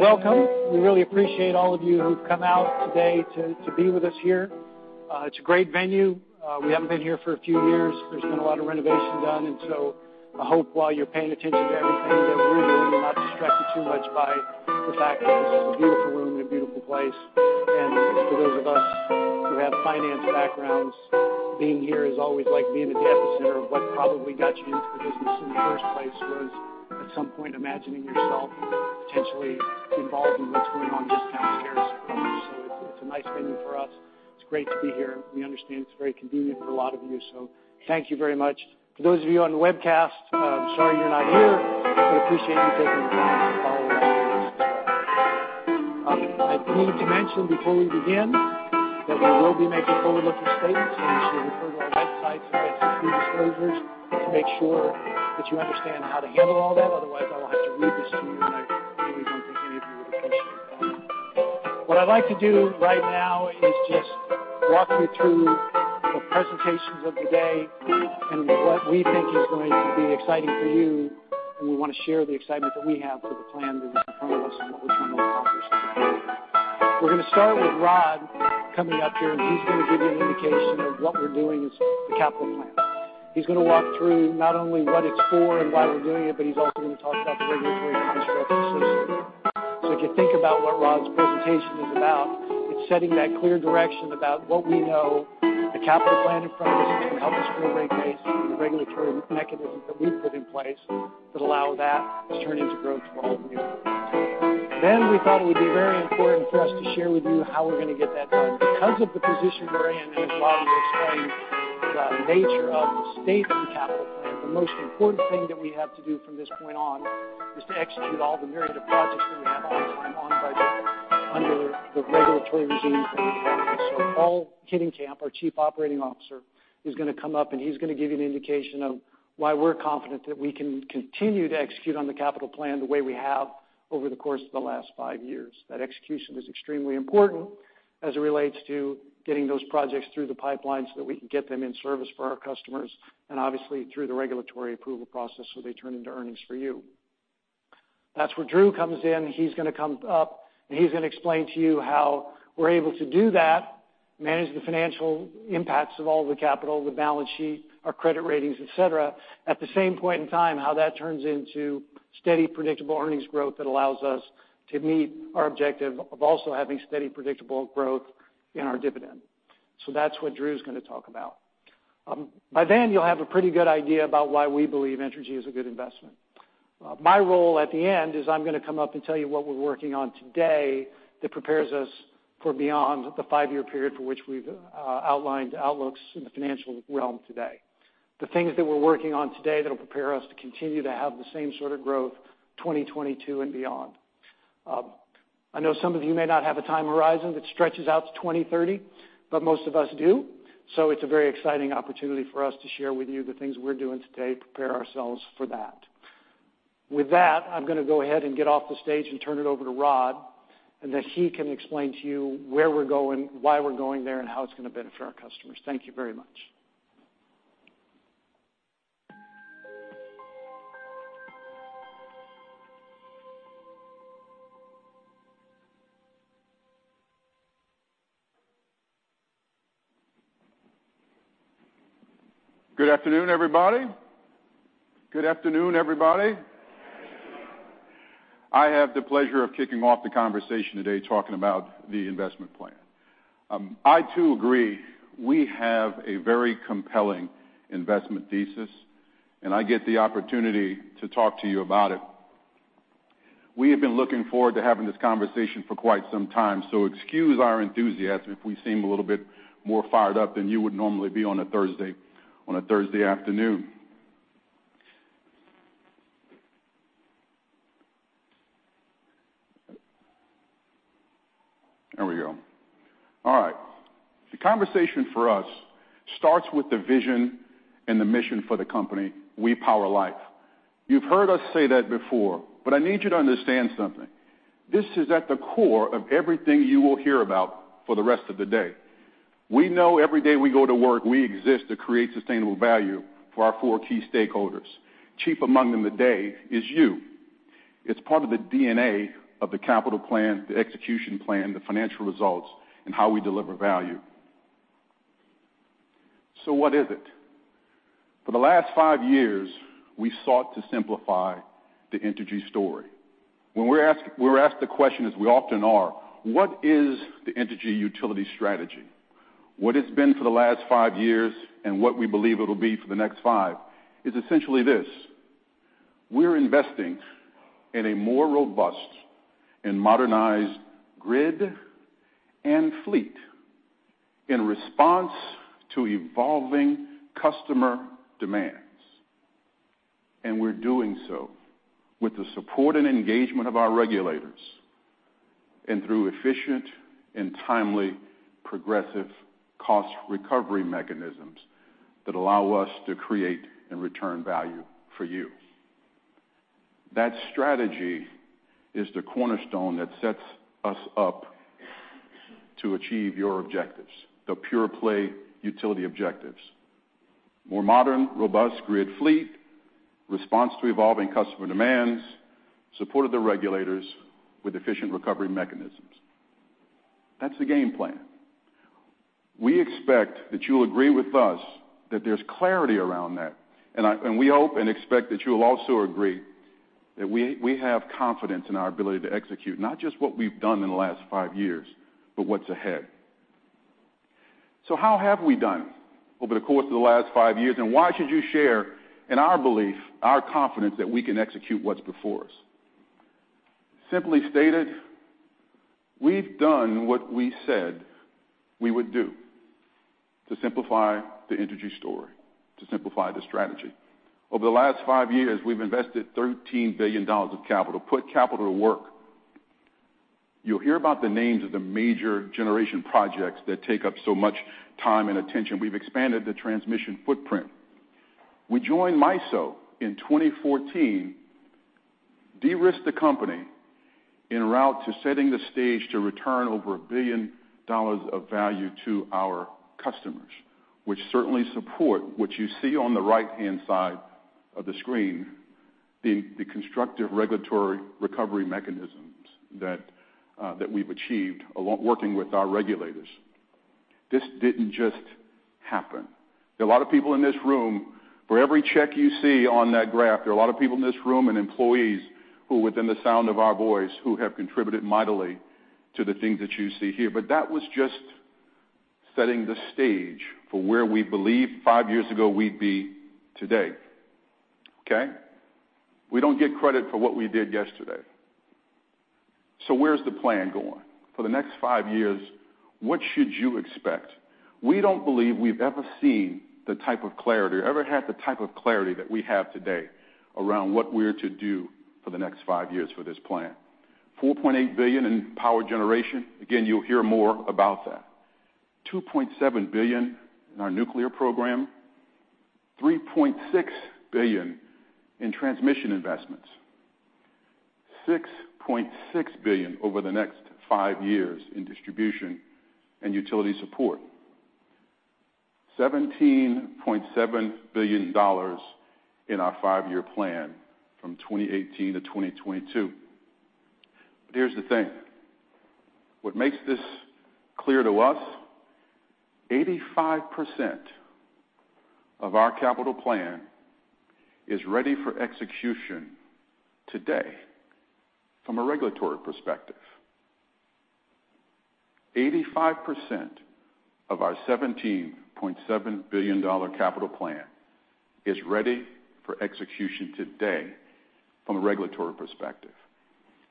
Welcome. We really appreciate all of you who've come out today to be with us here. It's a great venue. We haven't been here for a few years. There's been a lot of renovation done. I hope while you're paying attention to everything that we're doing, you're not distracted too much by the fact that this is a beautiful room and a beautiful place. For those of us who have finance backgrounds, being here is always like being at the epicenter of what probably got you into the business in the first place, was at some point imagining yourself potentially involved in what's going on just downstairs from us. It's a nice venue for us. It's great to be here. We understand it's very convenient for a lot of you, so thank you very much. For those of you on webcast, I'm sorry you're not here, but appreciate you taking the time to follow along with us this morning. I need to mention before we begin that we will be making forward-looking statements. You should refer to our websites and SEC disclosures to make sure that you understand how to handle all that. Otherwise, I will have to read this to you, and I really don't think any of you would appreciate that. What I'd like to do right now is just walk you through the presentations of the day and what we think is going to be exciting for you. We want to share the excitement that we have for the plan that is in front of us and what we're trying to accomplish together. We're going to start with Rod coming up here. He's going to give you an indication of what we're doing as the capital plan. He's going to walk through not only what it's for and why we're doing it, but he's also going to talk about the regulatory constructs associated with it. If you think about what Rod's presentation is about, it's setting that clear direction about what we know the capital plan in front of us is going to help us grow rate base and the regulatory mechanisms that we've put in place that allow that to turn into growth for all of you. We thought it would be very important for us to share with you how we're going to get that done. Because of the position we're in, as Rod will explain, the nature of the state of the capital plan, the most important thing that we have to do from this point on is to execute all the myriad of projects that we have on time, on budget, under the regulatory regimes that we have. Paul Hinnenkamp, our Chief Operating Officer, is going to come up. He's going to give you an indication of why we're confident that we can continue to execute on the capital plan the way we have over the course of the last five years. That execution is extremely important as it relates to getting those projects through the pipeline so that we can get them in service for our customers. Obviously through the regulatory approval process so they turn into earnings for you. That's where Drew comes in. He's going to come up, and he's going to explain to you how we're able to do that, manage the financial impacts of all the capital, the balance sheet, our credit ratings, et cetera. At the same point in time, how that turns into steady, predictable earnings growth that allows us to meet our objective of also having steady, predictable growth in our dividend. That's what Drew's going to talk about. By then, you'll have a pretty good idea about why we believe Entergy is a good investment. My role at the end is I'm going to come up and tell you what we're working on today that prepares us for beyond the five-year period for which we've outlined outlooks in the financial realm today. The things that we're working on today that'll prepare us to continue to have the same sort of growth 2022 and beyond. I know some of you may not have a time horizon that stretches out to 2030, but most of us do, so it's a very exciting opportunity for us to share with you the things we're doing today to prepare ourselves for that. With that, I'm going to go ahead and get off the stage and turn it over to Rod, and that he can explain to you where we're going, why we're going there, and how it's going to benefit our customers. Thank you very much. Good afternoon, everybody. Good afternoon, everybody. Good afternoon. I have the pleasure of kicking off the conversation today talking about the investment plan. I too agree, we have a very compelling investment thesis, and I get the opportunity to talk to you about it. We have been looking forward to having this conversation for quite some time, so excuse our enthusiasm if we seem a little bit more fired up than you would normally be on a Thursday afternoon. There we go. All right. The conversation for us starts with the vision and the mission for the company. We power life. You've heard us say that before, but I need you to understand something. This is at the core of everything you will hear about for the rest of the day. We know every day we go to work, we exist to create sustainable value for our four key stakeholders. Chief among them today is you. It's part of the DNA of the capital plan, the execution plan, the financial results, and how we deliver value. What is it? For the last five years, we sought to simplify the Entergy story. When we're asked the question as we often are, "What is the Entergy utility strategy?" What it's been for the last five years and what we believe it'll be for the next five is essentially this. We're investing in a more robust and modernized grid and fleet in response to evolving customer demands. We're doing so with the support and engagement of our regulators and through efficient and timely progressive cost recovery mechanisms that allow us to create and return value for you. That strategy is the cornerstone that sets us up to achieve your objectives, the pure play utility objectives. More modern, robust grid fleet, response to evolving customer demands, support of the regulators with efficient recovery mechanisms. That's the game plan. We expect that you'll agree with us that there's clarity around that, and we hope and expect that you will also agree that we have confidence in our ability to execute, not just what we've done in the last five years, but what's ahead. How have we done over the course of the last five years, and why should you share in our belief, our confidence that we can execute what's before us? Simply stated, we've done what we said we would do to simplify the Entergy story, to simplify the strategy. Over the last five years, we've invested $13 billion of capital, put capital to work. You'll hear about the names of the major generation projects that take up so much time and attention. We've expanded the transmission footprint. We joined MISO in 2014, de-risked the company en route to setting the stage to return over a billion dollars of value to our customers, which certainly support what you see on the right-hand side of the screen, the constructive regulatory recovery mechanisms that we've achieved working with our regulators. This didn't just happen. For every check you see on that graph, there are a lot of people in this room and employees who, within the sound of our voice, who have contributed mightily to the things that you see here. That was just setting the stage for where we believe five years ago we'd be today. Okay? We don't get credit for what we did yesterday. Where's the plan going? For the next five years, what should you expect? We don't believe we've ever had the type of clarity that we have today around what we're to do for the next five years for this plan. $4.8 billion in power generation. Again, you'll hear more about that. $2.7 billion in our nuclear program, $3.6 billion in transmission investments, $6.6 billion over the next five years in distribution and utility support. $17.7 billion in our five-year plan from 2018 to 2022. Here's the thing, what makes this clear to us, 85% of our capital plan is ready for execution today from a regulatory perspective. 85% of our $17.7 billion capital plan is ready for execution today from a regulatory perspective.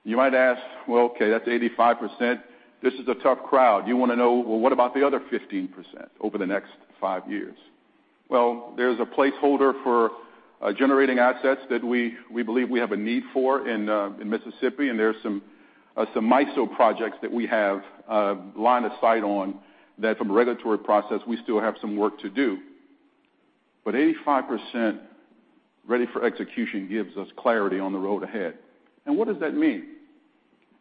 You might ask, "Okay, that's 85%." This is a tough crowd. You want to know, what about the other 15% over the next five years? There's a placeholder for generating assets that we believe we have a need for in Mississippi, and there's some MISO projects that we have line of sight on that from a regulatory process, we still have some work to do. 85% ready for execution gives us clarity on the road ahead. What does that mean?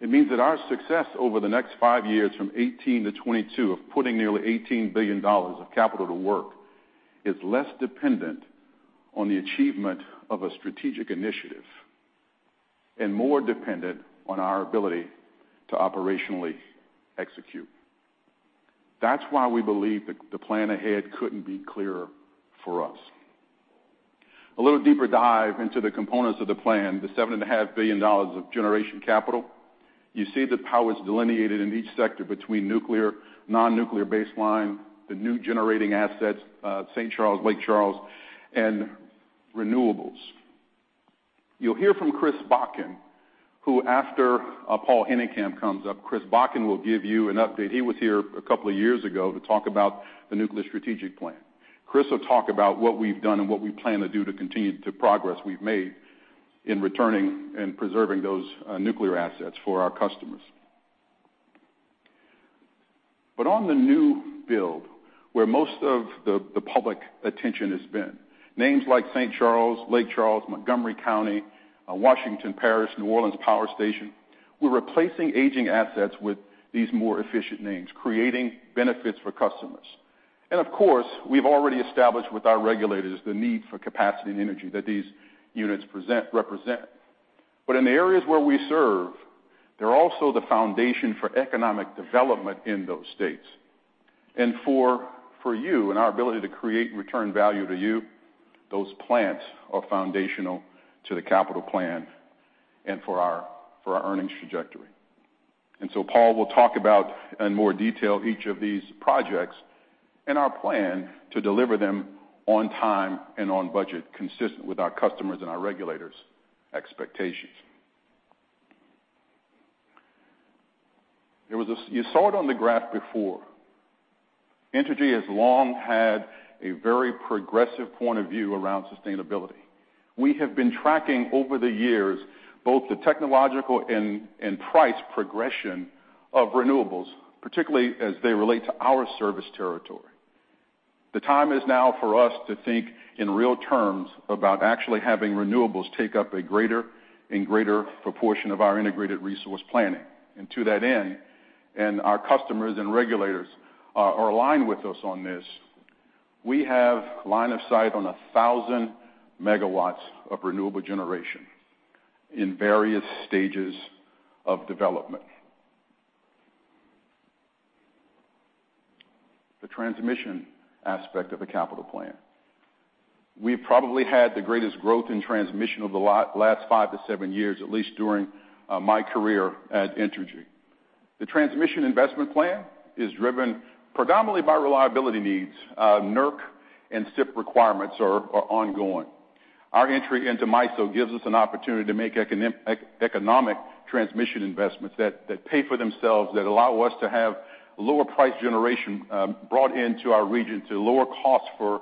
It means that our success over the next five years from 2018 to 2022 of putting nearly $18 billion of capital to work is less dependent on the achievement of a strategic initiative and more dependent on our ability to operationally execute. That's why we believe the plan ahead couldn't be clearer for us. A little deeper dive into the components of the plan, the $7.5 billion of generation capital. You see the power's delineated in each sector between nuclear, non-nuclear baseline, the new generating assets, St. Charles, Lake Charles, and renewables. You'll hear from Chris Bakken, who after Paul Hinnenkamp comes up, Chris Bakken will give you an update. He was here a couple of years ago to talk about the nuclear strategic plan. Chris will talk about what we've done and what we plan to do to continue the progress we've made in returning and preserving those nuclear assets for our customers. On the new build, where most of the public attention has been, names like St. Charles, Lake Charles, Montgomery County, Washington Parish, New Orleans Power Station, we're replacing aging assets with these more efficient names, creating benefits for customers. Of course, we've already established with our regulators the need for capacity and energy that these units represent. In the areas where we serve, they're also the foundation for economic development in those states. For you and our ability to create and return value to you, those plants are foundational to the capital plan and for our earnings trajectory. Paul will talk about, in more detail, each of these projects and our plan to deliver them on time and on budget, consistent with our customers' and our regulators' expectations. You saw it on the graph before. Entergy has long had a very progressive point of view around sustainability. We have been tracking over the years both the technological and price progression of renewables, particularly as they relate to our service territory. The time is now for us to think in real terms about actually having renewables take up a greater and greater proportion of our integrated resource planning. To that end, our customers and regulators are aligned with us on this, we have line of sight on 1,000 megawatts of renewable generation in various stages of development. The transmission aspect of the capital plan. We've probably had the greatest growth in transmission over the last five to seven years, at least during my career at Entergy. The transmission investment plan is driven predominantly by reliability needs. NERC and CIP requirements are ongoing. Our entry into MISO gives us an an opportunity to make economic transmission investments that pay for themselves, that allow us to have lower price generation, brought into our region to lower costs for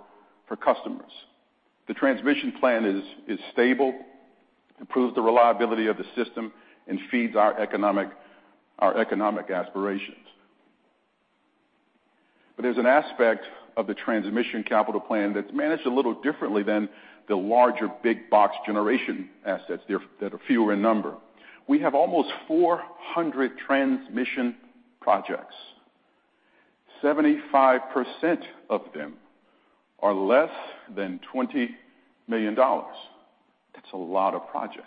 customers. The transmission plan is stable. It improves the reliability of the system and feeds our economic aspirations. There's an aspect of the transmission capital plan that's managed a little differently than the larger big box generation assets that are fewer in number. We have almost 400 transmission projects. 75% of them are less than $20 million. That's a lot of projects.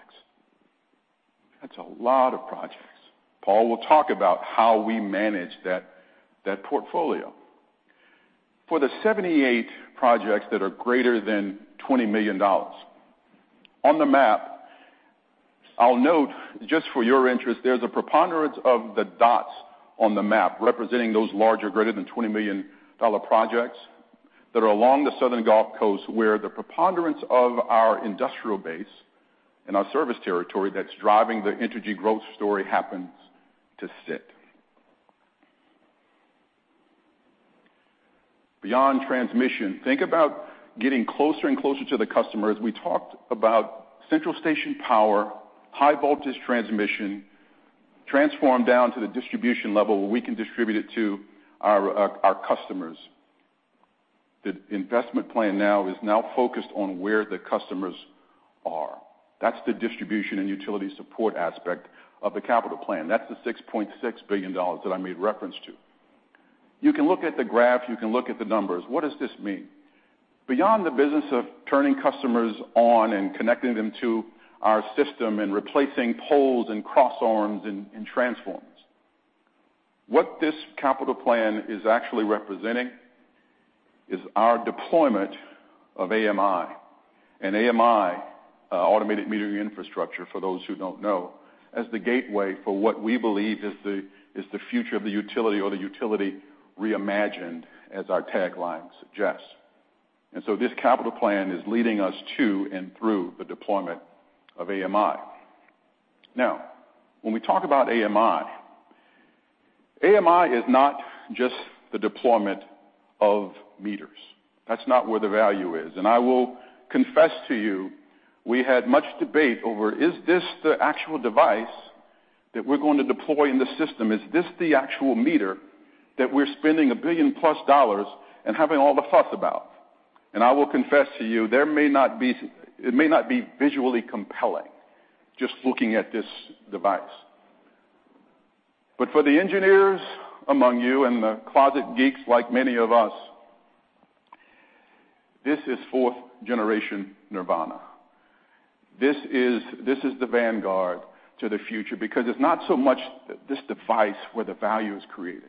Paul will talk about how we manage that portfolio. For the 78 projects that are greater than $20 million. On the map, I'll note just for your interest, there's a preponderance of the dots on the map representing those larger, greater than $20 million projects that are along the southern Gulf Coast, where the preponderance of our industrial base and our service territory that's driving the Entergy growth story happens to sit. Beyond transmission, think about getting closer and closer to the customer. We talked about central station power, high voltage transmission, transformed down to the distribution level where we can distribute it to our customers. The investment plan is now focused on where the customers are. That's the distribution and utility support aspect of the capital plan. That's the $6.6 billion that I made reference to. You can look at the graphs, you can look at the numbers. What does this mean? Beyond the business of turning customers on and connecting them to our system and replacing poles and cross arms and transformers, what this capital plan is actually representing is our deployment of AMI. AMI, automated metering infrastructure, for those who don't know, as the gateway for what we believe is the future of the utility or the utility reimagined, as our tagline suggests. This capital plan is leading us to and through the deployment of AMI. When we talk about AMI is not just the deployment of meters. That's not where the value is. I will confess to you, we had much debate over, is this the actual device that we're going to deploy in the system? Is this the actual meter that we're spending $1 billion plus dollars and having all the fuss about? I will confess to you, it may not be visually compelling just looking at this device. For the engineers among you and the closet geeks like many of us, this is fourth generation nirvana. This is the vanguard to the future because it's not so much this device where the value is created.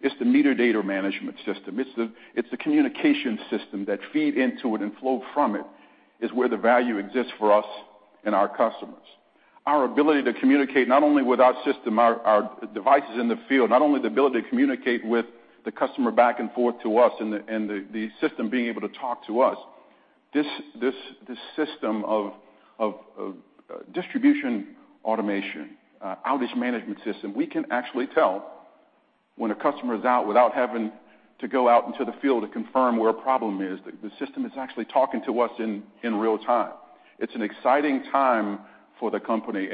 It's the meter data management system. It's the communication system that feed into it and flow from it, is where the value exists for us and our customers. Our ability to communicate not only with our system, our devices in the field, not only the ability to communicate with the customer back and forth to us and the system being able to talk to us. This system of distribution automation, outage management system, we can actually tell when a customer is out without having to go out into the field to confirm where a problem is. The system is actually talking to us in real-time. It's an exciting time for the company.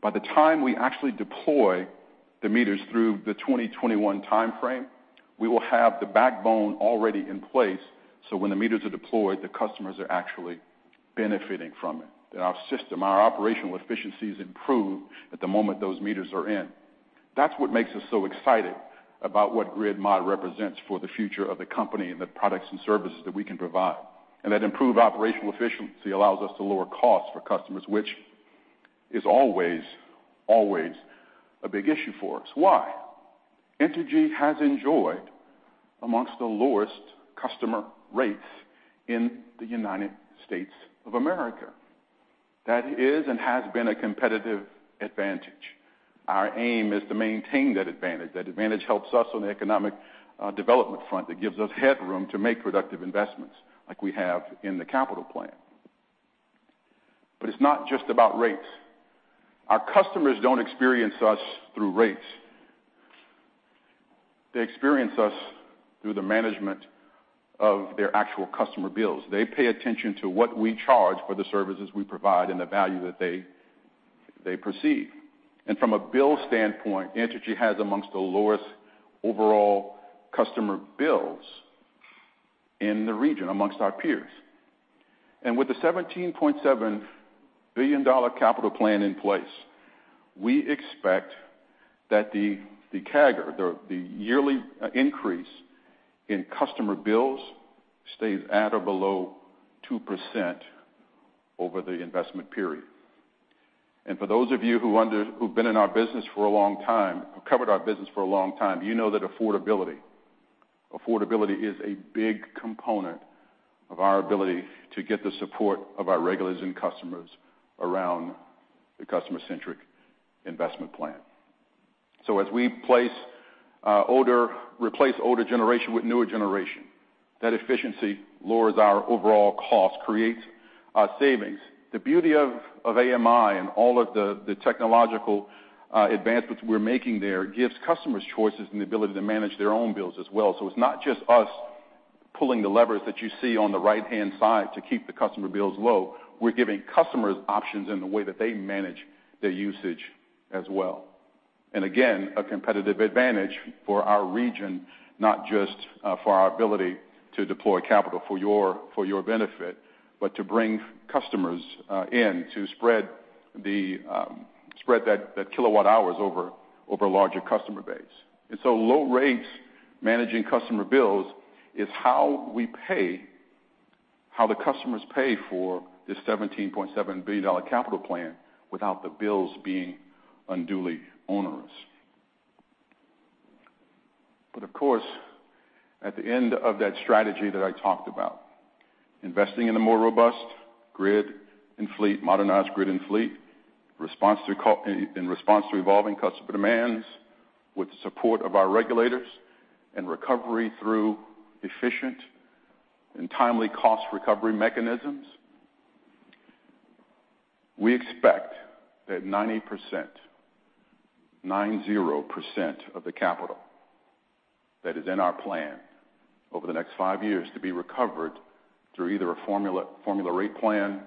By the time we actually deploy the meters through the 2021 timeframe, we will have the backbone already in place, so when the meters are deployed, the customers are actually benefiting from it, and our system, our operational efficiencies improve at the moment those meters are in. That's what makes us so excited about what Grid Mod represents for the future of the company and the products and services that we can provide. That improved operational efficiency allows us to lower costs for customers, which is always a big issue for us. Why? Entergy has enjoyed amongst the lowest customer rates in the United States of America. That is and has been a competitive advantage. Our aim is to maintain that advantage. That advantage helps us on the economic development front. It gives us headroom to make productive investments like we have in the capital plan. It's not just about rates. Our customers don't experience us through rates. They experience us through the management of their actual customer bills. They pay attention to what we charge for the services we provide and the value that they receive. They perceive. From a bill standpoint, Entergy has amongst the lowest overall customer bills in the region amongst our peers. With the $17.7 billion capital plan in place, we expect that the CAGR, the yearly increase in customer bills, stays at or below 2% over the investment period. For those of you who've been in our business for a long time, who covered our business for a long time, you know that affordability is a big component of our ability to get the support of our regulators and customers around the customer-centric investment plan. As we replace older generation with newer generation, that efficiency lowers our overall cost, creates savings. The beauty of AMI and all of the technological advancements we're making there gives customers choices and the ability to manage their own bills as well. It's not just us pulling the levers that you see on the right-hand side to keep the customer bills low. We're giving customers options in the way that they manage their usage as well. Again, a competitive advantage for our region, not just for our ability to deploy capital for your benefit, but to bring customers in to spread that kilowatt hours over larger customer base. Low rates, managing customer bills, is how the customers pay for this $17.7 billion capital plan without the bills being unduly onerous. Of course, at the end of that strategy that I talked about, investing in the more robust modernized grid and fleet, in response to evolving customer demands with support of our regulators and recovery through efficient and timely cost recovery mechanisms, we expect that 90% of the capital that is in our plan over the next five years to be recovered through either a Formula Rate Plan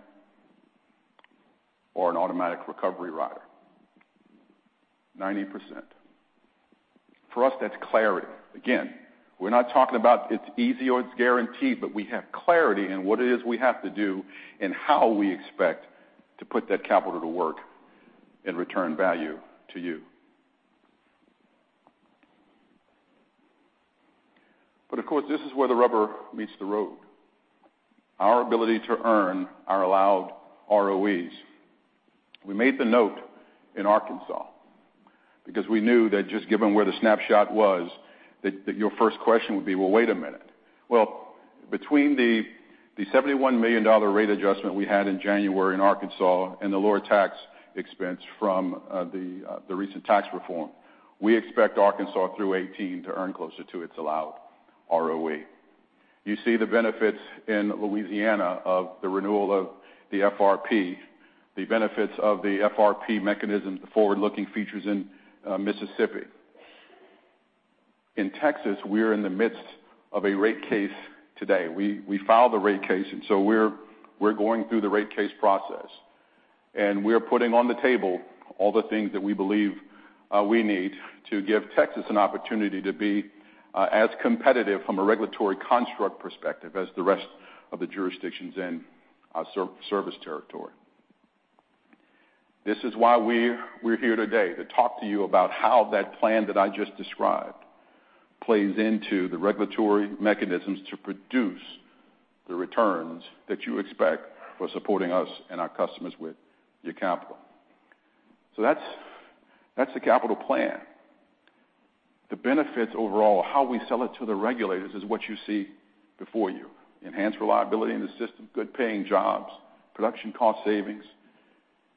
or an automatic recovery rider. 90%. For us, that's clarity. Again, we're not talking about it's easy or it's guaranteed, but we have clarity in what it is we have to do and how we expect to put that capital to work and return value to you. Of course, this is where the rubber meets the road. Our ability to earn our allowed ROEs. We made the note in Arkansas because we knew that just given where the snapshot was, that your first question would be, "Well, wait a minute." Well, between the $71 million rate adjustment we had in January in Arkansas and the lower tax expense from the recent tax reform, we expect Arkansas through 2018 to earn closer to its allowed ROE. You see the benefits in Louisiana of the renewal of the FRP, the benefits of the FRP mechanisms, the forward-looking features in Mississippi. In Texas, we're in the midst of a rate case today. We filed the rate case, we're going through the rate case process, and we're putting on the table all the things that we believe we need to give Texas an opportunity to be as competitive from a regulatory construct perspective as the rest of the jurisdictions in our service territory. This is why we're here today, to talk to you about how that plan that I just described plays into the regulatory mechanisms to produce the returns that you expect for supporting us and our customers with your capital. That's the capital plan. The benefits overall, how we sell it to the regulators is what you see before you. Enhanced reliability in the system, good paying jobs, production cost savings.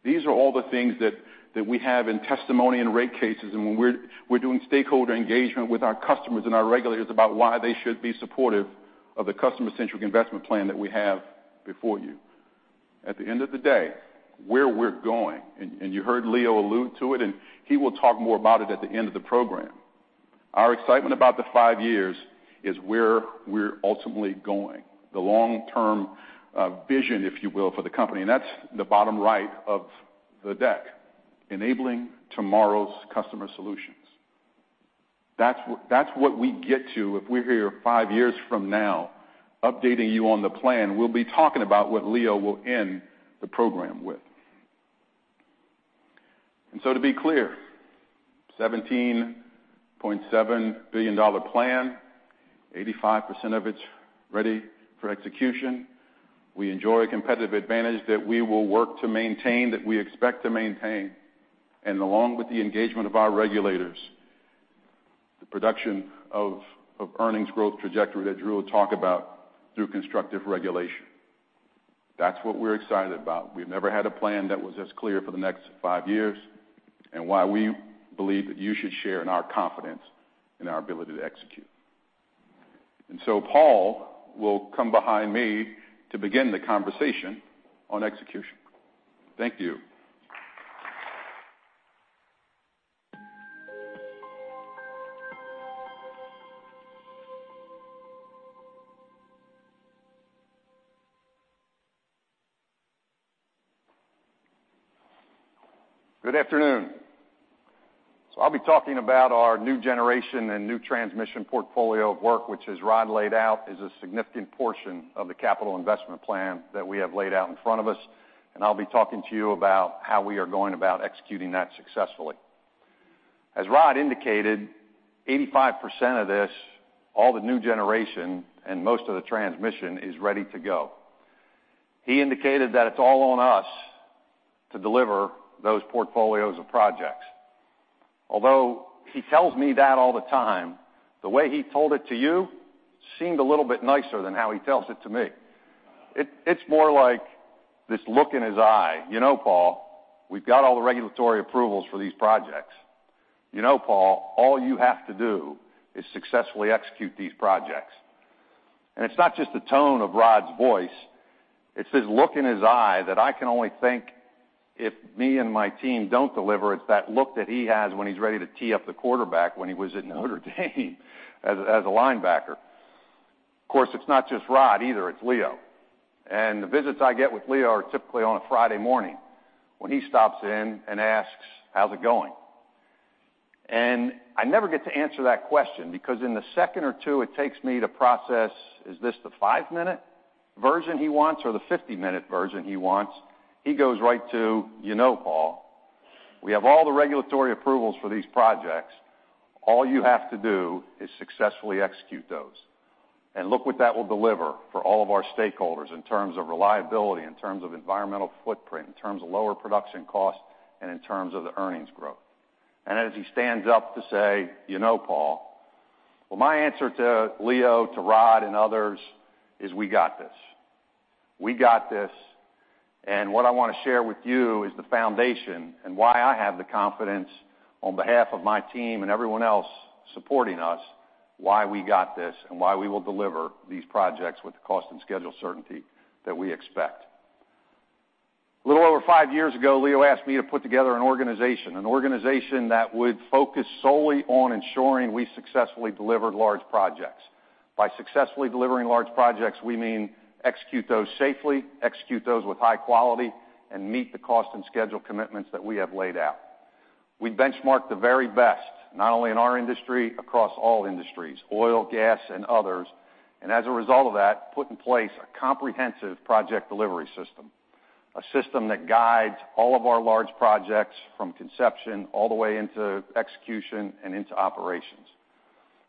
These are all the things that we have in testimony and rate cases and when we're doing stakeholder engagement with our customers and our regulators about why they should be supportive of the customer-centric investment plan that we have before you. At the end of the day, where we're going, and you heard Leo allude to it, he will talk more about it at the end of the program. Our excitement about the five years is where we're ultimately going. The long-term vision, if you will, for the company, and that's the bottom right of the deck, enabling tomorrow's customer solutions. That's what we get to if we're here five years from now updating you on the plan. We'll be talking about what Leo will end the program with. To be clear, $17.7 billion plan, 85% of it's ready for execution. We enjoy a competitive advantage that we will work to maintain, that we expect to maintain. Along with the engagement of our regulators, the production of earnings growth trajectory that Drew will talk about through constructive regulation. That's what we're excited about. We've never had a plan that was as clear for the next five years, and why we believe that you should share in our confidence in our ability to execute. Paul will come behind me to begin the conversation on execution. Thank you. Good afternoon. I'll be talking about our new generation and new transmission portfolio of work, which as Rod laid out, is a significant portion of the capital investment plan that we have laid out in front of us. I'll be talking to you about how we are going about executing that successfully. As Rod indicated, 85% of this, all the new generation, and most of the transmission is ready to go. He indicated that it's all on us to deliver those portfolios of projects. Although he tells me that all the time, the way he told it to you seemed a little bit nicer than how he tells it to me. It's more like this look in his eye. "You know, Paul, we've got all the regulatory approvals for these projects. You know, Paul, all you have to do is successfully execute these projects." It's not just the tone of Rod's voice, it's his look in his eye that I can only think if me and my team don't deliver, it's that look that he has when he's ready to tee up the quarterback when he was at Notre Dame as a linebacker. Of course, it's not just Rod either, it's Leo. The visits I get with Leo are typically on a Friday morning when he stops in and asks, "How's it going?" I never get to answer that question because in the second or two it takes me to process, is this the five-minute version he wants or the 50-minute version he wants? He goes right to, "You know, Paul, we have all the regulatory approvals for these projects. All you have to do is successfully execute those. Look what that will deliver for all of our stakeholders in terms of reliability, in terms of environmental footprint, in terms of lower production cost, and in terms of the earnings growth." As he stands up to say, "You know, Paul" My answer to Leo, to Rod, and others is we got this. We got this. What I want to share with you is the foundation and why I have the confidence on behalf of my team and everyone else supporting us, why we got this and why we will deliver these projects with the cost and schedule certainty that we expect. A little over five years ago, Leo asked me to put together an organization, an organization that would focus solely on ensuring we successfully delivered large projects. By successfully delivering large projects, we mean execute those safely, execute those with high quality, and meet the cost and schedule commitments that we have laid out. We benchmarked the very best, not only in our industry, across all industries, oil, gas, and others, as a result of that, put in place a comprehensive project delivery system, a system that guides all of our large projects from conception all the way into execution and into operations.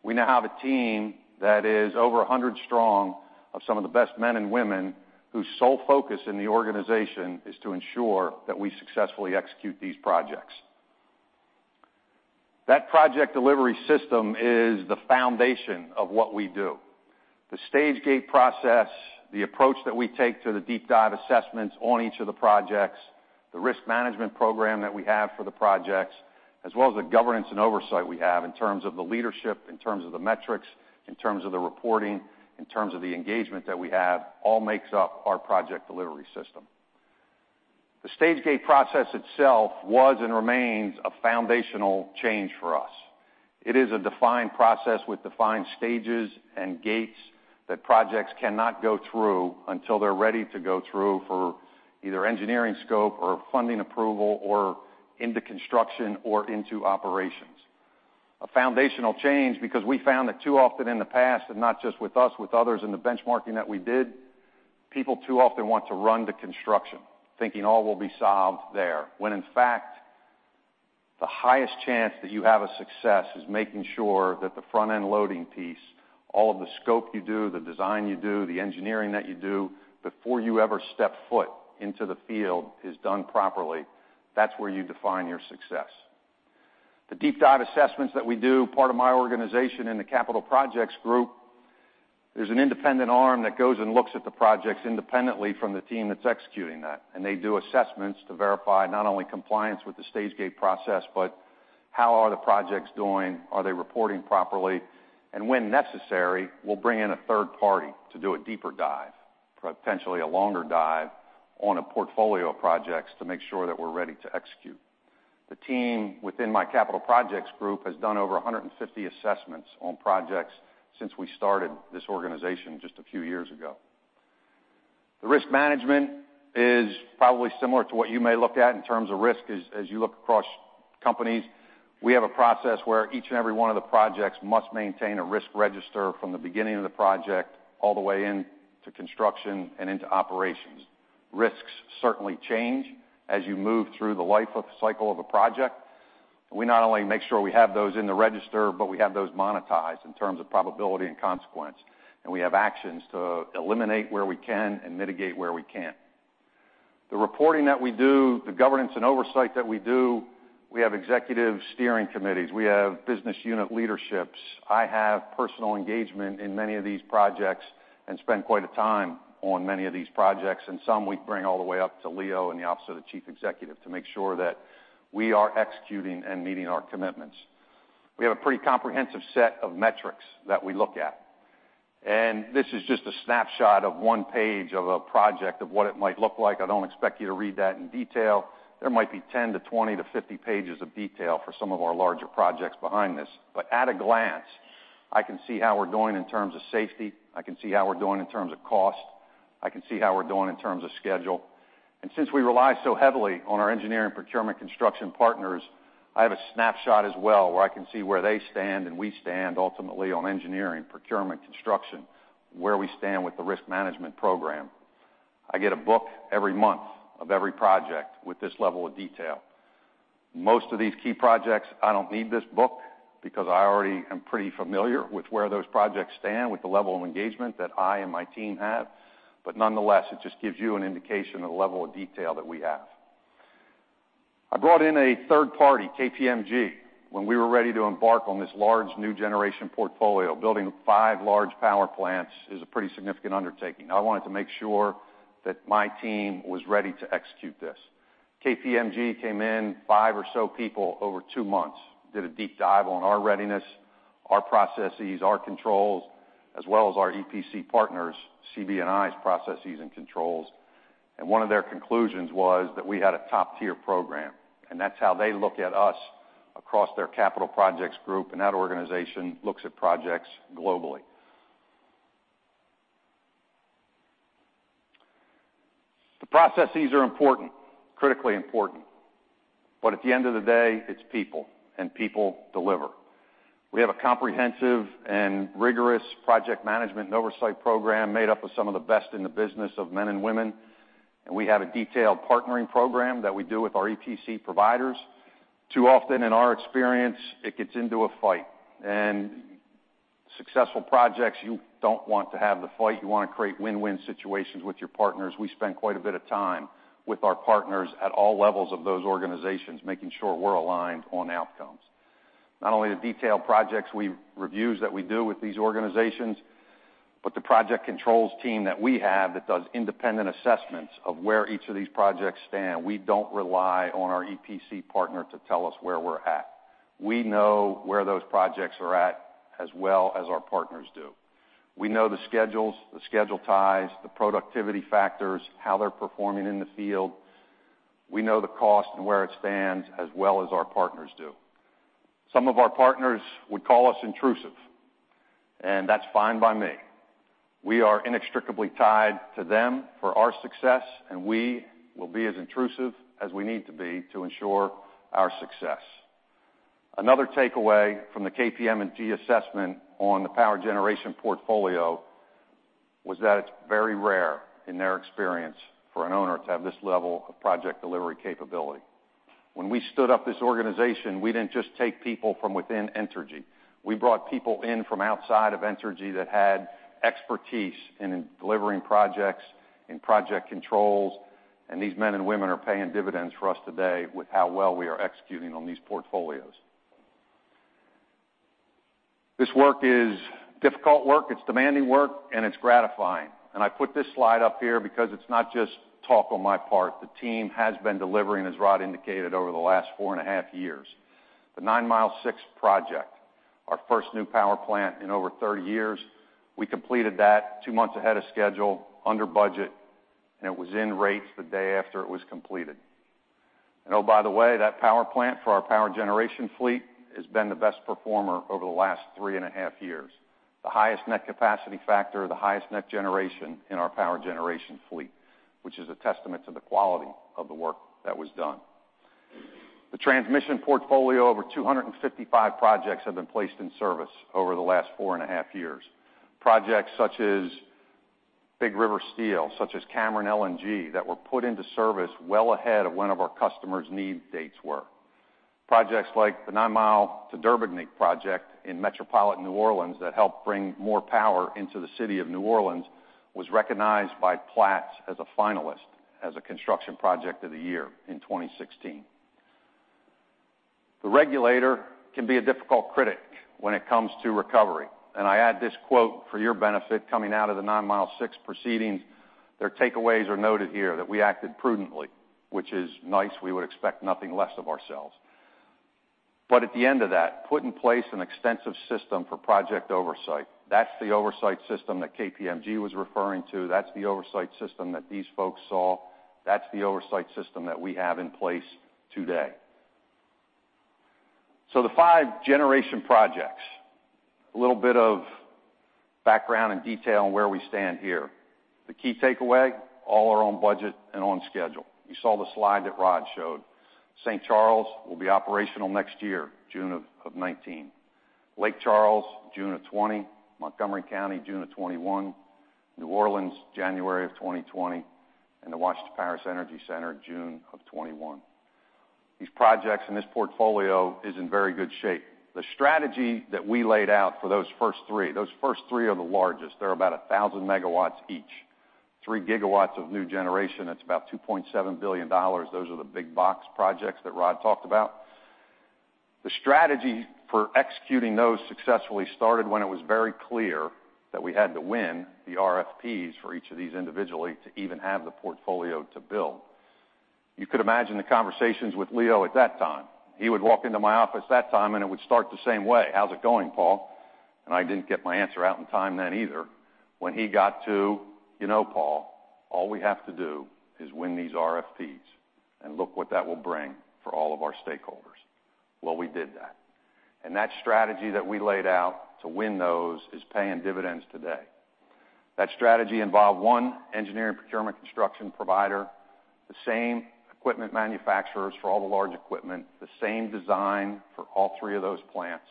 We now have a team that is over 100 strong of some of the best men and women whose sole focus in the organization is to ensure that we successfully execute these projects. That project delivery system is the foundation of what we do. The stage gate process, the approach that we take to the deep dive assessments on each of the projects, the risk management program that we have for the projects, as well as the governance and oversight we have in terms of the leadership, in terms of the metrics, in terms of the reporting, in terms of the engagement that we have, all makes up our project delivery system. The stage gate process itself was and remains a foundational change for us. It is a defined process with defined stages and gates that projects cannot go through until they're ready to go through for either engineering scope or funding approval, or into construction or into operations. A foundational change because we found that too often in the past, not just with us, with others in the benchmarking that we did, people too often want to run to construction thinking all will be solved there, when in fact, the highest chance that you have a success is making sure that the front-end loading piece, all of the scope you do, the design you do, the engineering that you do before you ever step foot into the field is done properly. That's where you define your success. The deep dive assessments that we do, part of my organization in the capital projects group, there's an independent arm that goes and looks at the projects independently from the team that's executing that, they do assessments to verify not only compliance with the stage gate process, but how are the projects doing? Are they reporting properly? When necessary, we'll bring in a third party to do a deeper dive, potentially a longer dive on a portfolio of projects to make sure that we're ready to execute. The team within my capital projects group has done over 150 assessments on projects since we started this organization just a few years ago. The risk management is probably similar to what you may look at in terms of risk as you look across companies. We have a process where each and every one of the projects must maintain a risk register from the beginning of the project all the way in to construction and into operations. Risks certainly change as you move through the life cycle of a project. We not only make sure we have those in the register, we have those monetized in terms of probability and consequence, we have actions to eliminate where we can and mitigate where we can't. The reporting that we do, the governance and oversight that we do, we have executive steering committees. We have business unit leaderships. I have personal engagement in many of these projects and spend quite a time on many of these projects. Some we bring all the way up to Leo and the office of the chief executive to make sure that we are executing and meeting our commitments. We have a pretty comprehensive set of metrics that we look at, and this is just a snapshot of one page of a project of what it might look like. I don't expect you to read that in detail. There might be 10 to 20 to 50 pages of detail for some of our larger projects behind this. At a glance, I can see how we're doing in terms of safety. I can see how we're doing in terms of cost. I can see how we're doing in terms of schedule. Since we rely so heavily on our engineering, procurement, construction partners, I have a snapshot as well where I can see where they stand, and we stand ultimately on engineering, procurement, construction, where we stand with the risk management program. I get a book every month of every project with this level of detail. Most of these key projects, I don't need this book because I already am pretty familiar with where those projects stand with the level of engagement that I and my team have. Nonetheless, it just gives you an indication of the level of detail that we have. I brought in a third party, KPMG, when we were ready to embark on this large new generation portfolio. Building five large power plants is a pretty significant undertaking. I wanted to make sure that my team was ready to execute this. KPMG came in, five or so people over two months, did a deep dive on our readiness, our processes, our controls, as well as our EPC partners, CB&I's processes and controls. One of their conclusions was that we had a top-tier program, and that's how they look at us across their capital projects group, and that organization looks at projects globally. The processes are important, critically important, at the end of the day, it's people deliver. We have a comprehensive and rigorous project management and oversight program made up of some of the best in the business of men and women. We have a detailed partnering program that we do with our EPC providers. Too often in our experience, it gets into a fight. Successful projects, you don't want to have the fight. You want to create win-win situations with your partners. We spend quite a bit of time with our partners at all levels of those organizations, making sure we're aligned on outcomes. Not only the detailed projects reviews that we do with these organizations, but the project controls team that we have that does independent assessments of where each of these projects stand. We don't rely on our EPC partner to tell us where we're at. We know where those projects are at as well as our partners do. We know the schedules, the schedule ties, the productivity factors, how they're performing in the field. We know the cost and where it stands as well as our partners do. Some of our partners would call us intrusive, and that's fine by me. We are inextricably tied to them for our success, and we will be as intrusive as we need to be to ensure our success. Another takeaway from the KPMG assessment on the power generation portfolio was that it's very rare in their experience for an owner to have this level of project delivery capability. When we stood up this organization, we didn't just take people from within Entergy. We brought people in from outside of Entergy that had expertise in delivering projects, in project controls, and these men and women are paying dividends for us today with how well we are executing on these portfolios. This work is difficult work, it's demanding work, and it's gratifying. I put this slide up here because it's not just talk on my part. The team has been delivering, as Rod indicated, over the last four and a half years. The Ninemile 6 project, our first new power plant in over 30 years, we completed that two months ahead of schedule, under budget, and it was in rates the day after it was completed. Oh, by the way, that power plant for our power generation fleet has been the best performer over the last three and a half years. The highest net capacity factor, the highest net generation in our power generation fleet, which is a testament to the quality of the work that was done. The transmission portfolio, over 255 projects have been placed in service over the last four and a half years. Projects such as Big River Steel, such as Cameron LNG, that were put into service well ahead of when of our customers' need dates were. Projects like the Ninemile to Derbigny Project in metropolitan New Orleans that helped bring more power into the city of New Orleans, was recognized by Platts as a finalist as a construction project of the year in 2016. The regulator can be a difficult critic when it comes to recovery. I add this quote for your benefit coming out of the Ninemile 6 proceedings. Their takeaways are noted here that we acted prudently, which is nice. We would expect nothing less of ourselves. At the end of that, put in place an extensive system for project oversight. That's the oversight system that KPMG was referring to, that's the oversight system that these folks saw. That's the oversight system that we have in place today. The five generation projects, a little bit of background and detail on where we stand here. The key takeaway, all are on budget and on schedule. You saw the slide that Rod showed. St. Charles will be operational next year, June of 2019. Lake Charles, June of 2020, Montgomery County, June of 2021, New Orleans, January of 2020, and the Washington Parish Energy Center, June of 2021. These projects and this portfolio is in very good shape. The strategy that we laid out for those first three, those first three are the largest. They're about 1,000 megawatts each. Three gigawatts of new generation, that's about $2.7 billion. Those are the big box projects that Rod talked about. The strategy for executing those successfully started when it was very clear that we had to win the RFPs for each of these individually to even have the portfolio to build. You could imagine the conversations with Leo at that time. He would walk into my office that time, it would start the same way. "How's it going, Paul?" I didn't get my answer out in time then either. When he got to, "You know, Paul, all we have to do is win these RFPs." Look what that will bring for all of our stakeholders. Well, we did that. That strategy that we laid out to win those is paying dividends today. That strategy involved one engineering procurement construction provider, the same equipment manufacturers for all the large equipment, the same design for all three of those plants,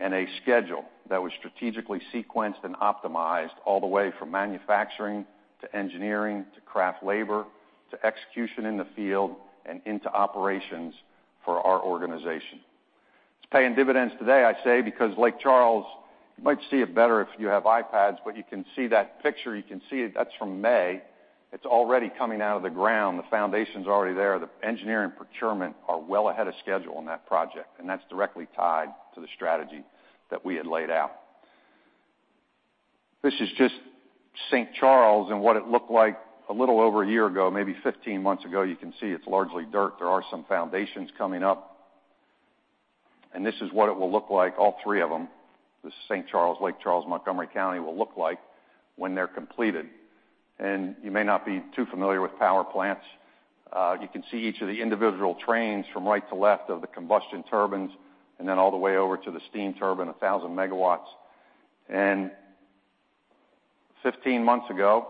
a schedule that was strategically sequenced and optimized all the way from manufacturing to engineering to craft labor to execution in the field and into operations for our organization. It's paying dividends today, I say, because Lake Charles, you might see it better if you have iPads, but you can see that picture. You can see it. That's from May. It's already coming out of the ground. The foundation's already there. The engineering procurement are well ahead of schedule on that project, that's directly tied to the strategy that we had laid out. This is just St. Charles and what it looked like a little over a year ago, maybe 15 months ago. You can see it's largely dirt. There are some foundations coming up. This is what it will look like, all three of them, this is St. Charles, Lake Charles, Montgomery County, will look like when they're completed. You may not be too familiar with power plants. You can see each of the individual trains from right to left of the combustion turbines, all the way over to the steam turbine, 1,000 MW. 15 months ago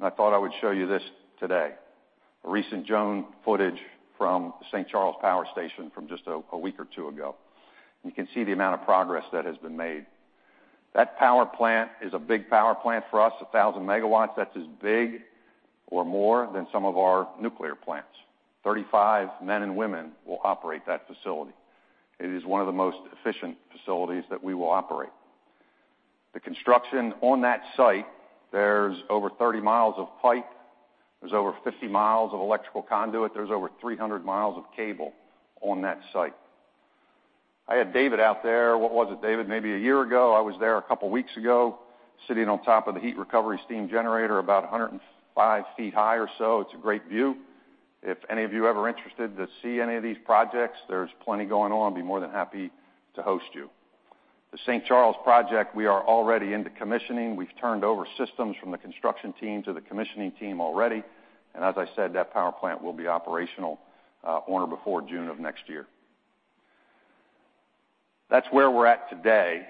I thought I would show you this today. A recent drone footage from the St. Charles Power Station from just a week or two ago. You can see the amount of progress that has been made. That power plant is a big power plant for us, 1,000 MW. That's as big or more than some of our nuclear plants. 35 men and women will operate that facility. It is one of the most efficient facilities that we will operate. The construction on that site, there's over 30 miles of pipe, there's over 50 miles of electrical conduit, there's over 300 miles of cable on that site. I had David out there, what was it, David? Maybe a year ago. I was there a couple of weeks ago, sitting on top of the heat recovery steam generator, about 105 feet high or so. It's a great view. If any of you ever interested to see any of these projects, there's plenty going on. Be more than happy to host you. The St. Charles project, we are already into commissioning. We've turned over systems from the construction team to the commissioning team already. As I said, that power plant will be operational on or before June of next year. That's where we're at today.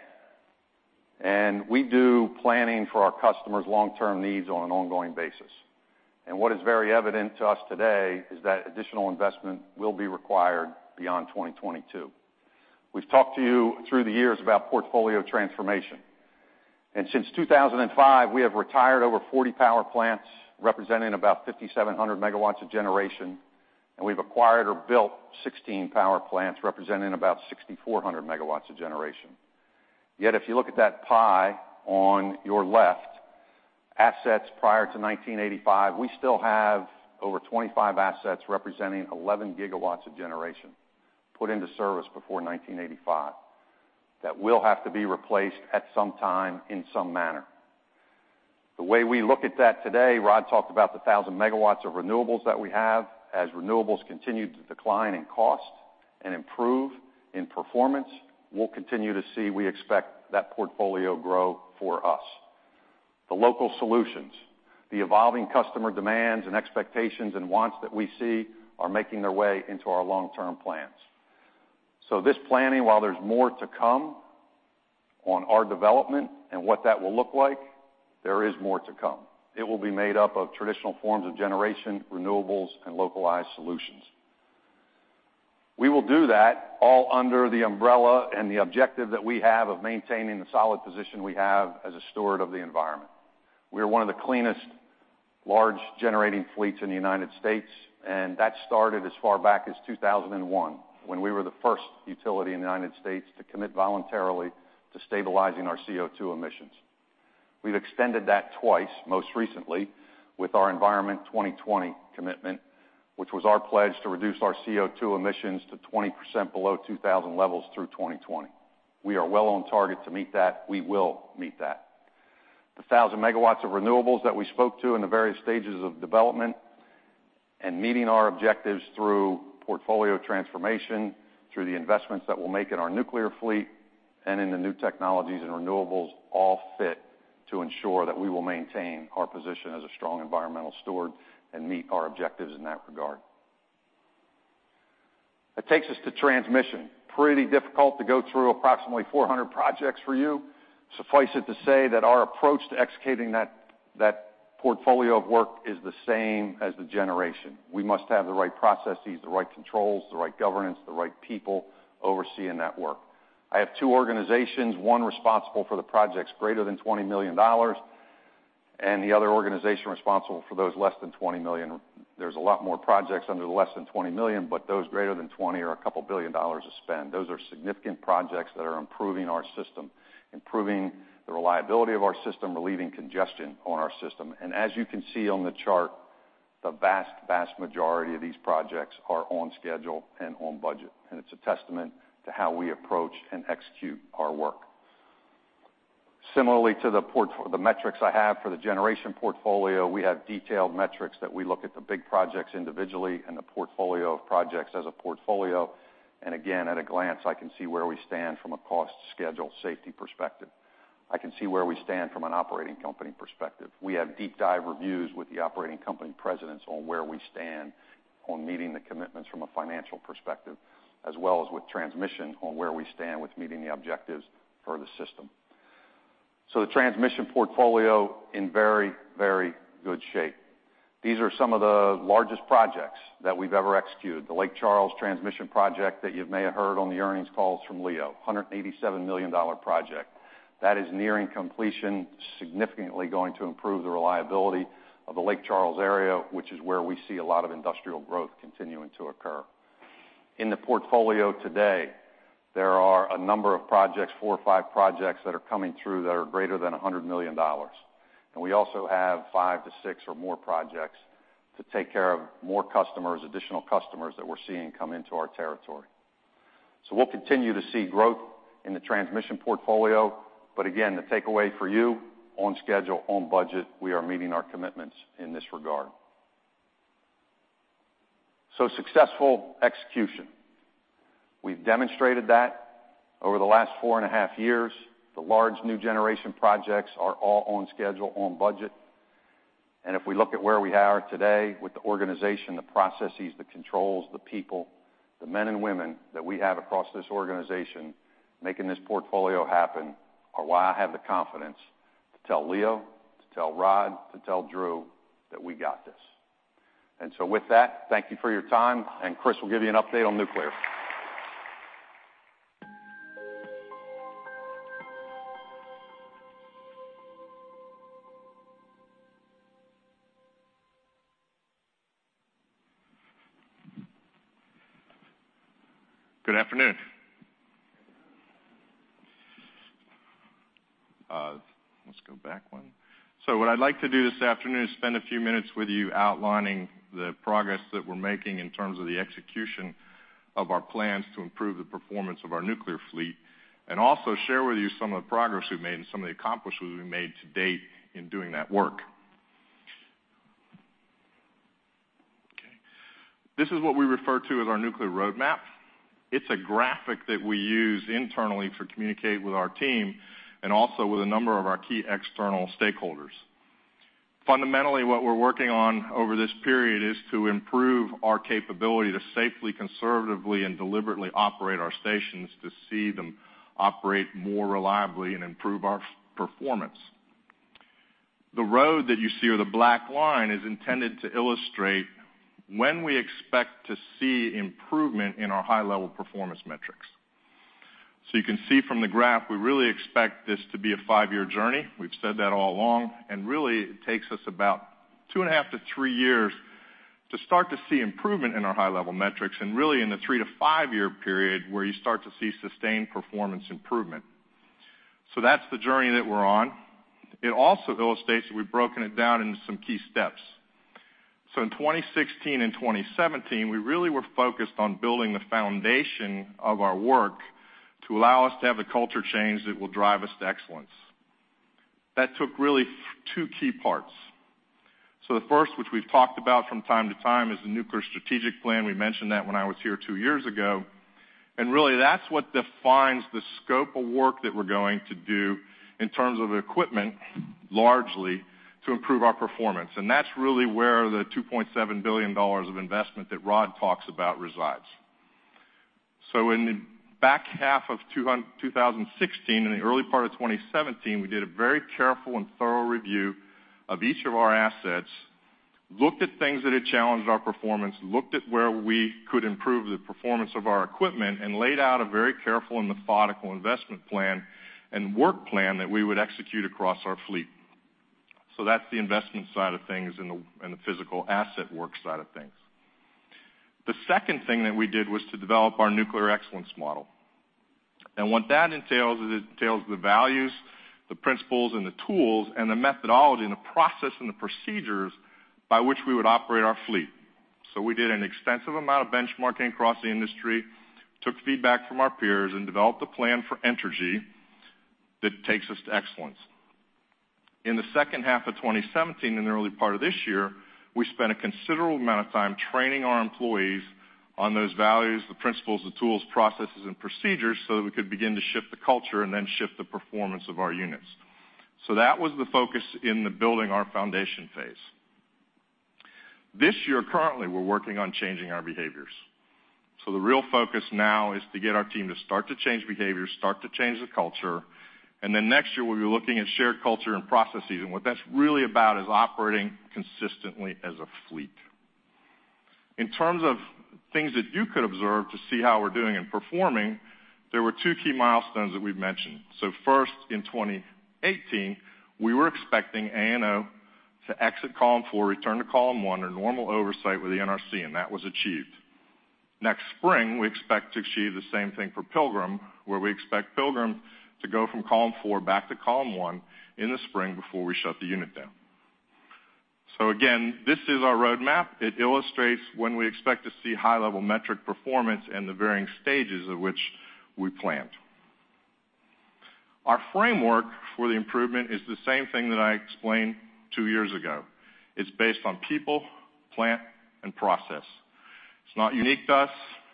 We do planning for our customers' long-term needs on an ongoing basis. What is very evident to us today is that additional investment will be required beyond 2022. We've talked to you through the years about portfolio transformation. Since 2005, we have retired over 40 power plants, representing about 5,700 megawatts of generation, and we've acquired or built 16 power plants, representing about 6,400 megawatts of generation. Yet, if you look at that pie on your left, assets prior to 1985, we still have over 25 assets representing 11 gigawatts of generation put into service before 1985 that will have to be replaced at some time in some manner. The way we look at that today, Rod talked about the 1,000 megawatts of renewables that we have. As renewables continue to decline in cost and improve in performance, we'll continue to see, we expect, that portfolio grow for us. The local solutions, the evolving customer demands and expectations and wants that we see are making their way into our long-term plans. This planning, while there's more to come on our development and what that will look like, there is more to come. It will be made up of traditional forms of generation, renewables, and localized solutions. We will do that all under the umbrella and the objective that we have of maintaining the solid position we have as a steward of the environment. We are one of the cleanest large generating fleets in the United States, and that started as far back as 2001, when we were the first utility in the United States to commit voluntarily to stabilizing our CO2 emissions. We've extended that twice, most recently with our Environment 2020 commitment, which was our pledge to reduce our CO2 emissions to 20% below 2000 levels through 2020. We are well on target to meet that. We will meet that. The 1,000 megawatts of renewables that we spoke to in the various stages of development and meeting our objectives through portfolio transformation, through the investments that we'll make in our nuclear fleet, and in the new technologies and renewables all fit to ensure that we will maintain our position as a strong environmental steward and meet our objectives in that regard. That takes us to transmission. Pretty difficult to go through approximately 400 projects for you. Suffice it to say that our approach to executing that portfolio of work is the same as the generation. We must have the right processes, the right controls, the right governance, the right people overseeing that work. I have two organizations, one responsible for the projects greater than $20 million, and the other organization responsible for those less than $20 million. There's a lot more projects under the less than $20 million, but those greater than 20 are a couple billion dollars to spend. Those are significant projects that are improving our system, improving the reliability of our system, relieving congestion on our system. As you can see on the chart, the vast majority of these projects are on schedule and on budget, and it's a testament to how we approach and execute our work. Similarly to the metrics I have for the generation portfolio, we have detailed metrics that we look at the big projects individually and the portfolio of projects as a portfolio. Again, at a glance, I can see where we stand from a cost, schedule, safety perspective. I can see where we stand from an operating company perspective. We have deep dive reviews with the operating company presidents on where we stand on meeting the commitments from a financial perspective, as well as with transmission on where we stand with meeting the objectives for the system. The transmission portfolio in very good shape. These are some of the largest projects that we've ever executed. The Lake Charles Transmission Project that you may have heard on the earnings calls from Leo, $187 million project. That is nearing completion, significantly going to improve the reliability of the Lake Charles area, which is where we see a lot of industrial growth continuing to occur. In the portfolio today, there are a number of projects, four or five projects, that are coming through that are greater than $100 million. We also have five to six or more projects to take care of more customers, additional customers that we're seeing come into our territory. We'll continue to see growth in the transmission portfolio. Again, the takeaway for you, on schedule, on budget, we are meeting our commitments in this regard. Successful execution. We've demonstrated that over the last four and a half years. The large new generation projects are all on schedule, on budget. If we look at where we are today with the organization, the processes, the controls, the people, the men and women that we have across this organization making this portfolio happen are why I have the confidence to tell Leo, to tell Rod, to tell Drew that we got this. With that, thank you for your time. Chris will give you an update on nuclear. Good afternoon. Good afternoon. Let's go back one. What I'd like to do this afternoon is spend a few minutes with you outlining the progress that we're making in terms of the execution of our plans to improve the performance of our nuclear fleet, and also share with you some of the progress we've made and some of the accomplishments we've made to date in doing that work. Okay. This is what we refer to as our nuclear roadmap. It's a graphic that we use internally to communicate with our team, and also with a number of our key external stakeholders. Fundamentally, what we're working on over this period is to improve our capability to safely, conservatively, and deliberately operate our stations to see them operate more reliably and improve our performance. The road that you see, or the black line, is intended to illustrate when we expect to see improvement in our high-level performance metrics. You can see from the graph, we really expect this to be a 5-year journey. We've said that all along, and really, it takes us about 2.5-3 years to start to see improvement in our high-level metrics, and really in the 3-to-5-year period, where you start to see sustained performance improvement. That's the journey that we're on. It also illustrates that we've broken it down into some key steps. In 2016 and 2017, we really were focused on building the foundation of our work to allow us to have the culture change that will drive us to excellence. That took really two key parts. The first, which we've talked about from time to time, is the nuclear strategic plan. We mentioned that when I was here two years ago. Really, that's what defines the scope of work that we're going to do in terms of equipment, largely, to improve our performance. Really, that's where the $2.7 billion of investment that Rod talks about resides. In the back half of 2016 and the early part of 2017, we did a very careful and thorough review of each of our assets, looked at things that had challenged our performance, looked at where we could improve the performance of our equipment, and laid out a very careful and methodical investment plan and work plan that we would execute across our fleet. That's the investment side of things and the physical asset work side of things. The second thing that we did was to develop our nuclear excellence model. What that entails is it entails the values, the principles, the tools, the methodology, the process, and the procedures by which we would operate our fleet. We did an extensive amount of benchmarking across the industry, took feedback from our peers, and developed a plan for Entergy that takes us to excellence. In the second half of 2017 and the early part of this year, we spent a considerable amount of time training our employees on those values, the principles, the tools, processes, and procedures, so that we could begin to shift the culture and then shift the performance of our units. That was the focus in the building our foundation phase. This year, currently, we're working on changing our behaviors. The real focus now is to get our team to start to change behaviors, start to change the culture, and then next year we'll be looking at shared culture and processes. What that's really about is operating consistently as a fleet. In terms of things that you could observe to see how we're doing and performing, there were two key milestones that we've mentioned. First, in 2018, we were expecting ANO to exit Column 4, return to Column 1, or normal oversight with the NRC, and that was achieved. Next spring, we expect to achieve the same thing for Pilgrim, where we expect Pilgrim to go from Column 4 back to Column 1 in the spring before we shut the unit down. Again, this is our roadmap. It illustrates when we expect to see high-level metric performance and the varying stages of which we planned. Our framework for the improvement is the same thing that I explained two years ago. It's based on people, plant, and process. It's not unique to us.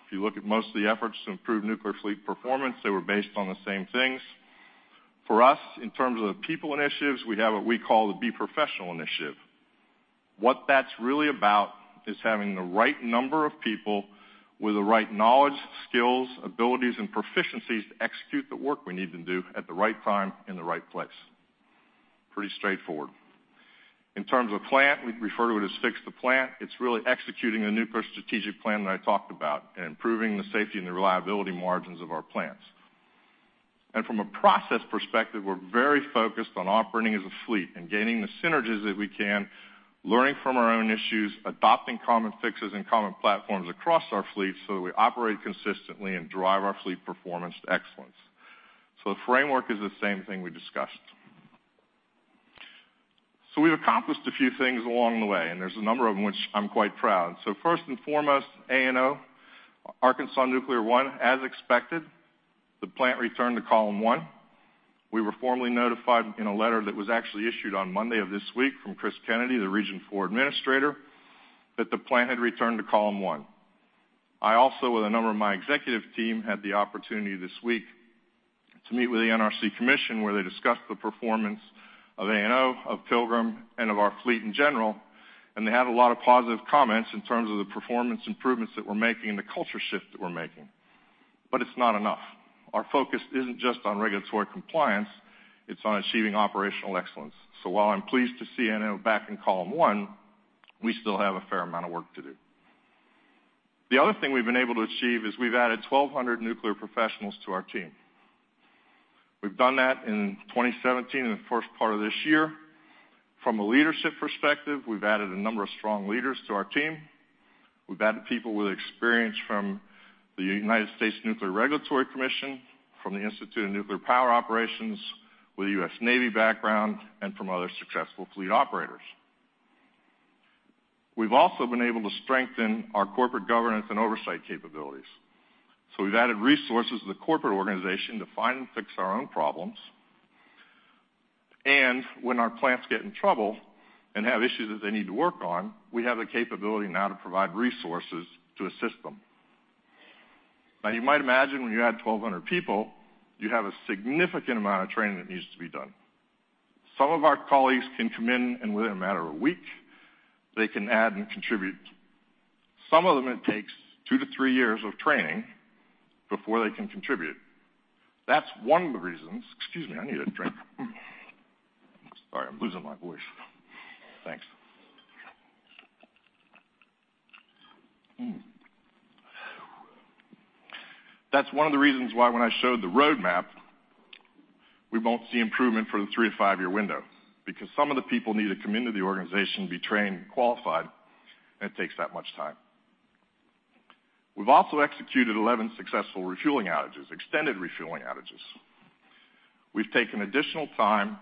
If you look at most of the efforts to improve nuclear fleet performance, they were based on the same things. For us, in terms of the people initiatives, we have what we call the Be Professional initiative. What that's really about is having the right number of people with the right knowledge, skills, abilities, and proficiencies to execute the work we need to do at the right time, in the right place. Pretty straightforward. In terms of plant, we refer to it as Fix the Plant. It's really executing the nuclear strategic plan that I talked about, and improving the safety and the reliability margins of our plants. From a process perspective, we're very focused on operating as a fleet and gaining the synergies that we can, learning from our own issues, adopting common fixes and common platforms across our fleet so that we operate consistently and drive our fleet performance to excellence. The framework is the same thing we discussed. We've accomplished a few things along the way, and there's a number of them which I'm quite proud. First and foremost, ANO, Arkansas Nuclear One, as expected, the plant returned to Column 1. We were formally notified in a letter that was actually issued on Monday of this week from Chris Kennedy, the Region IV Administrator, that the plant had returned to Column 1. I also, with a number of my executive team, had the opportunity this week to meet with the NRC Commission, where they discussed the performance of ANO, of Pilgrim, and of our fleet in general, and they had a lot of positive comments in terms of the performance improvements that we're making and the culture shift that we're making. It's not enough. Our focus isn't just on regulatory compliance, it's on achieving operational excellence. While I'm pleased to see ANO back in Column 1, we still have a fair amount of work to do. The other thing we've been able to achieve is we've added 1,200 nuclear professionals to our team. We've done that in 2017 and the first part of this year. From a leadership perspective, we've added a number of strong leaders to our team. We've added people with experience from the United States Nuclear Regulatory Commission, from the Institute of Nuclear Power Operations, with a US Navy background, and from other successful fleet operators. We've also been able to strengthen our corporate governance and oversight capabilities. We've added resources to the corporate organization to find and fix our own problems. When our plants get in trouble and have issues that they need to work on, we have the capability now to provide resources to assist them. You might imagine when you add 1,200 people, you have a significant amount of training that needs to be done. Some of our colleagues can come in and within a matter of a week, they can add and contribute. Some of them, it takes two to three years of training before they can contribute. Excuse me, I need a drink. Sorry, I'm losing my voice. Thanks. That's one of the reasons why when I showed the roadmap, we won't see improvement for the three to five-year window, because some of the people need to come into the organization, be trained and qualified, and it takes that much time. We've also executed 11 successful refueling outages, extended refueling outages. We've taken additional time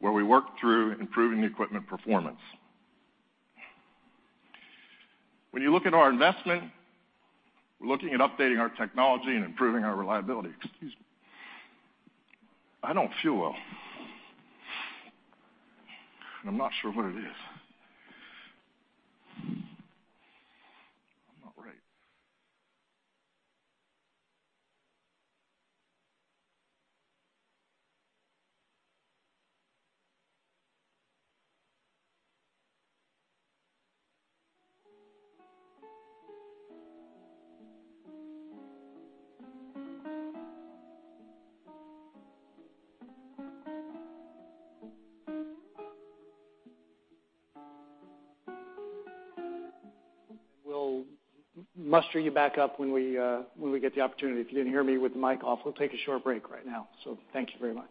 where we work through improving the equipment performance. When you look at our investment, we're looking at updating our technology and improving our reliability. Excuse me. I don't feel well. I'm not sure what it is. I'm not right. We'll muster you back up when we get the opportunity. If you didn't hear me with the mic off, we'll take a short break right now. Thank you very much.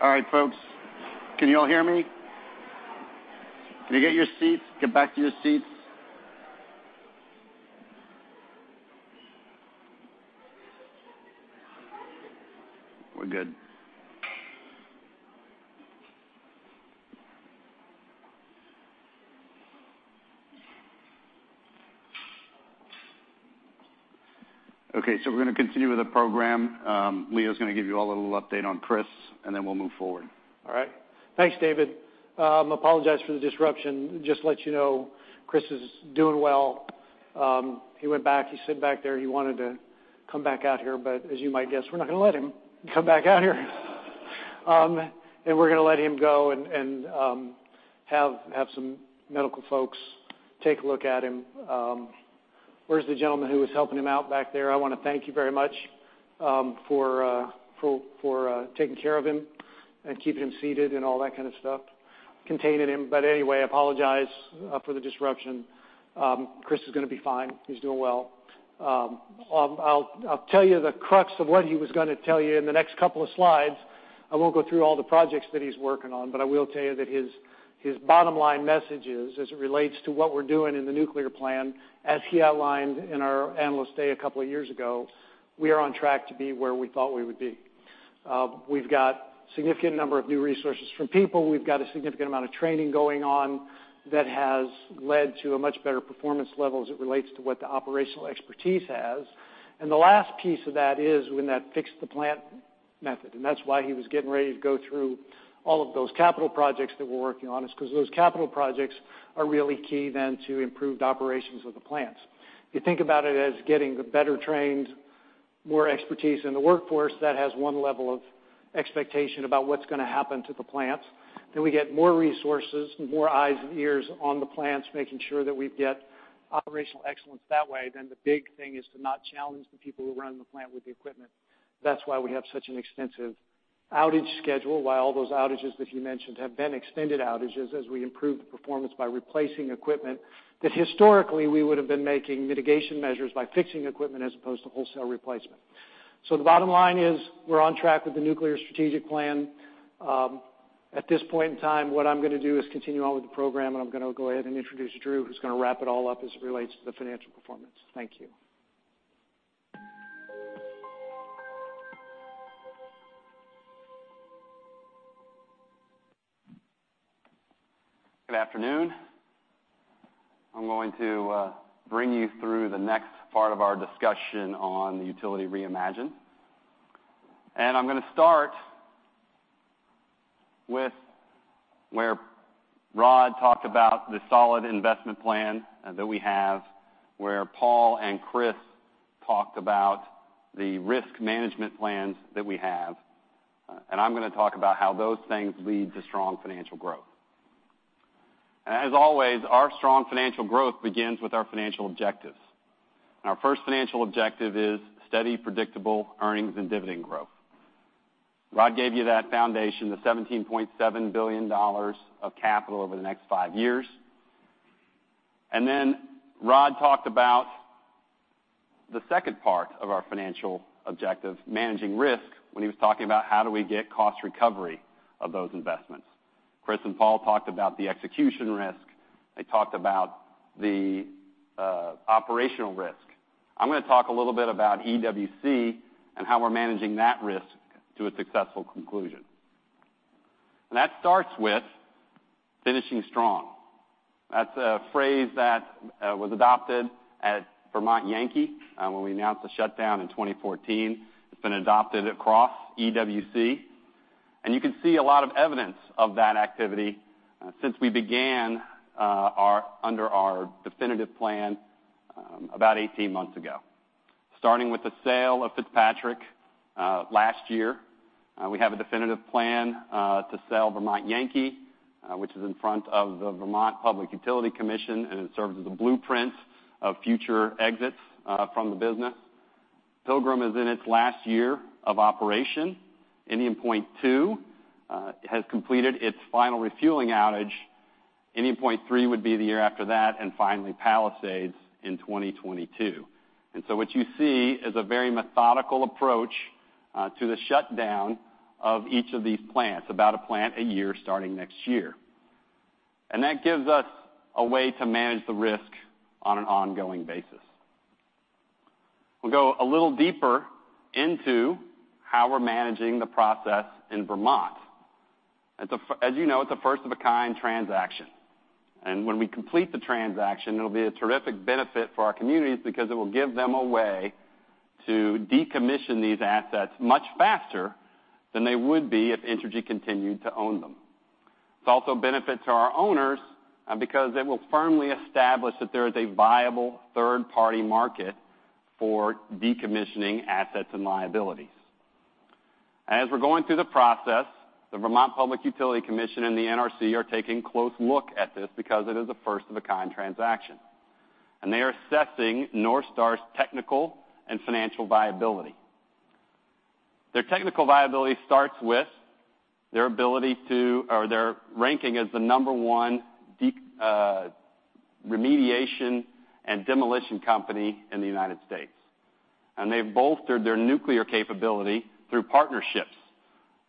All right, folks. Can you all hear me? Can you get your seats? Get back to your seats. We're good. Okay, we're going to continue with the program. Leo's going to give you all a little update on Chris, we'll move forward. All right. Thanks, David. Apologize for the disruption. Just to let you know, Chris is doing well. He went back, he sat back there. He wanted to come back out here, as you might guess, we're not going to let him come back out here. We're going to let him go and have some medical folks take a look at him. Where's the gentleman who was helping him out back there? I want to thank you very much for taking care of him and keeping him seated and all that kind of stuff, containing him. Anyway, I apologize for the disruption. Chris is going to be fine. He's doing well. I'll tell you the crux of what he was going to tell you in the next couple of slides. I won't go through all the projects that he's working on, I will tell you that his bottom line message is, as it relates to what we're doing in the nuclear plan, as he outlined in our Analyst Day a couple of years ago, we are on track to be where we thought we would be. We've got significant number of new resources from people. We've got a significant amount of training going on that has led to a much better performance level as it relates to what the operational expertise has. The last piece of that is when that Fix the Plant method, that's why he was getting ready to go through all of those capital projects that we're working on, is because those capital projects are really key then to improved operations of the plants. You think about it as getting the better trained, more expertise in the workforce, that has one level of expectation about what's going to happen to the plants. We get more resources, more eyes and ears on the plants, making sure that we get operational excellence that way. The big thing is to not challenge the people who run the plant with the equipment. That's why we have such an extensive outage schedule, why all those outages that he mentioned have been extended outages as we improve the performance by replacing equipment, that historically we would've been making mitigation measures by fixing equipment as opposed to wholesale replacement. The bottom line is we're on track with the nuclear strategic plan. At this point in time, what I'm going to do is continue on with the program, I'm going to go ahead and introduce Drew, who's going to wrap it all up as it relates to the financial performance. Thank you. Good afternoon. I'm going to bring you through the next part of our discussion on the utility reimagined. I'm going to start with where Rod talked about the solid investment plan that we have, where Paul and Chris talked about the risk management plans that we have. I'm going to talk about how those things lead to strong financial growth. As always, our strong financial growth begins with our financial objectives. Our first financial objective is steady, predictable earnings and dividend growth. Rod gave you that foundation, the $17.7 billion of capital over the next 5 years. Rod talked about the second part of our financial objective, managing risk, when he was talking about how do we get cost recovery of those investments. Chris and Paul talked about the execution risk. They talked about the operational risk. I'm going to talk a little bit about EWC and how we're managing that risk to a successful conclusion. That starts with finishing strong. That's a phrase that was adopted at Vermont Yankee, when we announced the shutdown in 2014. It's been adopted across EWC, and you can see a lot of evidence of that activity since we began under our definitive plan about 18 months ago. Starting with the sale of Fitzpatrick last year, we have a definitive plan to sell Vermont Yankee, which is in front of the Vermont Public Utility Commission, and it serves as a blueprint of future exits from the business. Pilgrim is in its last year of operation. Indian Point Two has completed its final refueling outage. Indian Point Three would be the year after that, and finally Palisades in 2022. What you see is a very methodical approach to the shutdown of each of these plants, about a plant a year starting next year. That gives us a way to manage the risk on an ongoing basis. We'll go a little deeper into how we're managing the process in Vermont. As you know, it's a first of a kind transaction. When we complete the transaction, it'll be a terrific benefit for our communities because it will give them a way to decommission these assets much faster than they would be if Entergy continued to own them. It's also a benefit to our owners because it will firmly establish that there is a viable third-party market for decommissioning assets and liabilities. As we're going through the process, the Vermont Public Utility Commission and the NRC are taking close look at this because it is a first of a kind transaction. They are assessing NorthStar's technical and financial viability. Their technical viability starts with their ability to or their ranking as the number one remediation and demolition company in the U.S. They've bolstered their nuclear capability through partnerships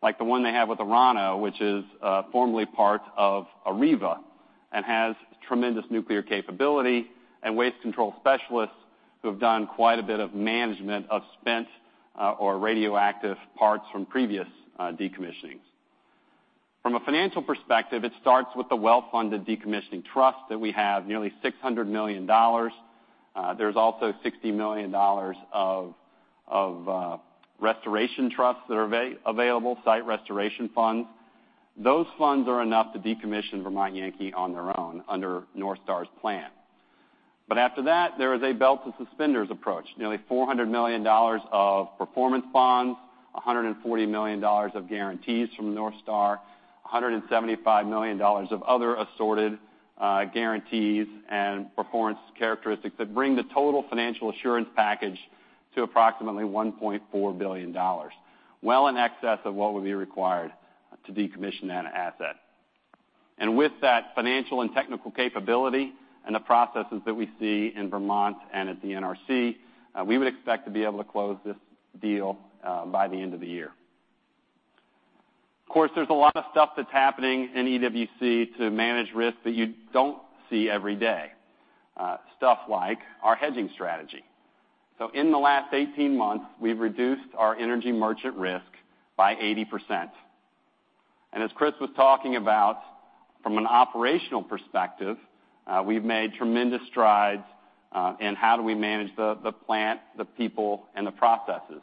like the one they have with Orano, which is formerly part of AREVA and has tremendous nuclear capability and Waste Control Specialists who have done quite a bit of management of spent or radioactive parts from previous decommissionings. From a financial perspective, it starts with the well-funded decommissioning trust that we have, nearly $600 million. There's also $60 million of restoration trusts that are available, site restoration funds. Those funds are enough to decommission Vermont Yankee on their own under NorthStar's plan. After that, there is a belt and suspenders approach. Nearly $400 million of performance bonds, $140 million of guarantees from NorthStar, $175 million of other assorted guarantees and performance characteristics that bring the total financial assurance package to approximately $1.4 billion, well in excess of what would be required to decommission that asset. With that financial and technical capability and the processes that we see in Vermont and at the NRC, we would expect to be able to close this deal by the end of the year. Of course, there's a lot of stuff that's happening in EWC to manage risk that you don't see every day. Stuff like our hedging strategy. In the last 18 months, we've reduced our energy merchant risk by 80%. As Chris was talking about from an operational perspective, we've made tremendous strides in how do we manage the plant, the people, and the processes.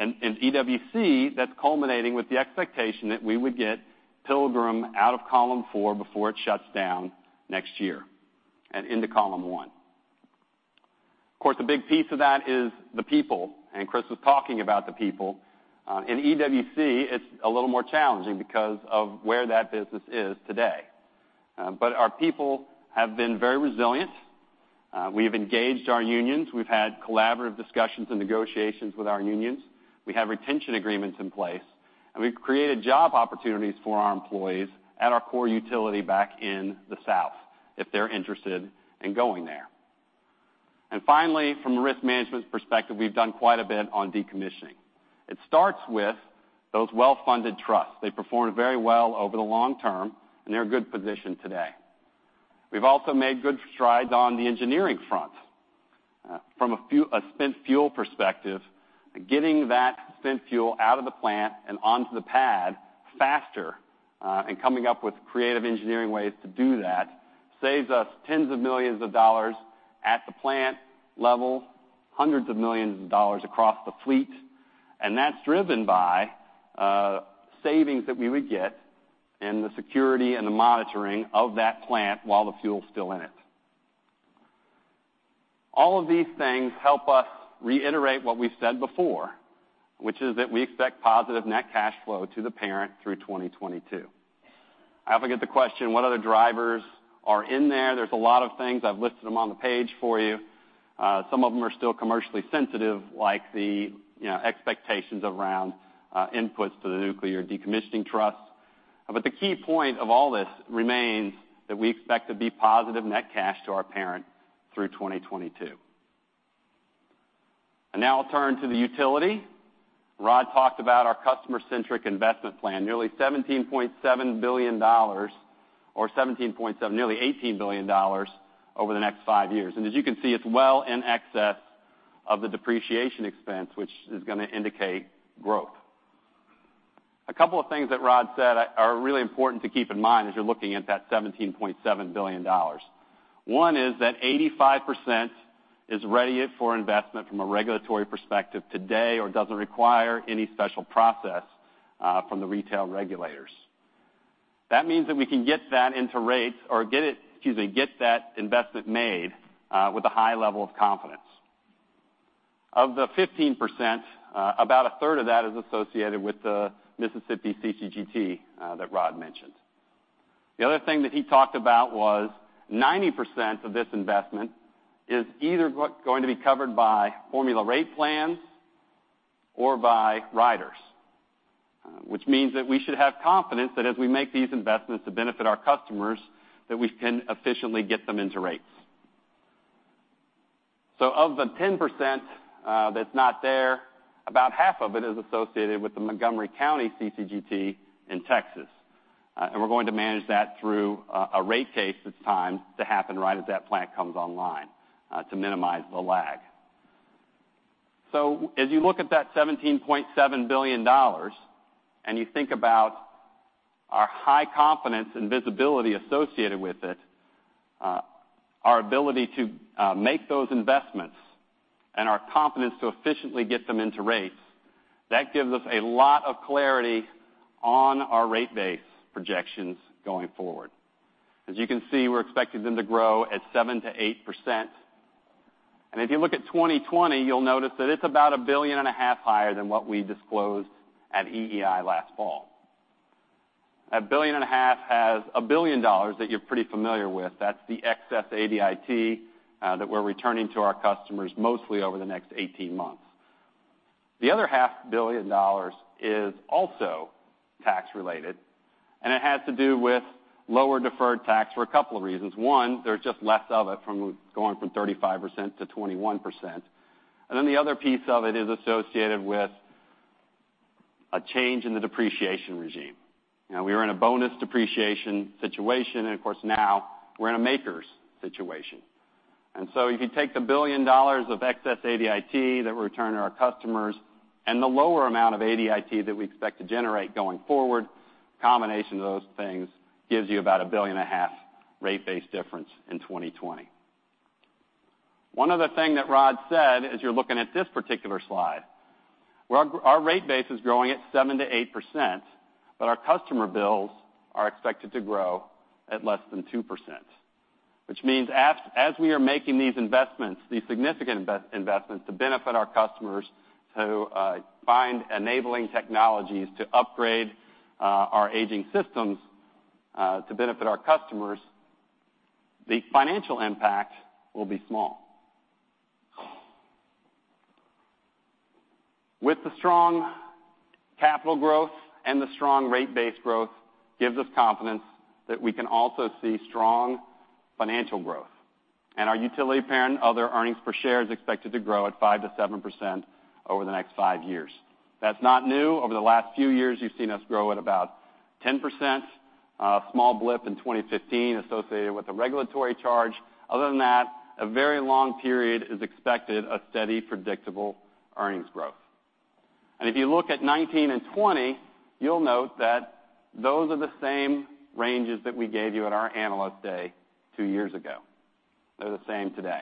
In EWC, that's culminating with the expectation that we would get Pilgrim out of Column 4 before it shuts down next year and into Column 1. Of course, a big piece of that is the people, Chris was talking about the people. In EWC, it's a little more challenging because of where that business is today. Our people have been very resilient. We've engaged our unions. We've had collaborative discussions and negotiations with our unions. We have retention agreements in place, and we've created job opportunities for our employees at our core utility back in the south if they're interested in going there. Finally, from a risk management perspective, we've done quite a bit on decommissioning. It starts with those well-funded trusts. They've performed very well over the long term, and they're in good position today. We've also made good strides on the engineering front. From a spent fuel perspective, getting that spent fuel out of the plant and onto the pad faster, coming up with creative engineering ways to do that, saves us tens of millions of dollars at the plant level, hundreds of millions of dollars across the fleet, that's driven by savings that we would get and the security and the monitoring of that plant while the fuel's still in it. All of these things help us reiterate what we've said before, which is that we expect positive net cash flow to the parent through 2022. I often get the question, what other drivers are in there? There's a lot of things. I've listed them on the page for you. Some of them are still commercially sensitive, like the expectations around inputs to the nuclear decommissioning trust. The key point of all this remains that we expect to be positive net cash to our parent through 2022. Now I'll turn to the utility. Rod talked about our customer-centric investment plan, nearly $17.7 billion, or nearly $18 billion over the next five years. As you can see, it's well in excess of the depreciation expense, which is going to indicate growth. A couple of things that Rod said are really important to keep in mind as you're looking at that $17.7 billion. One is that 85% is ready for investment from a regulatory perspective today, or doesn't require any special process from the retail regulators. That means that we can get that into rates or get it, excuse me, get that investment made with a high level of confidence. Of the 15%, about a third of that is associated with the Mississippi CCGT that Rod mentioned. The other thing that he talked about was 90% of this investment is either going to be covered by Formula Rate Plans or by riders. Which means that we should have confidence that as we make these investments that benefit our customers, that we can efficiently get them into rates. Of the 10% that's not there, about half of it is associated with the Montgomery County CCGT in Texas. We're going to manage that through a rate case that's timed to happen right as that plant comes online to minimize the lag. As you look at that $17.7 billion, and you think about our high confidence and visibility associated with it, our ability to make those investments, and our confidence to efficiently get them into rates, that gives us a lot of clarity on our rate base projections going forward. As you can see, we're expecting them to grow at 7%-8%. If you look at 2020, you'll notice that it's about a billion and a half higher than what we disclosed at EEI last fall. A billion and a half has a $1 billion that you're pretty familiar with. That's the excess ADIT that we're returning to our customers mostly over the next 18 months. The other half billion dollars is also tax-related, and it has to do with lower deferred tax for a couple of reasons. One, there's just less of it from going from 35% to 21%. The other piece of it is associated with a change in the depreciation regime. We were in a bonus depreciation situation, and of course, now we're in a MACRS situation. If you take the $1 billion of excess ADIT that we're returning to our customers and the lower amount of ADIT that we expect to generate going forward, combination of those things gives you about a billion and a half rate base difference in 2020. One other thing that Rod said, as you're looking at this particular slide, our rate base is growing at 7%-8%, but our customer bills are expected to grow at less than 2%. Which means as we are making these investments, these significant investments to benefit our customers, to find enabling technologies to upgrade our aging systems to benefit our customers, the financial impact will be small. With the strong capital growth and the strong rate base growth gives us confidence that we can also see strong financial growth. Our Utility, Parent & Other earnings per share is expected to grow at 5%-7% over the next 5 years. That's not new. Over the last few years, you've seen us grow at about 10%, a small blip in 2015 associated with a regulatory charge. Other than that, a very long period is expected, a steady, predictable earnings growth. If you look at 2019 and 2020, you'll note that those are the same ranges that we gave you at our Analyst Day 2 years ago. They're the same today.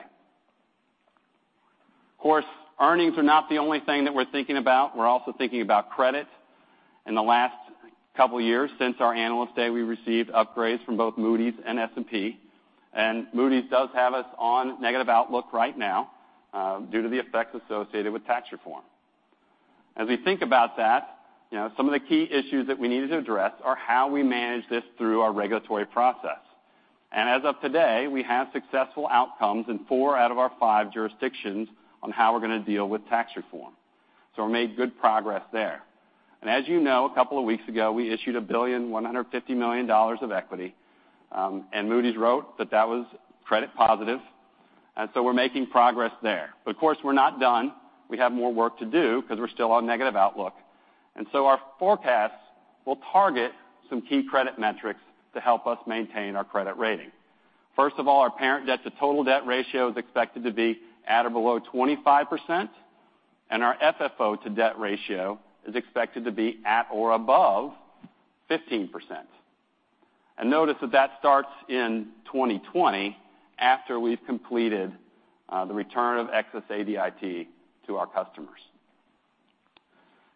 Of course, earnings are not the only thing that we're thinking about. We're also thinking about credit. In the last couple of years since our Analyst Day, we received upgrades from both Moody's and S&P. Moody's does have us on negative outlook right now due to the effects associated with tax reform. As we think about that, some of the key issues that we needed to address are how we manage this through our regulatory process. As of today, we have successful outcomes in 4 out of our 5 jurisdictions on how we're going to deal with tax reform. We made good progress there. As you know, a couple of weeks ago, we issued $1.15 billion of equity, and Moody's wrote that that was credit positive. So we're making progress there. Of course, we're not done. We have more work to do because we're still on negative outlook. Our forecast will target some key credit metrics to help us maintain our credit rating. First of all, our parent debt to total debt ratio is expected to be at or below 25%, and our FFO to debt ratio is expected to be at or above 15%. Notice that that starts in 2020 after we've completed the return of excess ADIT to our customers.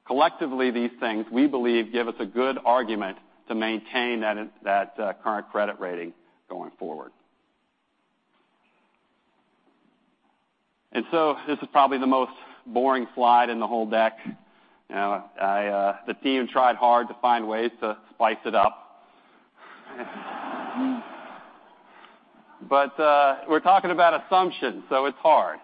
Collectively, these things, we believe, give us a good argument to maintain that current credit rating going forward. This is probably the most boring slide in the whole deck. The team tried hard to find ways to spice it up. We're talking about assumptions, so it's hard.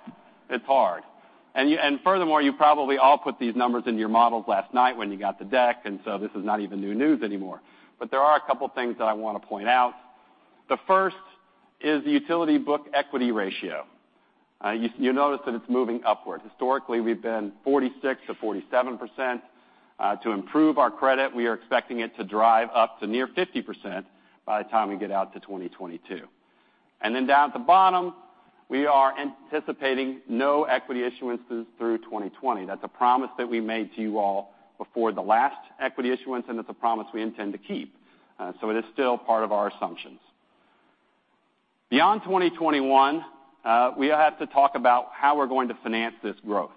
Furthermore, you probably all put these numbers into your models last night when you got the deck. This is not even new news anymore. There are a couple of things that I want to point out. The first is the utility book equity ratio. You notice that it's moving upward. Historically, we've been 46%-47%. To improve our credit, we are expecting it to drive up to near 50% by the time we get out to 2022. Down at the bottom, we are anticipating no equity issuances through 2020. That's a promise that we made to you all before the last equity issuance, and it's a promise we intend to keep. It is still part of our assumptions. Beyond 2021, we have to talk about how we're going to finance this growth.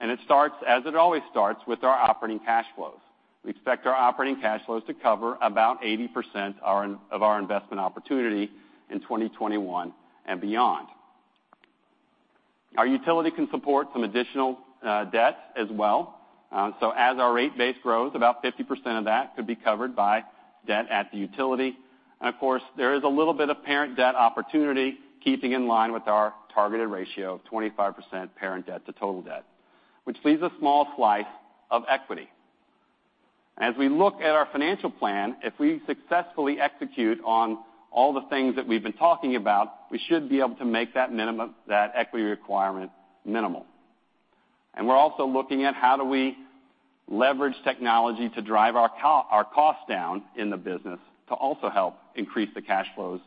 It starts, as it always starts, with our operating cash flows. We expect our operating cash flows to cover about 80% of our investment opportunity in 2021 and beyond. Our utility can support some additional debt as well. As our rate base grows, about 50% of that could be covered by debt at the utility. Of course, there is a little bit of parent debt opportunity keeping in line with our targeted ratio of 25% parent debt to total debt, which leaves a small slice of equity. As we look at our financial plan, if we successfully execute on all the things that we've been talking about, we should be able to make that equity requirement minimal. We're also looking at how do we leverage technology to drive our costs down in the business to also help increase the cash flows.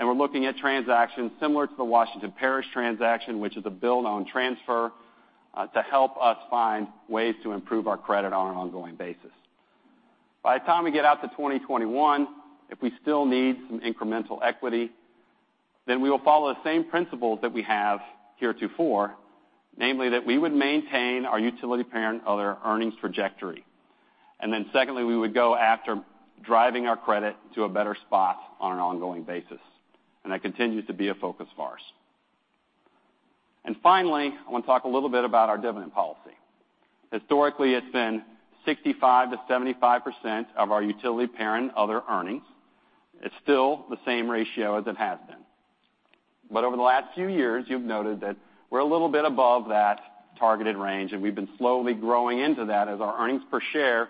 We're looking at transactions similar to the Washington Parish transaction, which is a build-own-transfer to help us find ways to improve our credit on an ongoing basis. By the time we get out to 2021, if we still need some incremental equity, we will follow the same principles that we have heretofore, namely that we would maintain our Utility, Parent & Other earnings trajectory. Secondly, we would go after driving our credit to a better spot on an ongoing basis. That continues to be a focus of ours. Finally, I want to talk a little bit about our dividend policy. Historically, it's been 65%-75% of our Utility, Parent & Other earnings. It's still the same ratio as it has been. Over the last few years, you've noted that we're a little bit above that targeted range, and we've been slowly growing into that as our earnings per share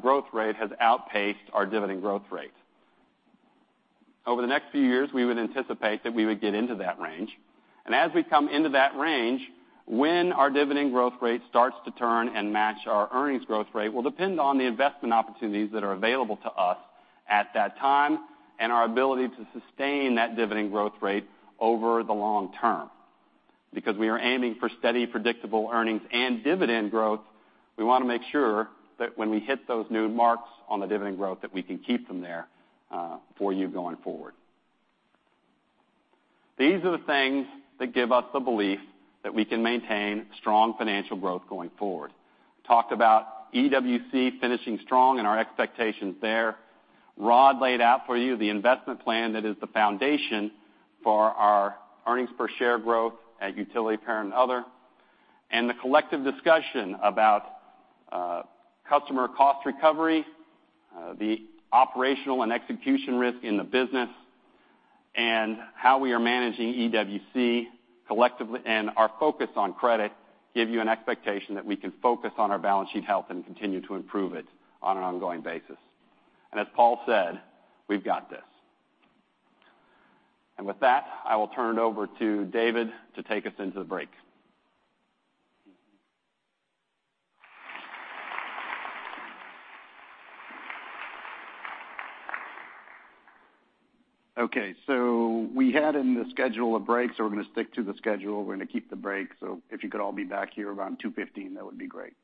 growth rate has outpaced our dividend growth rate. Over the next few years, we would anticipate that we would get into that range. As we come into that range, when our dividend growth rate starts to turn and match our earnings growth rate will depend on the investment opportunities that are available to us at that time and our ability to sustain that dividend growth rate over the long term. Because we are aiming for steady, predictable earnings and dividend growth, we want to make sure that when we hit those new marks on the dividend growth, that we can keep them there for you going forward. These are the things that give us the belief that we can maintain strong financial growth going forward. Talked about EWC finishing strong and our expectations there. Rod laid out for you the investment plan that is the foundation for our earnings per share growth at Utility, Parent & Other. The collective discussion about customer cost recovery, the operational and execution risk in the business, and how we are managing EWC collectively, and our focus on credit give you an expectation that we can focus on our balance sheet health and continue to improve it on an ongoing basis. As Paul said, we've got this. With that, I will turn it over to David to take us into the break. Okay, we had in the schedule a break, we're going to stick to the schedule. We're going to keep the break. If you could all be back here around 2:15, that would be great.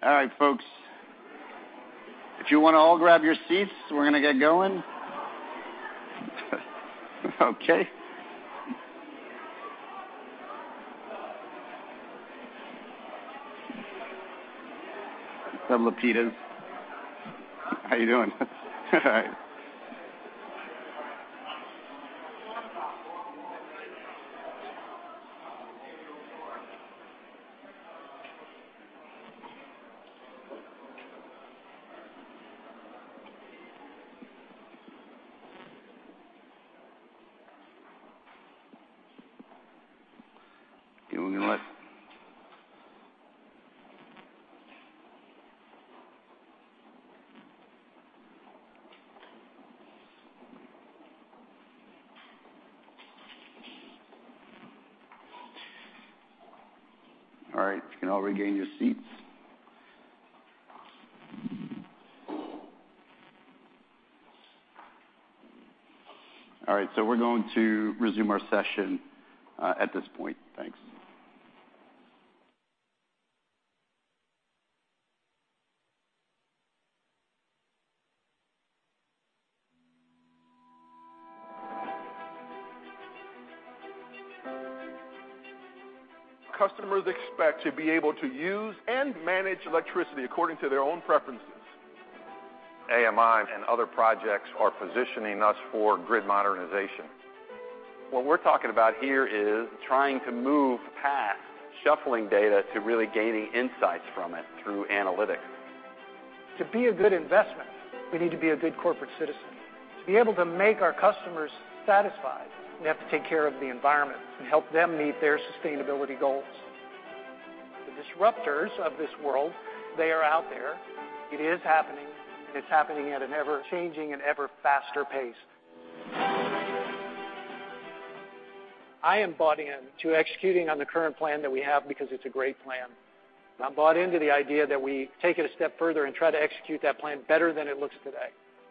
All right, folks. If you want to all grab your seats, we're going to get going. Okay. What's up, Lupitas? How you doing? All right. You know what? All right, you can all regain your seats. All right, we're going to resume our session at this point. Thanks. Customers expect to be able to use and manage electricity according to their own preferences. AMI and other projects are positioning us for Grid Modernization. What we're talking about here is trying to move past shuffling data to really gaining insights from it through analytics. To be a good investment, we need to be a good corporate citizen. To be able to make our customers satisfied, we have to take care of the environment and help them meet their sustainability goals. The disruptors of this world, they are out there. It is happening, and it's happening at an ever-changing and ever-faster pace. I am bought in to executing on the current plan that we have because it's a great plan, and I'm bought into the idea that we take it a step further and try to execute that plan better than it looks today.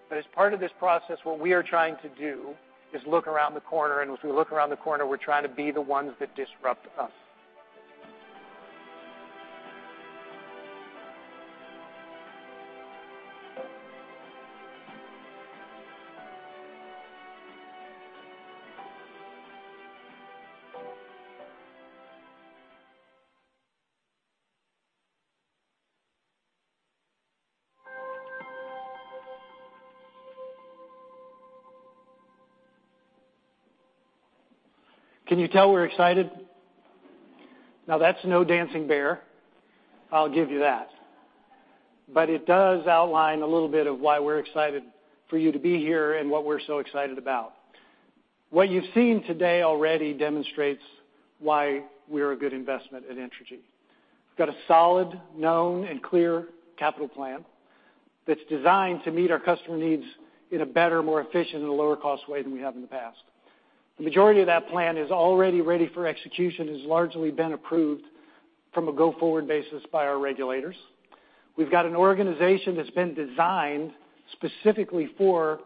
As part of this process, what we are trying to do is look around the corner, and as we look around the corner, we're trying to be the ones that disrupt us. Can you tell we're excited? Now, that's no dancing bear, I'll give you that. It does outline a little bit of why we're excited for you to be here and what we're so excited about. What you've seen today already demonstrates why we're a good investment at Entergy. We've got a solid, known, and clear capital plan that's designed to meet our customer needs in a better, more efficient, and lower-cost way than we have in the past. The majority of that plan is already ready for execution, has largely been approved from a go-forward basis by our regulators. We've got an organization that's been designed specifically for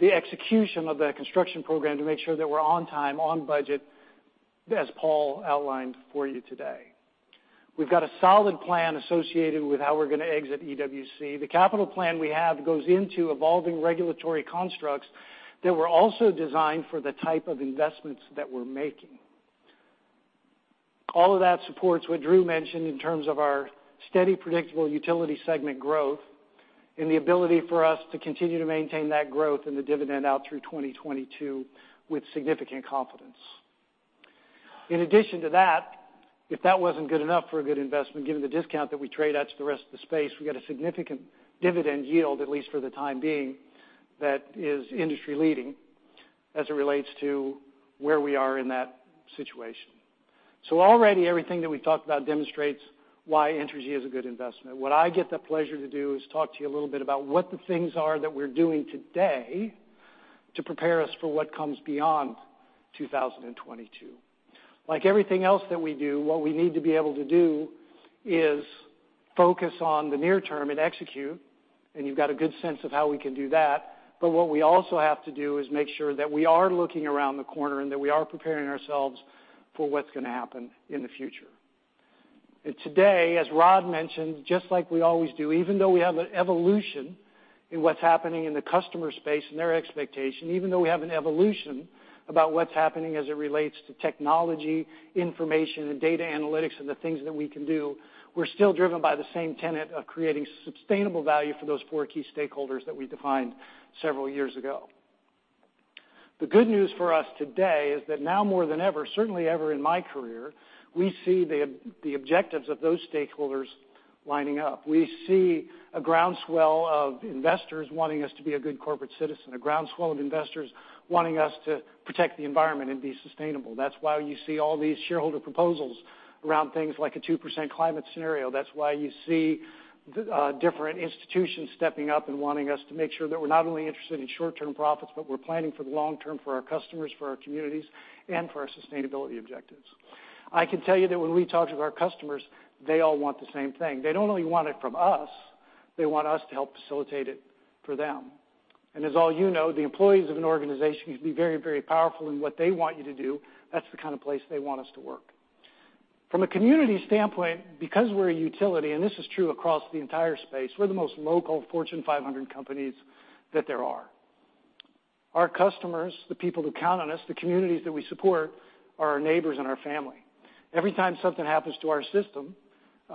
the execution of that construction program to make sure that we're on time, on budget, as Paul outlined for you today. We've got a solid plan associated with how we're going to exit EWC. The capital plan we have goes into evolving regulatory constructs that were also designed for the type of investments that we're making. All of that supports what Drew mentioned in terms of our steady, predictable utility segment growth and the ability for us to continue to maintain that growth in the dividend out through 2022 with significant confidence. In addition to that, if that wasn't good enough for a good investment, given the discount that we trade at to the rest of the space, we've got a significant dividend yield, at least for the time being, that is industry-leading as it relates to where we are in that situation. Already, everything that we've talked about demonstrates why Entergy is a good investment. What I get the pleasure to do is talk to you a little bit about what the things are that we're doing today to prepare us for what comes beyond 2022. Like everything else that we do, what we need to be able to do is focus on the near term and execute. You've got a good sense of how we can do that. What we also have to do is make sure that we are looking around the corner, and that we are preparing ourselves for what's going to happen in the future. Today, as Rod mentioned, just like we always do, even though we have an evolution in what's happening in the customer space and their expectation, even though we have an evolution about what's happening as it relates to technology, information, and data analytics, and the things that we can do, we're still driven by the same tenet of creating sustainable value for those four key stakeholders that we defined several years ago. The good news for us today is that now more than ever, certainly ever in my career, we see the objectives of those stakeholders lining up. We see a groundswell of investors wanting us to be a good corporate citizen, a groundswell of investors wanting us to protect the environment and be sustainable. That's why you see all these shareholder proposals around things like a 2°C climate scenario. That's why you see different institutions stepping up and wanting us to make sure that we're not only interested in short-term profits, but we're planning for the long term for our customers, for our communities, and for our sustainability objectives. I can tell you that when we talk with our customers, they all want the same thing. They don't only want it from us, they want us to help facilitate it for them. As all you know, the employees of an organization can be very powerful in what they want you to do. That's the kind of place they want us to work. From a community standpoint, because we're a utility, and this is true across the entire space, we're the most local Fortune 500 companies that there are. Our customers, the people who count on us, the communities that we support, are our neighbors and our family. Every time something happens to our system,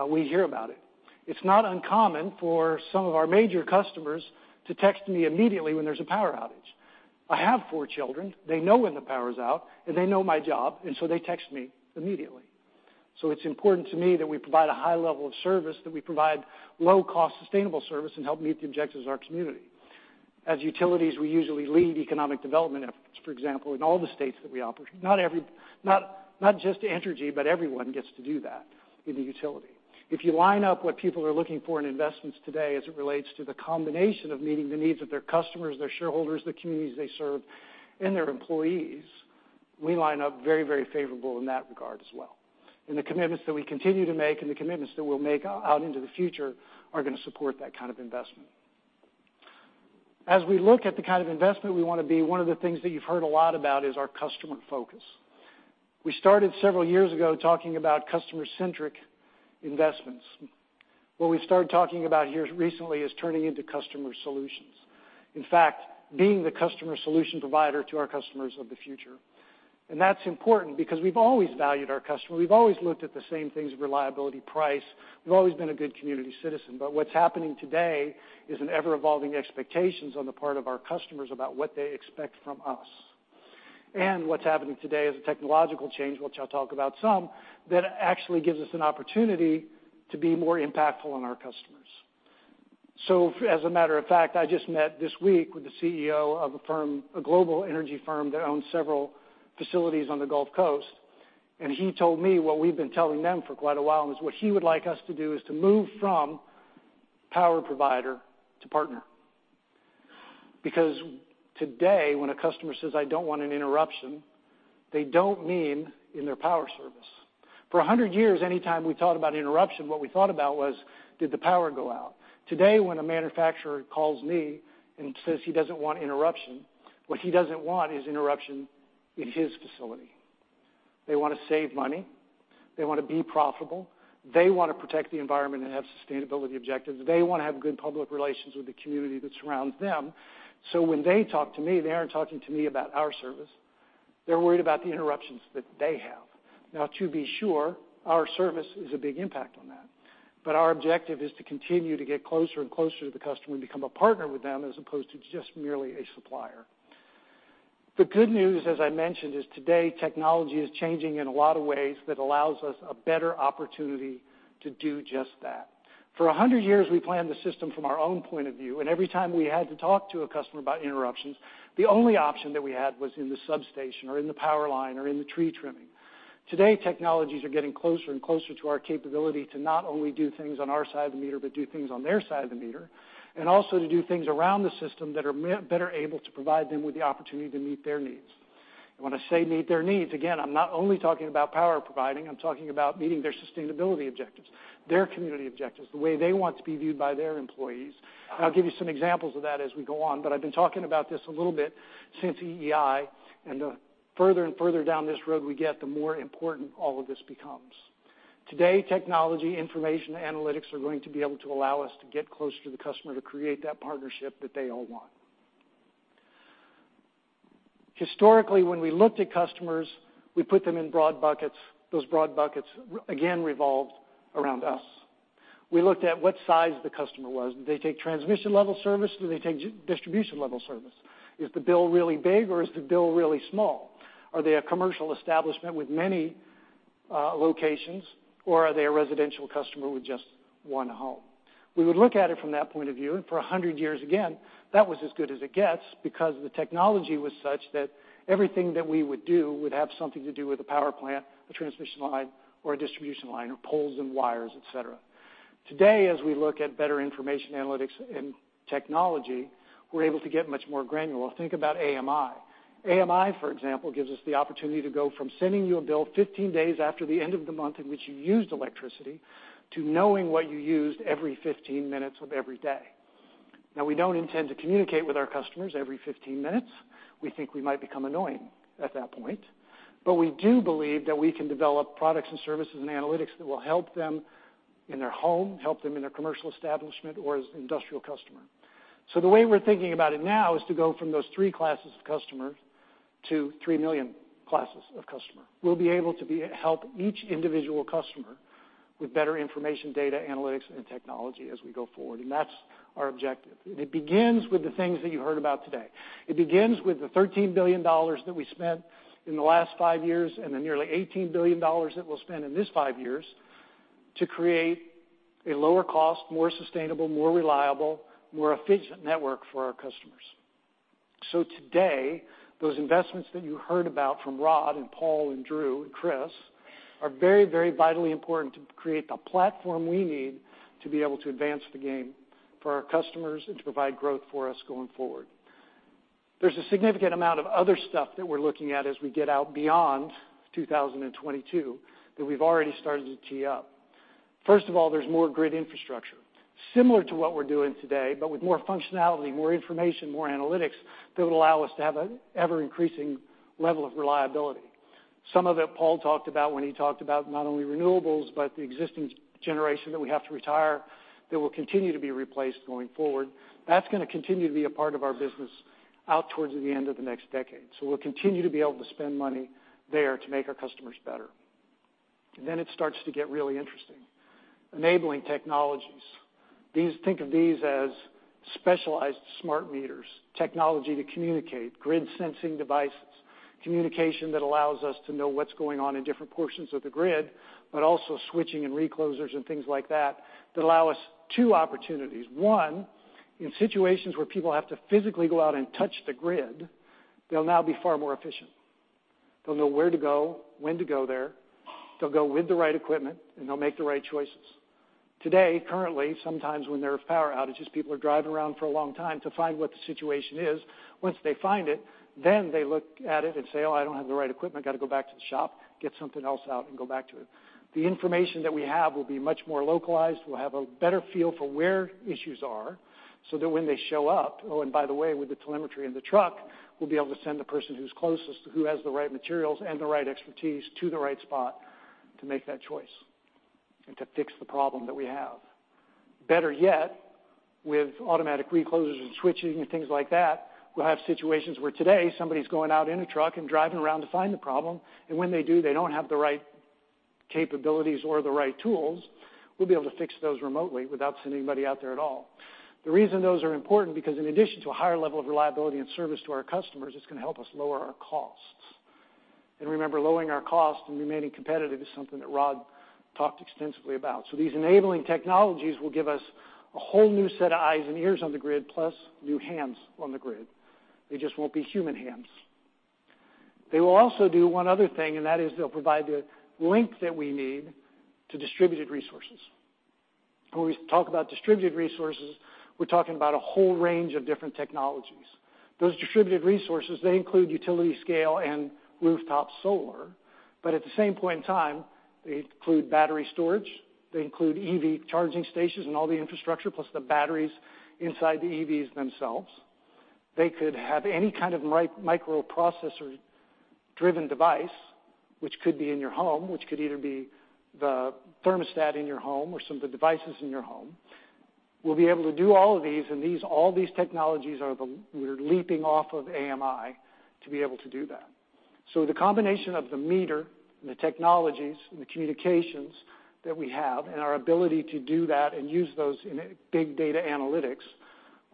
we hear about it. It's not uncommon for some of our major customers to text me immediately when there's a power outage. I have four children. They know when the power's out, and they know my job, they text me immediately. It's important to me that we provide a high level of service, that we provide low-cost, sustainable service and help meet the objectives of our community. As utilities, we usually lead economic development efforts, for example, in all the states that we operate. Not just Entergy, but everyone gets to do that in the utility. If you line up what people are looking for in investments today as it relates to the combination of meeting the needs of their customers, their shareholders, the communities they serve, and their employees, we line up very favorable in that regard as well. The commitments that we continue to make and the commitments that we'll make out into the future are going to support that kind of investment. As we look at the kind of investment we want to be, one of the things that you've heard a lot about is our customer focus. We started several years ago talking about customer-centric investments. What we started talking about here recently is turning into customer solutions. In fact, being the customer solution provider to our customers of the future. That's important because we've always valued our customer. We've always looked at the same things, reliability, price. We've always been a good community citizen. What's happening today is an ever-evolving expectations on the part of our customers about what they expect from us. What's happening today is a technological change, which I'll talk about some, that actually gives us an opportunity to be more impactful on our customers. As a matter of fact, I just met this week with the CEO of a firm, a global energy firm, that owns several facilities on the Gulf Coast, and he told me what we've been telling them for quite a while, and what he would like us to do is to move from power provider to partner. Because today, when a customer says, "I don't want an interruption," they don't mean in their power service. For 100 years, anytime we thought about interruption, what we thought about was, did the power go out? Today, when a manufacturer calls me and says he doesn't want interruption, what he doesn't want is interruption in his facility. They want to save money. They want to be profitable. They want to protect the environment and have sustainability objectives. They want to have good public relations with the community that surrounds them. When they talk to me, they aren't talking to me about our service. They're worried about the interruptions that they have. Now, to be sure, our service is a big impact on that, but our objective is to continue to get closer and closer to the customer and become a partner with them, as opposed to just merely a supplier. The good news, as I mentioned, is today, technology is changing in a lot of ways that allows us a better opportunity to do just that. For 100 years, we planned the system from our own point of view, every time we had to talk to a customer about interruptions, the only option that we had was in the substation or in the power line or in the tree trimming. Today, technologies are getting closer and closer to our capability to not only do things on our side of the meter, but do things on their side of the meter, also to do things around the system that are better able to provide them with the opportunity to meet their needs. When I say meet their needs, again, I'm not only talking about power providing, I'm talking about meeting their sustainability objectives, their community objectives, the way they want to be viewed by their employees. I'll give you some examples of that as we go on, I've been talking about this a little bit since EEI, the further and further down this road we get, the more important all of this becomes. Today, technology, information, analytics are going to be able to allow us to get closer to the customer to create that partnership that they all want. Historically, when we looked at customers, we put them in broad buckets. Those broad buckets, again, revolved around us. We looked at what size the customer was. Do they take transmission-level service? Do they take distribution-level service? Is the bill really big, or is the bill really small? Are they a commercial establishment with many locations, or are they a residential customer with just one home? We would look at it from that point of view, for 100 years, again, that was as good as it gets because the technology was such that everything that we would do would have something to do with a power plant, a transmission line, or a distribution line, or poles and wires, et cetera. As we look at better information analytics and technology, we're able to get much more granular. Think about AMI. AMI, for example, gives us the opportunity to go from sending you a bill 15 days after the end of the month in which you used electricity, to knowing what you used every 15 minutes of every day. We don't intend to communicate with our customers every 15 minutes. We think we might become annoying at that point. We do believe that we can develop products and services and analytics that will help them in their home, help them in their commercial establishment, or as an industrial customer. The way we're thinking about it now is to go from those 3 classes of customers to 3 million classes of customer. We'll be able to help each individual customer with better information, data analytics, and technology as we go forward, that's our objective. It begins with the things that you heard about today. It begins with the $13 billion that we spent in the last 5 years, the nearly $18 billion that we'll spend in this 5 years to create a lower cost, more sustainable, more reliable, more efficient network for our customers. Today, those investments that you heard about from Rod and Paul and Drew and Chris are very vitally important to create the platform we need to be able to advance the game for our customers and to provide growth for us going forward. There's a significant amount of other stuff that we're looking at as we get out beyond 2022 that we've already started to tee up. There's more grid infrastructure. Similar to what we're doing today, but with more functionality, more information, more analytics that would allow us to have an ever-increasing level of reliability. Some of it Paul talked about when he talked about not only renewables, but the existing generation that we have to retire that will continue to be replaced going forward. That's going to continue to be a part of our business out towards the end of the next decade. We'll continue to be able to spend money there to make our customers better. It starts to get really interesting. Enabling technologies. Think of these as specialized smart meters, technology to communicate, grid-sensing devices, communication that allows us to know what's going on in different portions of the grid, but also switching and reclosers and things like that allow us 2 opportunities. 1, in situations where people have to physically go out and touch the grid, they'll now be far more efficient. They'll know where to go, when to go there, they'll go with the right equipment, and they'll make the right choices. Currently, sometimes when there are power outages, people are driving around for a long time to find what the situation is. Once they find it, they look at it and say, "Oh, I don't have the right equipment. Got to go back to the shop, get something else out, and go back to it." The information that we have will be much more localized. We'll have a better feel for where issues are, so that when they show up, oh, and by the way, with the telemetry in the truck, we'll be able to send the person who's closest, who has the right materials and the right expertise to the right spot to make that choice and to fix the problem that we have. Better yet, with automatic reclosers and switching and things like that, we'll have situations where today somebody's going out in a truck and driving around to find the problem, and when they do, they don't have the right capabilities or the right tools. We'll be able to fix those remotely without sending anybody out there at all. The reason those are important, because in addition to a higher level of reliability and service to our customers, it's going to help us lower our costs. Remember, lowering our cost and remaining competitive is something that Rod talked extensively about. These enabling technologies will give us a whole new set of eyes and ears on the grid, plus new hands on the grid. They just won't be human hands. They will also do one other thing, and that is they'll provide the link that we need to distributed resources. When we talk about distributed resources, we're talking about a whole range of different technologies. Those distributed resources, they include utility scale and rooftop solar. At the same point in time, they include battery storage, they include EV charging stations and all the infrastructure, plus the batteries inside the EVs themselves. They could have any kind of microprocessor-driven device, which could be in your home, which could either be the thermostat in your home or some of the devices in your home. We'll be able to do all of these, and all these technologies, we're leaping off of AMI to be able to do that. The combination of the meter and the technologies and the communications that we have, and our ability to do that and use those in big data analytics,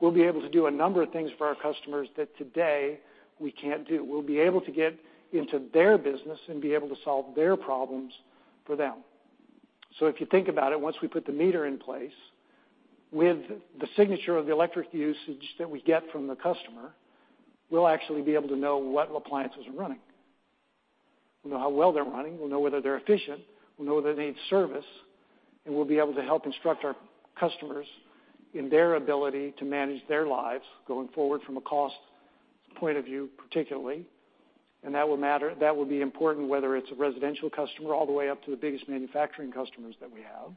we'll be able to do a number of things for our customers that today we can't do. We'll be able to get into their business and be able to solve their problems for them. If you think about it, once we put the meter in place, with the signature of the electric usage that we get from the customer, we'll actually be able to know what appliances are running. We'll know how well they're running, we'll know whether they're efficient, we'll know whether they need service, and we'll be able to help instruct our customers in their ability to manage their lives going forward from a cost point of view, particularly. That will be important, whether it's a residential customer, all the way up to the biggest manufacturing customers that we have.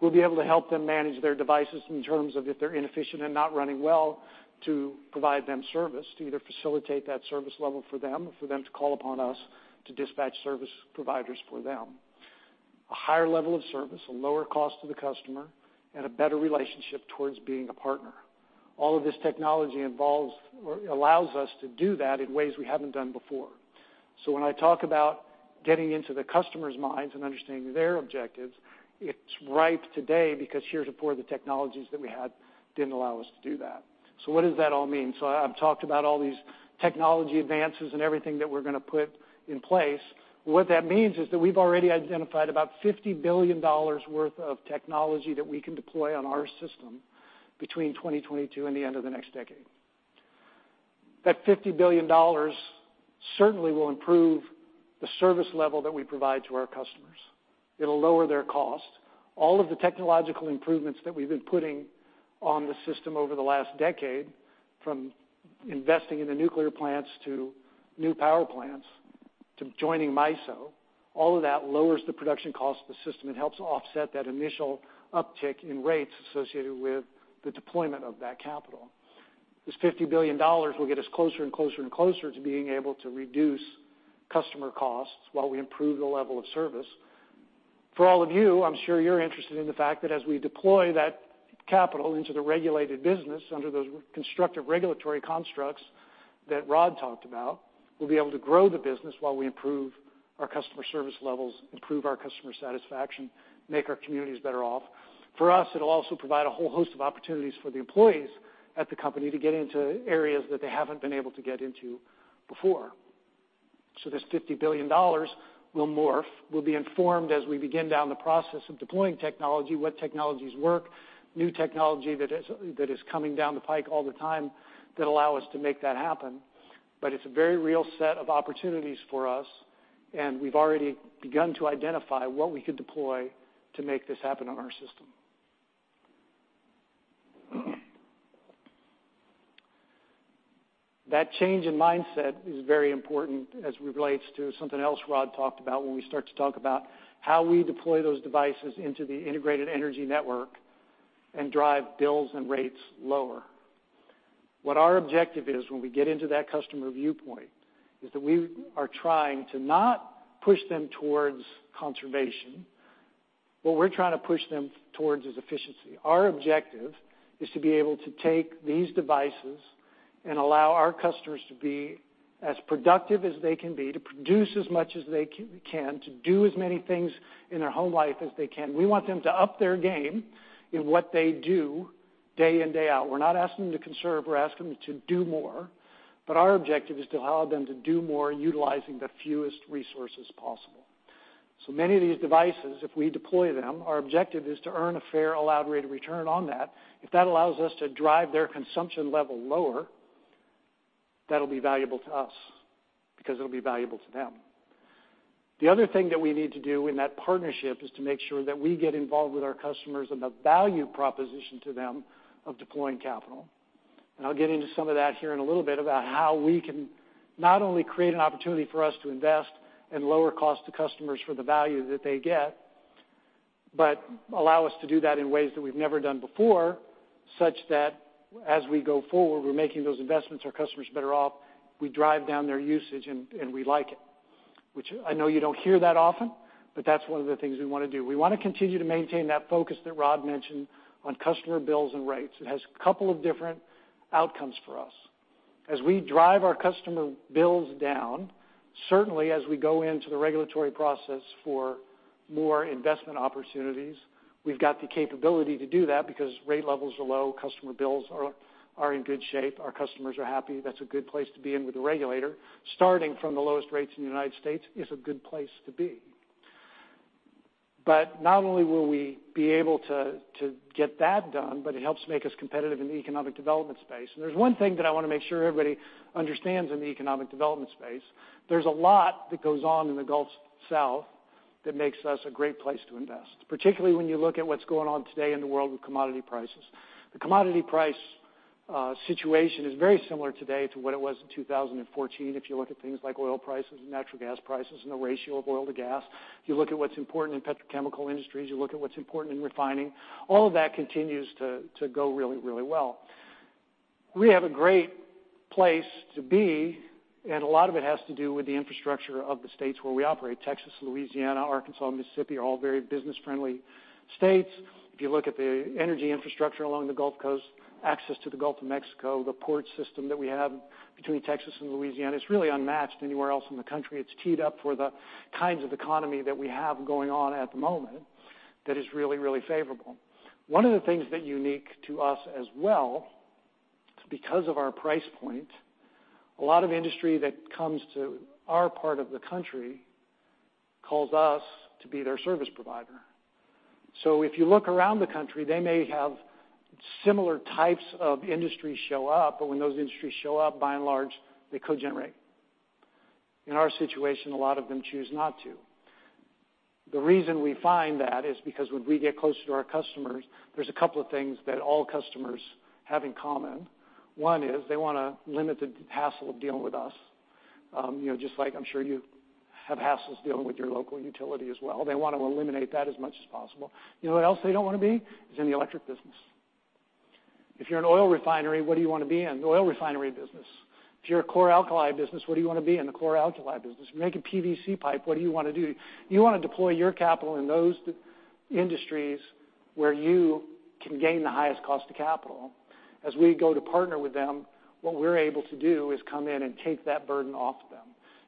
We'll be able to help them manage their devices in terms of if they're inefficient and not running well, to provide them service, to either facilitate that service level for them or for them to call upon us to dispatch service providers for them. A higher level of service, a lower cost to the customer, and a better relationship towards being a partner. All of this technology allows us to do that in ways we haven't done before. When I talk about getting into the customers' minds and understanding their objectives, it's ripe today because heretofore the technologies that we had didn't allow us to do that. What does that all mean? I've talked about all these technology advances and everything that we're going to put in place. What that means is that we've already identified about $50 billion worth of technology that we can deploy on our system between 2022 and the end of the next decade. That $50 billion certainly will improve the service level that we provide to our customers. It'll lower their cost. All of the technological improvements that we've been putting on the system over the last decade, from investing in the nuclear plants to new power plants, to joining MISO, all of that lowers the production cost of the system and helps offset that initial uptick in rates associated with the deployment of that capital. This $50 billion will get us closer and closer to being able to reduce customer costs while we improve the level of service. For all of you, I'm sure you're interested in the fact that as we deploy that capital into the regulated business under those constructive regulatory constructs that Rod talked about, we'll be able to grow the business while we improve our customer service levels, improve our customer satisfaction, make our communities better off. For us, it'll also provide a whole host of opportunities for the employees at the company to get into areas that they haven't been able to get into before. This $50 billion will morph, will be informed as we begin down the process of deploying technology, what technologies work, new technology that is coming down the pike all the time that allow us to make that happen. It's a very real set of opportunities for us, and we've already begun to identify what we could deploy to make this happen on our system. That change in mindset is very important as it relates to something else Rod talked about when we start to talk about how we deploy those devices into the integrated energy network and drive bills and rates lower. What our objective is when we get into that customer viewpoint is that we are trying to not push them towards conservation. What we're trying to push them towards is efficiency. Our objective is to be able to take these devices and allow our customers to be as productive as they can be, to produce as much as they can, to do as many things in their home life as they can. We want them to up their game in what they do day in, day out. We're not asking them to conserve. We're asking them to do more, but our objective is to allow them to do more utilizing the fewest resources possible. Many of these devices, if we deploy them, our objective is to earn a fair allowed rate of return on that. If that allows us to drive their consumption level lower, that'll be valuable to us because it'll be valuable to them. The other thing that we need to do in that partnership is to make sure that we get involved with our customers on the value proposition to them of deploying capital. I'll get into some of that here in a little bit about how we can not only create an opportunity for us to invest and lower cost to customers for the value that they get, but allow us to do that in ways that we've never done before, such that as we go forward, we're making those investments, our customers better off, we drive down their usage, and we like it. Which I know you don't hear that often, but that's one of the things we want to do. We want to continue to maintain that focus that Rod mentioned on customer bills and rates. It has a couple of different outcomes for us. As we drive our customer bills down, certainly as we go into the regulatory process for more investment opportunities, we've got the capability to do that because rate levels are low, customer bills are in good shape. Our customers are happy. That's a good place to be in with the regulator. Starting from the lowest rates in the U.S. is a good place to be. Not only will we be able to get that done, but it helps make us competitive in the economic development space. There's one thing that I want to make sure everybody understands in the economic development space. There's a lot that goes on in the Gulf South that makes us a great place to invest, particularly when you look at what's going on today in the world with commodity prices. The commodity price situation is very similar today to what it was in 2014 if you look at things like oil prices and natural gas prices and the ratio of oil to gas. If you look at what's important in petrochemical industries, you look at what's important in refining, all of that continues to go really well. We have a great place to be, and a lot of it has to do with the infrastructure of the states where we operate. Texas, Louisiana, Arkansas, Mississippi are all very business-friendly states. If you look at the energy infrastructure along the Gulf Coast, access to the Gulf of Mexico, the port system that we have between Texas and Louisiana, it's really unmatched anywhere else in the country. It's teed up for the kinds of economy that we have going on at the moment that is really favorable. One of the things that's unique to us as well, because of our price point, a lot of industry that comes to our part of the country calls us to be their service provider. If you look around the country, they may have similar types of industries show up, but when those industries show up, by and large, they co-generate. In our situation, a lot of them choose not to. The reason we find that is because when we get closer to our customers, there's a couple of things that all customers have in common. One is they want to limit the hassle of dealing with us. Just like I'm sure you have hassles dealing with your local utility as well. They want to eliminate that as much as possible. You know what else they don't want to be? Is in the electric business. If you're an oil refinery, what do you want to be in? The oil refinery business. If you're a chlor-alkali business, what do you want to be in? The chlor-alkali business. If you make a PVC pipe, what do you want to do? You want to deploy your capital in those industries where you can gain the highest cost of capital. As we go to partner with them, what we're able to do is come in and take that burden off them.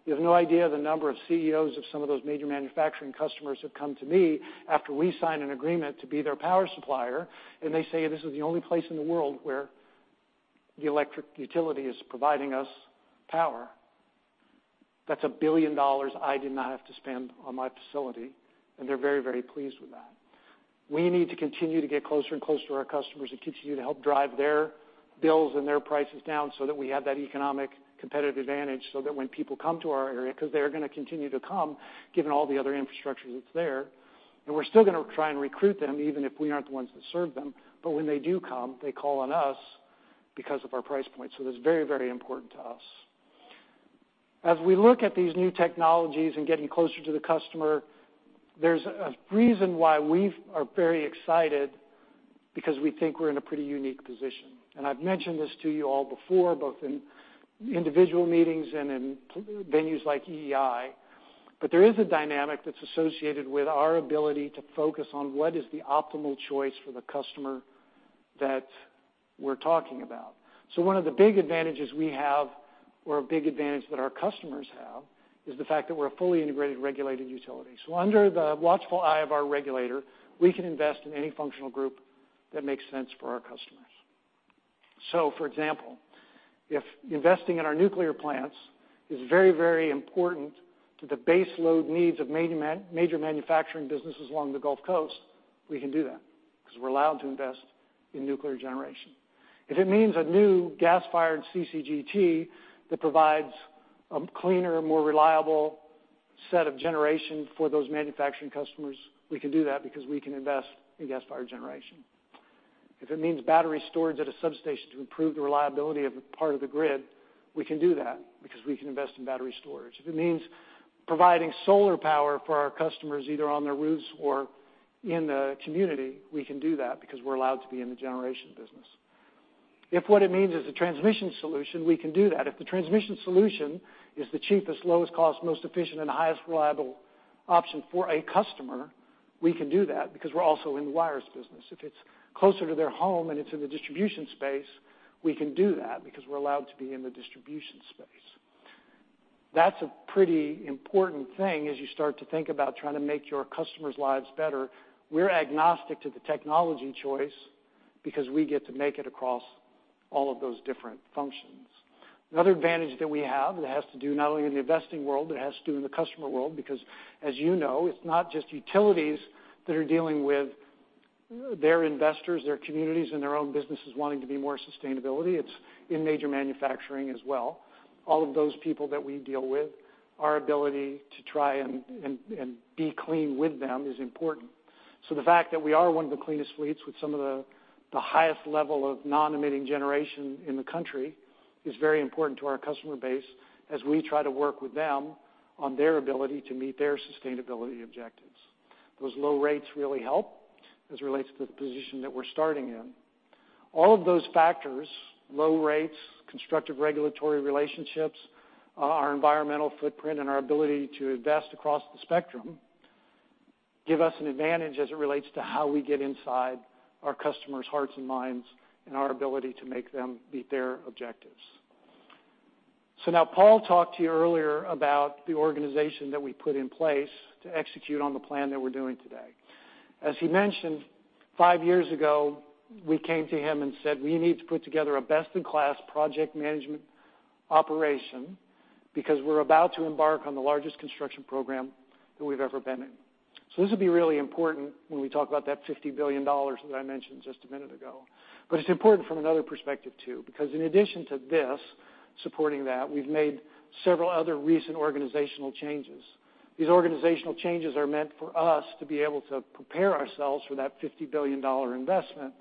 You have no idea the number of CEOs of some of those major manufacturing customers who've come to me after we sign an agreement to be their power supplier, and they say, "This is the only place in the world where the electric utility is providing us power. That's $1 billion I did not have to spend on my facility." They're very pleased with that. We need to continue to get closer and closer to our customers and continue to help drive their bills and their prices down so that we have that economic competitive advantage, so that when people come to our area, because they're going to continue to come, given all the other infrastructure that's there. We're still going to try and recruit them, even if we aren't the ones that serve them. When they do come, they call on us because of our price point. That's very important to us. As we look at these new technologies and getting closer to the customer, there's a reason why we are very excited because we think we're in a pretty unique position. I've mentioned this to you all before, both in individual meetings and in venues like EEI. There is a dynamic that's associated with our ability to focus on what is the optimal choice for the customer that we're talking about. One of the big advantages we have or a big advantage that our customers have, is the fact that we're a fully integrated, regulated utility. Under the watchful eye of our regulator, we can invest in any functional group that makes sense for our customers. For example, if investing in our nuclear plants is very important to the base load needs of major manufacturing businesses along the Gulf Coast, we can do that because we're allowed to invest in nuclear generation. If it means a new gas-fired CCGT that provides a cleaner, more reliable set of generation for those manufacturing customers, we can do that because we can invest in gas-fired generation. If it means battery storage at a substation to improve the reliability of a part of the grid, we can do that because we can invest in battery storage. If it means providing solar power for our customers, either on their roofs or in the community, we can do that because we're allowed to be in the generation business. If what it means is a transmission solution, we can do that. If the transmission solution is the cheapest, lowest cost, most efficient, and highest reliable option for a customer, we can do that because we're also in the wires business. If it's closer to their home and it's in the distribution space, we can do that because we're allowed to be in the distribution space. That's a pretty important thing as you start to think about trying to make your customers' lives better. We're agnostic to the technology choice because we get to make it across all of those different functions. Another advantage that we have that has to do not only in the investing world, it has to do in the customer world, because as you know, it's not just utilities that are dealing with their investors, their communities, and their own businesses wanting to be more sustainability. It's in major manufacturing as well. All of those people that we deal with, our ability to try and be clean with them is important. The fact that we are one of the cleanest fleets with some of the highest level of non-emitting generation in the country is very important to our customer base as we try to work with them on their ability to meet their sustainability objectives. Those low rates really help as it relates to the position that we're starting in. All of those factors, low rates, constructive regulatory relationships, our environmental footprint, and our ability to invest across the spectrum give us an advantage as it relates to how we get inside our customers' hearts and minds, and our ability to make them meet their objectives. Paul talked to you earlier about the organization that we put in place to execute on the plan that we're doing today. As he mentioned, five years ago, we came to him and said, we need to put together a best-in-class project management operation because we're about to embark on the largest construction program that we've ever been in. This will be really important when we talk about that $50 billion that I mentioned just a minute ago. It's important from another perspective, too, because in addition to this, supporting that, we've made several other recent organizational changes. These organizational changes are meant for us to be able to prepare ourselves for that $50 billion investment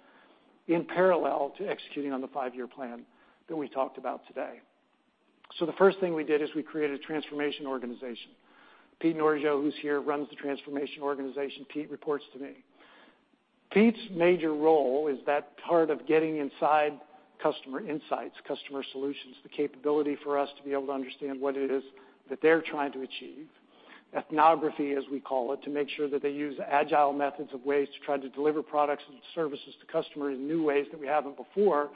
in parallel to executing on the five-year plan that we talked about today. The first thing we did is we created a Transformation organization. Pete Norjo, who's here, runs the Transformation organization. Pete reports to me. Pete's major role is that part of getting inside customer insights, customer solutions, the capability for us to be able to understand what it is that they're trying to achieve. Ethnography, as we call it, to make sure that they use agile methods of ways to try to deliver products and services to customers in new ways that we haven't before,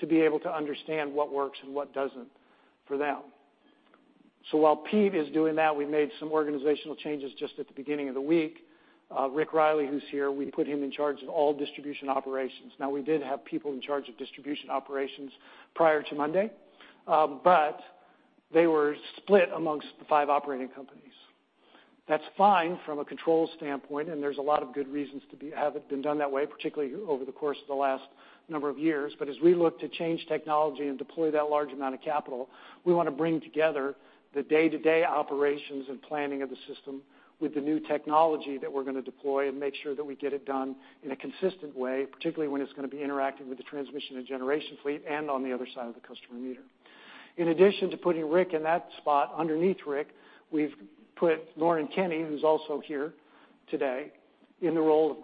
to be able to understand what works and what doesn't for them. While Pete is doing that, we made some organizational changes just at the beginning of the week. Rick Riley, who's here, we put him in charge of all distribution operations. We did have people in charge of distribution operations prior to Monday. They were split amongst the five operating companies. That's fine from a control standpoint, there's a lot of good reasons to have it been done that way, particularly over the course of the last number of years. As we look to change technology and deploy that large amount of capital, we want to bring together the day-to-day operations and planning of the system with the new technology that we're going to deploy and make sure that we get it done in a consistent way, particularly when it's going to be interacting with the transmission and generation fleet and on the other side of the customer meter. In addition to putting Rick in that spot, underneath Rick, we've put Lauren Kenney, who's also here today, in the role of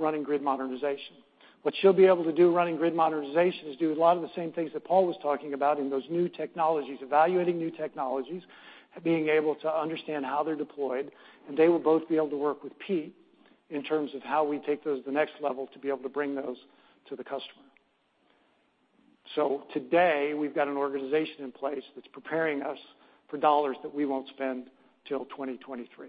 running Grid Modernization. What she'll be able to do running Grid Modernization is do a lot of the same things that Paul was talking about in those new technologies, evaluating new technologies, being able to understand how they're deployed, and they will both be able to work with Pete in terms of how we take those the next level to be able to bring those to the customer. Today, we've got an organization in place that's preparing us for dollars that we won't spend till 2023.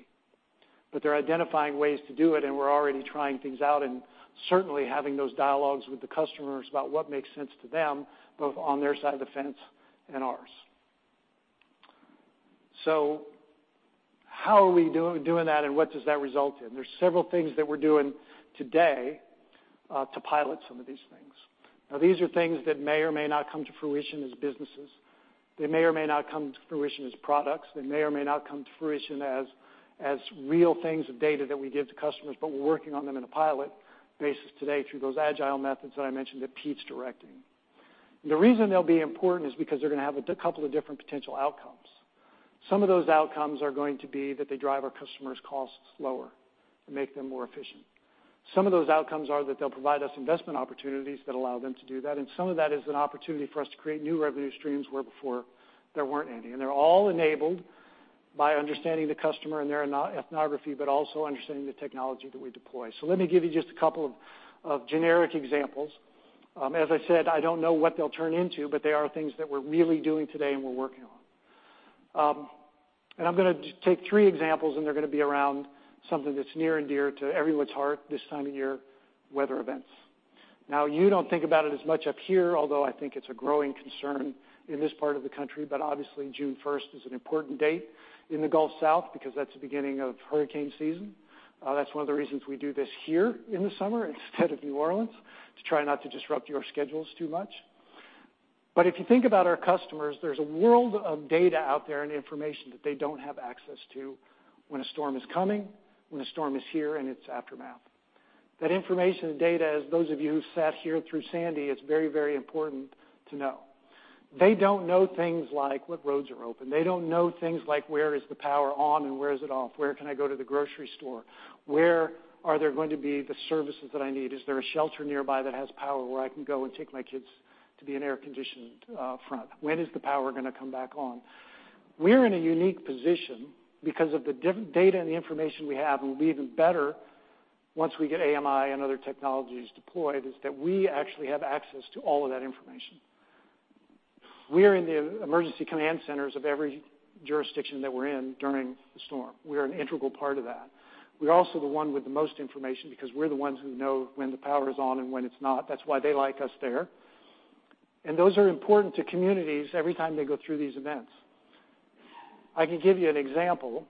They're identifying ways to do it, and we're already trying things out and certainly having those dialogues with the customers about what makes sense to them, both on their side of the fence and ours. How are we doing that and what does that result in? There's several things that we're doing today to pilot some of these things. These are things that may or may not come to fruition as businesses. They may or may not come to fruition as products. They may or may not come to fruition as real things of data that we give to customers, but we're working on them in a pilot basis today through those agile methods that I mentioned that Pete's directing. The reason they'll be important is because they're going to have a couple of different potential outcomes. Some of those outcomes are going to be that they drive our customers' costs lower and make them more efficient. Some of those outcomes are that they'll provide us investment opportunities that allow them to do that, and some of that is an opportunity for us to create new revenue streams where before there weren't any. They're all enabled by understanding the customer and their ethnography, but also understanding the technology that we deploy. Let me give you just a couple of generic examples. As I said, I don't know what they'll turn into, but they are things that we're really doing today and we're working on. I'm going to take three examples, and they're going to be around something that's near and dear to everyone's heart this time of year, weather events. You don't think about it as much up here, although I think it's a growing concern in this part of the country. Obviously, June 1st is an important date in the Gulf South because that's the beginning of hurricane season. That's one of the reasons we do this here in the summer instead of New Orleans, to try not to disrupt your schedules too much. If you think about our customers, there's a world of data out there and information that they don't have access to when a storm is coming, when a storm is here, and its aftermath. That information and data, as those of you who sat here through Hurricane Sandy, it's very, very important to know. They don't know things like what roads are open. They don't know things like where is the power on and where is it off? Where can I go to the grocery store? Where are there going to be the services that I need? Is there a shelter nearby that has power where I can go and take my kids to be in an air-conditioned front? When is the power going to come back on? We're in a unique position because of the data and the information we have, and we'll be even better once we get AMI and other technologies deployed, is that we actually have access to all of that information. We're in the emergency command centers of every jurisdiction that we're in during the storm. We're an integral part of that. We're also the one with the most information because we're the ones who know when the power is on and when it's not. That's why they like us there. Those are important to communities every time they go through these events. I can give you an example,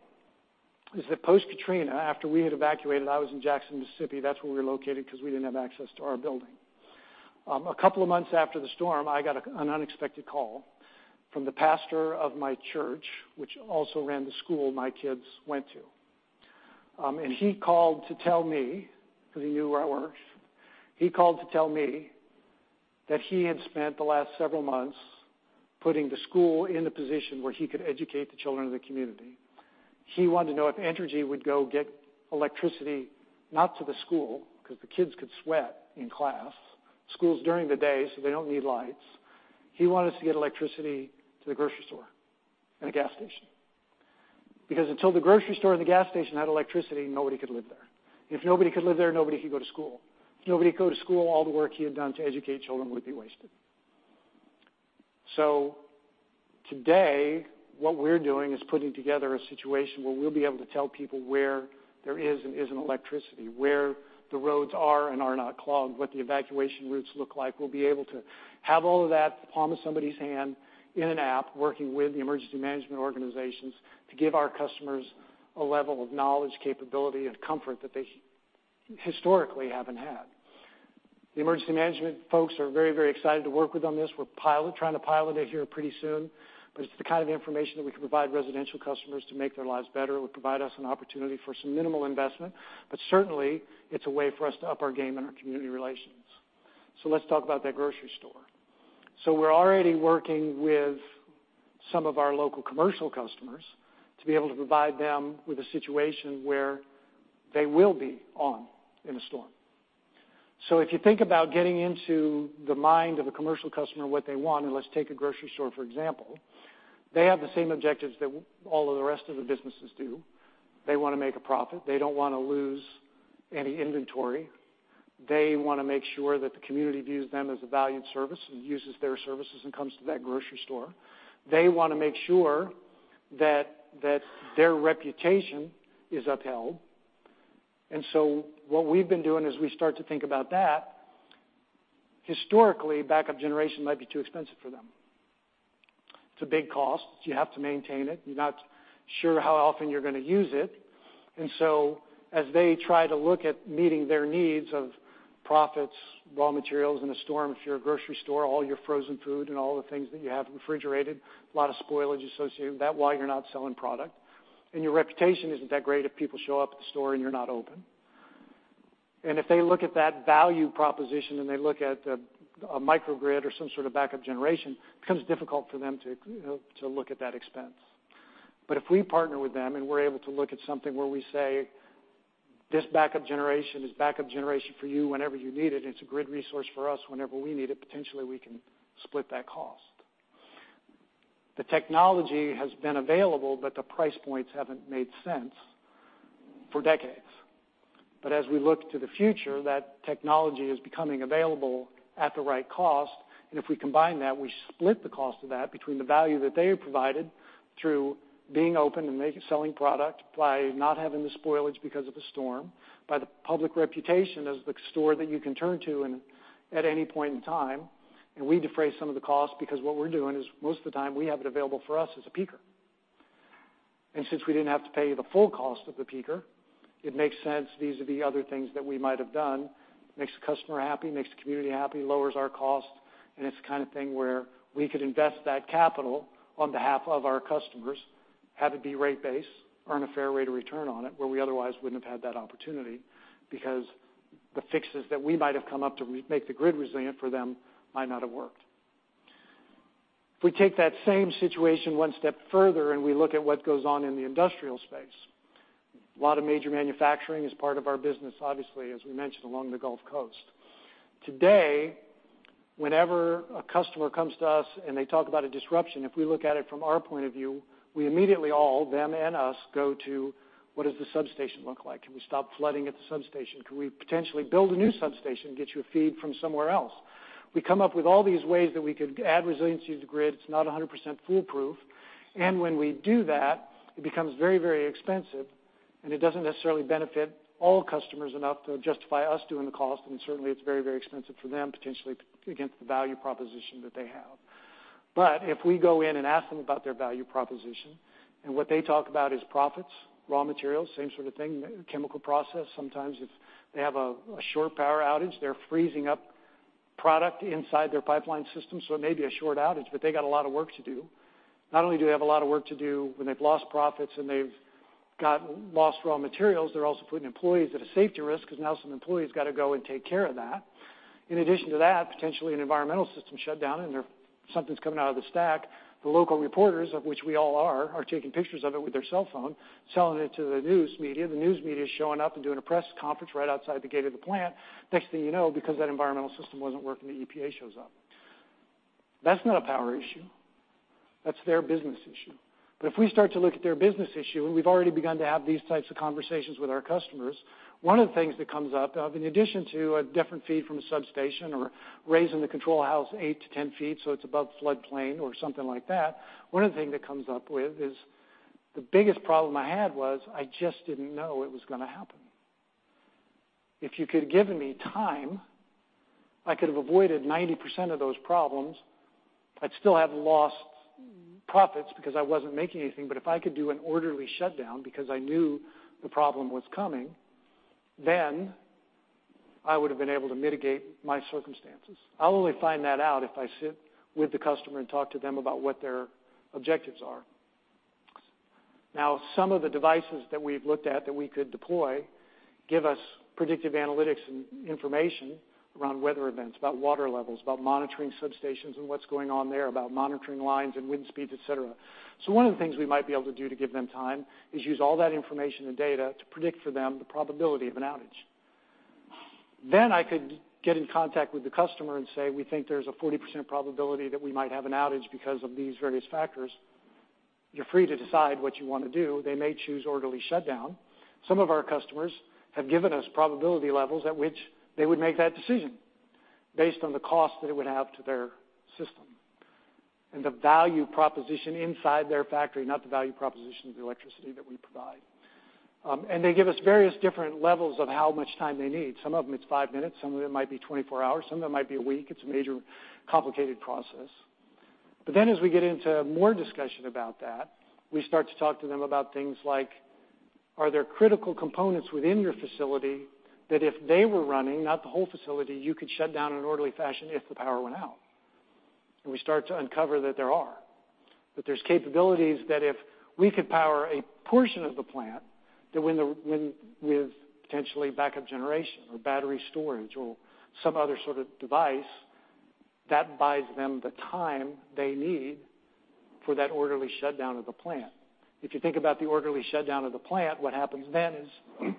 is that post-Hurricane Katrina, after we had evacuated, I was in Jackson, Mississippi. That's where we were located because we didn't have access to our building. A couple of months after the storm, I got an unexpected call from the pastor of my church, which also ran the school my kids went to. He called to tell me, because he knew where I worked, he called to tell me that he had spent the last several months putting the school in the position where he could educate the children of the community. He wanted to know if Entergy would go get electricity, not to the school, because the kids could sweat in class. School's during the day, so they don't need lights. He wanted us to get electricity to the grocery store and a gas station. Until the grocery store and the gas station had electricity, nobody could live there. If nobody could live there, nobody could go to school. If nobody could go to school, all the work he had done to educate children would be wasted. Today, what we're doing is putting together a situation where we'll be able to tell people where there is and isn't electricity, where the roads are and are not clogged, what the evacuation routes look like. We'll be able to have all of that at the palm of somebody's hand in an app, working with the emergency management organizations to give our customers a level of knowledge, capability, and comfort that they historically haven't had. The emergency management folks are very, very excited to work with on this. We're trying to pilot it here pretty soon, it's the kind of information that we can provide residential customers to make their lives better. It would provide us an opportunity for some minimal investment, certainly, it's a way for us to up our game in our community relations. Let's talk about that grocery store. We're already working with some of our local commercial customers to be able to provide them with a situation where they will be on in a storm. If you think about getting into the mind of a commercial customer, what they want, and let's take a grocery store, for example. They have the same objectives that all of the rest of the businesses do. They want to make a profit. They don't want to lose any inventory. They want to make sure that the community views them as a valued service and uses their services and comes to that grocery store. They want to make sure that their reputation is upheld. What we've been doing as we start to think about that, historically, backup generation might be too expensive for them. It's a big cost. You have to maintain it. You're not sure how often you're going to use it. As they try to look at meeting their needs of profits, raw materials in a storm, if you're a grocery store, all your frozen food and all the things that you have refrigerated, a lot of spoilage associated with that while you're not selling product. Your reputation isn't that great if people show up at the store and you're not open. If they look at that value proposition and they look at a microgrid or some sort of backup generation, it becomes difficult for them to look at that expense. If we partner with them and we're able to look at something where we say, this backup generation is backup generation for you whenever you need it's a grid resource for us whenever we need it, potentially we can split that cost. The technology has been available, but the price points haven't made sense for decades. As we look to the future, that technology is becoming available at the right cost, and if we combine that, we split the cost of that between the value that they provided through being open and selling product by not having the spoilage because of a storm, by the public reputation as the store that you can turn to at any point in time, and we defray some of the cost because what we're doing is most of the time, we have it available for us as a peaker. Since we didn't have to pay the full cost of the peaker, it makes sense these are the other things that we might have done. Makes the customer happy, makes the community happy, lowers our cost, and it's the kind of thing where we could invest that capital on behalf of our customers, have it be rate-based, earn a fair rate of return on it, where we otherwise wouldn't have had that opportunity because the fixes that we might have come up to make the grid resilient for them might not have worked. If we take that same situation one step further and we look at what goes on in the industrial space, a lot of major manufacturing is part of our business, obviously, as we mentioned, along the Gulf Coast. Today, whenever a customer comes to us and they talk about a disruption, if we look at it from our point of view, we immediately all, them and us, go to: what does the substation look like? Can we stop flooding at the substation? Can we potentially build a new substation, get you a feed from somewhere else? We come up with all these ways that we could add resiliency to the grid. It's not 100% foolproof. When we do that, it becomes very, very expensive, and it doesn't necessarily benefit all customers enough to justify us doing the cost, and certainly it's very, very expensive for them potentially against the value proposition that they have. If we go in and ask them about their value proposition, and what they talk about is profits, raw materials, same sort of thing, chemical process. Sometimes if they have a short power outage, they're freezing up product inside their pipeline system. It may be a short outage, but they got a lot of work to do. Not only do they have a lot of work to do when they've lost profits and they've got lost raw materials, they're also putting employees at a safety risk because now some employee's got to go and take care of that. In addition to that, potentially an environmental system shut down. If something's coming out of the stack, the local reporters, of which we all are taking pictures of it with their cell phone, selling it to the news media. The news media is showing up and doing a press conference right outside the gate of the plant. Next thing you know, because that environmental system wasn't working, the EPA shows up. That's not a power issue. That's their business issue. If we start to look at their business issue, and we've already begun to have these types of conversations with our customers, one of the things that comes up, in addition to a different feed from a substation or raising the control house eight to 10 feet so it's above floodplain or something like that, one of the thing that comes up with is, the biggest problem I had was I just didn't know it was going to happen. If you could've given me time, I could have avoided 90% of those problems. I'd still have lost profits because I wasn't making anything. If I could do an orderly shutdown because I knew the problem was coming, I would have been able to mitigate my circumstances. I'll only find that out if I sit with the customer and talk to them about what their objectives are. Some of the devices that we've looked at that we could deploy give us predictive analytics and information around weather events, about water levels, about monitoring substations and what's going on there, about monitoring lines and wind speeds, et cetera. One of the things we might be able to do to give them time is use all that information and data to predict for them the probability of an outage. I could get in contact with the customer and say, we think there's a 40% probability that we might have an outage because of these various factors. You're free to decide what you want to do. They may choose orderly shutdown. Some of our customers have given us probability levels at which they would make that decision based on the cost that it would have to their system and the value proposition inside their factory, not the value proposition of the electricity that we provide. They give us various different levels of how much time they need. Some of them, it's five minutes, some of them might be 24 hours, some of them might be a week. It's a major complicated process. As we get into more discussion about that, we start to talk to them about things like, are there critical components within your facility that if they were running, not the whole facility, you could shut down in an orderly fashion if the power went out? We start to uncover that there are. That there's capabilities that if we could power a portion of the plant, that with potentially backup generation or battery storage or some other sort of device, that buys them the time they need for that orderly shutdown of the plant. If you think about the orderly shutdown of the plant, what happens then is,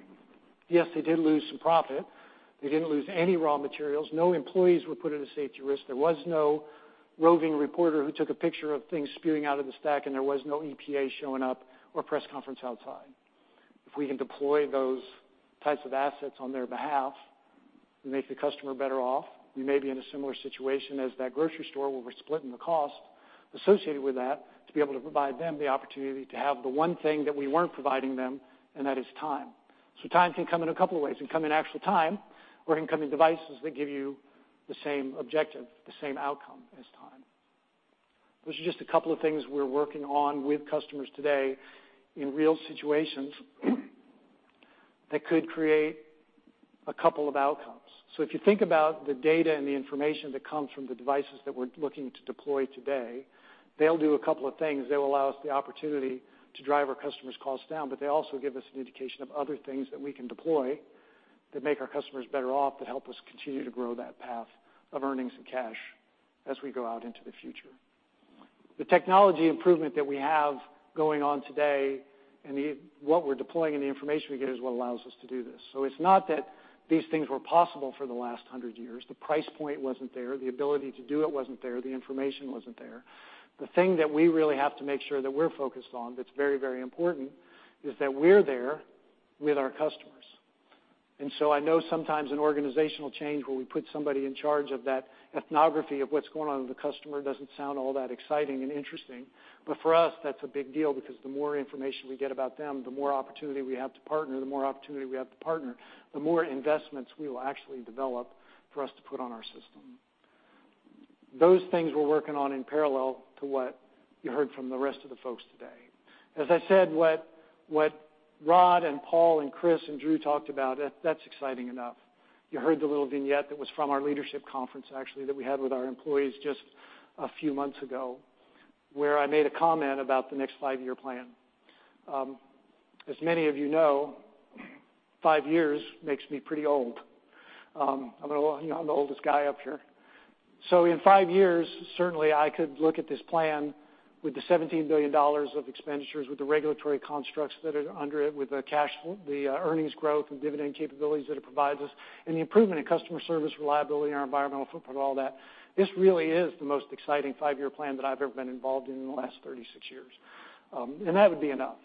yes, they did lose some profit. They didn't lose any raw materials. No employees were put at a safety risk. There was no roving reporter who took a picture of things spewing out of the stack, and there was no EPA showing up or press conference outside. If we can deploy those types of assets on their behalf, we make the customer better off. We may be in a similar situation as that grocery store where we're splitting the cost associated with that to be able to provide them the opportunity to have the one thing that we weren't providing them, and that is time. Time can come in a couple of ways. It can come in actual time or it can come in devices that give you the same objective, the same outcome as time. Those are just a couple of things we're working on with customers today in real situations that could create a couple of outcomes. If you think about the data and the information that comes from the devices that we're looking to deploy today, they'll do a couple of things. They will allow us the opportunity to drive our customers' costs down, they also give us an indication of other things that we can deploy that make our customers better off, that help us continue to grow that path of earnings and cash as we go out into the future. The technology improvement that we have going on today and what we're deploying and the information we get is what allows us to do this. It's not that these things were possible for the last 100 years. The price point wasn't there, the ability to do it wasn't there, the information wasn't there. The thing that we really have to make sure that we're focused on that's very, very important is that we're there with our customers. I know sometimes an organizational change where we put somebody in charge of that ethnography of what's going on with the customer does not sound all that exciting and interesting. For us, that's a big deal because the more information we get about them, the more opportunity we have to partner. The more opportunity we have to partner, the more investments we will actually develop for us to put on our system. Those things we're working on in parallel to what you heard from the rest of the folks today. As I said, what Rod and Paul and Chris and Drew talked about, that's exciting enough. You heard the little vignette that was from our leadership conference, actually, that we had with our employees just a few months ago, where I made a comment about the next five-year plan. As many of you know, five years makes me pretty old. I'm the oldest guy up here. In five years, certainly I could look at this plan with the $17 billion of expenditures, with the regulatory constructs that are under it, with the earnings growth and dividend capabilities that it provides us, and the improvement in customer service reliability and our environmental footprint and all that. This really is the most exciting five-year plan that I've ever been involved in the last 36 years. That would be enough.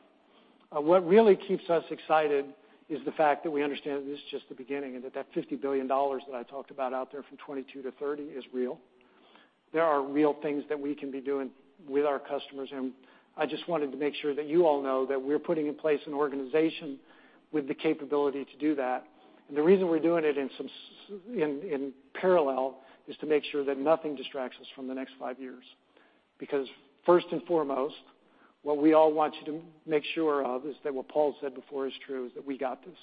What really keeps us excited is the fact that we understand this is just the beginning, and that that $50 billion that I talked about out there from 2022 to 2030 is real. There are real things that we can be doing with our customers, and I just wanted to make sure that you all know that we're putting in place an organization with the capability to do that. The reason we're doing it in parallel is to make sure that nothing distracts us from the next five years. Because first and foremost, what we all want you to make sure of is that what Paul said before is true, is that we got this.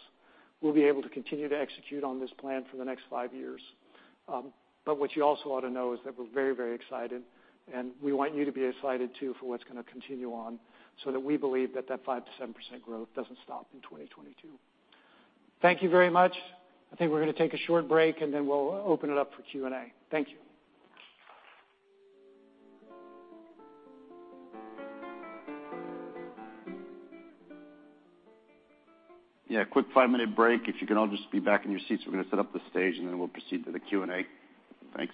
We'll be able to continue to execute on this plan for the next five years. What you also ought to know is that we're very excited, and we want you to be excited, too, for what's going to continue on, so that we believe that that 5%-7% growth does not stop in 2022. Thank you very much. I think we're going to take a short break, and then we'll open it up for Q&A. Thank you. Yeah, a quick five-minute break. If you can all just be back in your seats, we're going to set up the stage, and then we'll proceed to the Q&A. Thanks.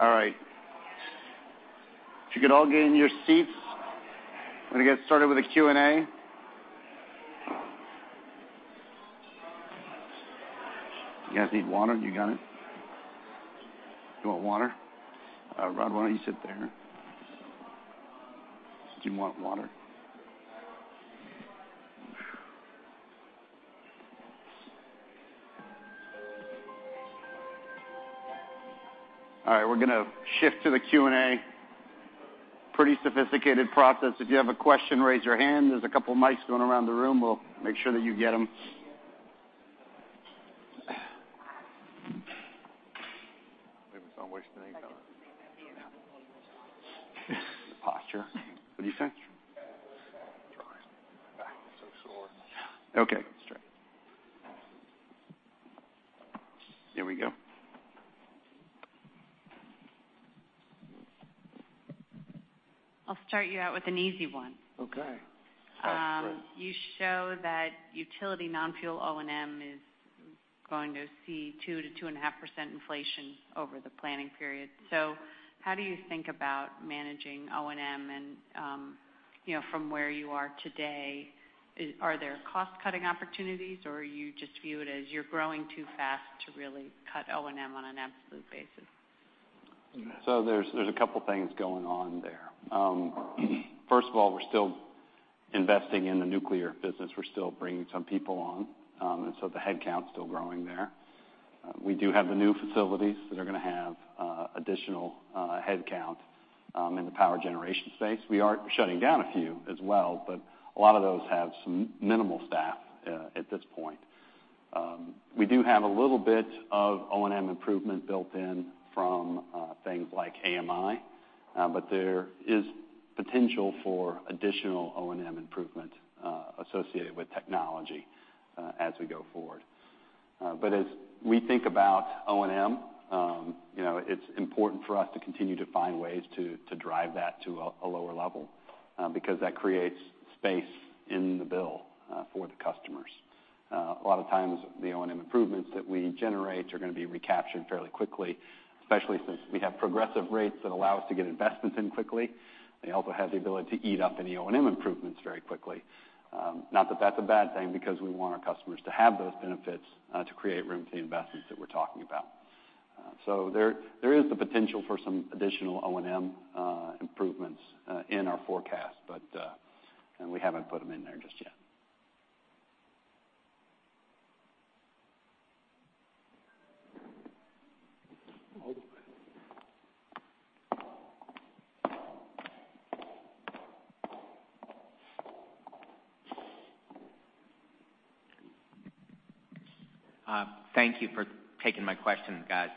All right. If you could all get in your seats, we're going to get started with the Q&A. You guys need water? You got it. You want water? Rod, why don't you sit there. Do you want water? All right, we're going to shift to the Q&A. Pretty sophisticated process. If you have a question, raise your hand. There's a couple of mics going around the room. We'll make sure that you get them. Maybe if I'm wasting any time. Posture. What did you say? My back is so sore. Okay. Here we go. I'll start you out with an easy one. Okay. You show that utility non-fuel O&M is going to see 2%-2.5% inflation over the planning period. How do you think about managing O&M and from where you are today, are there cost-cutting opportunities or you just view it as you're growing too fast to really cut O&M on an absolute basis? There's a couple of things going on there. First of all, we're still investing in the nuclear business. We're still bringing some people on. The headcount's still growing there. We do have the new facilities that are going to have additional headcount in the power generation space. We are shutting down a few as well, but a lot of those have some minimal staff at this point. We do have a little bit of O&M improvement built in from things like AMI, but there is potential for additional O&M improvement associated with technology as we go forward. As we think about O&M, it's important for us to continue to find ways to drive that to a lower level because that creates space in the bill for the customers. A lot of times, the O&M improvements that we generate are going to be recaptured fairly quickly, especially since we have progressive rates that allow us to get investments in quickly. They also have the ability to eat up any O&M improvements very quickly. Not that's a bad thing because we want our customers to have those benefits to create room to invest as we're talking about. There is the potential for some additional O&M improvements in our forecast, but we haven't put them in there just yet. Thank you for taking my question, guys.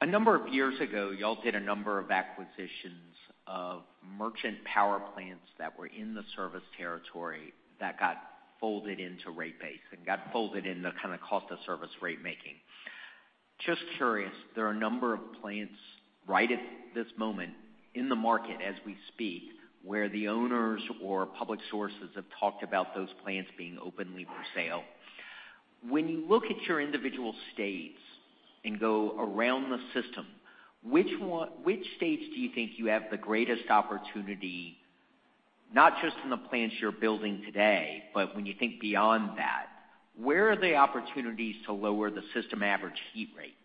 A number of years ago, you all did a number of acquisitions of merchant power plants that were in the service territory that got folded into rate base and got folded in the kind of cost of service rate making. Just curious, there are a number of plants right at this moment in the market as we speak, where the owners or public sources have talked about those plants being openly for sale. When you look at your individual states and go around the system, which states do you think you have the greatest opportunity, not just in the plants you're building today, but when you think beyond that, where are the opportunities to lower the system average heat rate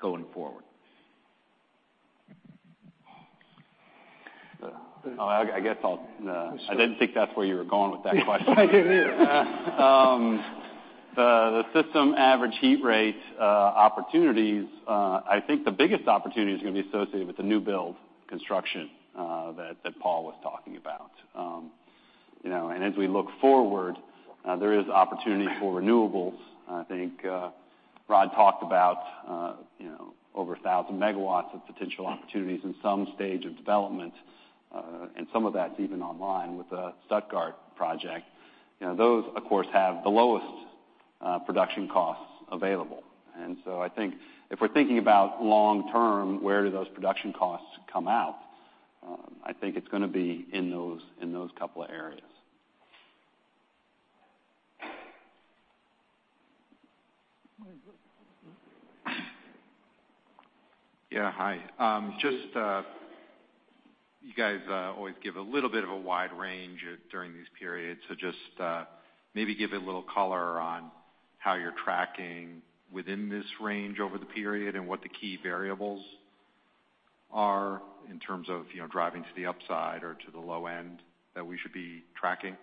going forward? I guess I didn't think that's where you were going with that question. I do. The system average heat rate opportunities, I think the biggest opportunity is going to be associated with the new build construction that Paul was talking about. As we look forward, there is opportunity for renewables. I think Rod talked about over 1,000 megawatts of potential opportunities in some stage of development, and some of that's even online with the Stuttgart project. Those, of course, have the lowest production costs available. I think if we're thinking about long term, where do those production costs come out, I think it's going to be in those couple of areas. Yeah, hi. You guys always give a little bit of a wide range during these periods. Just maybe give a little color on how you're tracking within this range over the period and what the key variables are in terms of driving to the upside or to the low end that we should be tracking.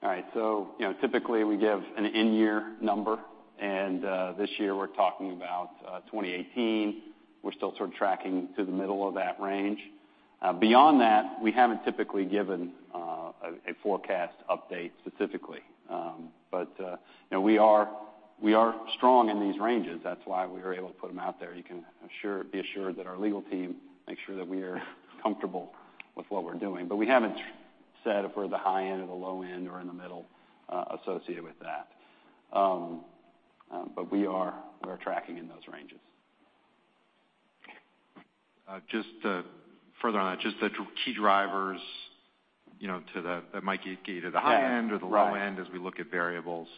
All right. Typically, we give an in-year number, and this year we're talking about 2018. We're still sort of tracking to the middle of that range. Beyond that, we haven't typically given a forecast update specifically. We are strong in these ranges. That's why we are able to put them out there. You can be assured that our legal team makes sure that we are comfortable with what we're doing. We haven't said if we're at the high end or the low end or in the middle associated with that. We are tracking in those ranges. Just to further on that, just the key drivers that might get you to the high end or the low end as we look at variables.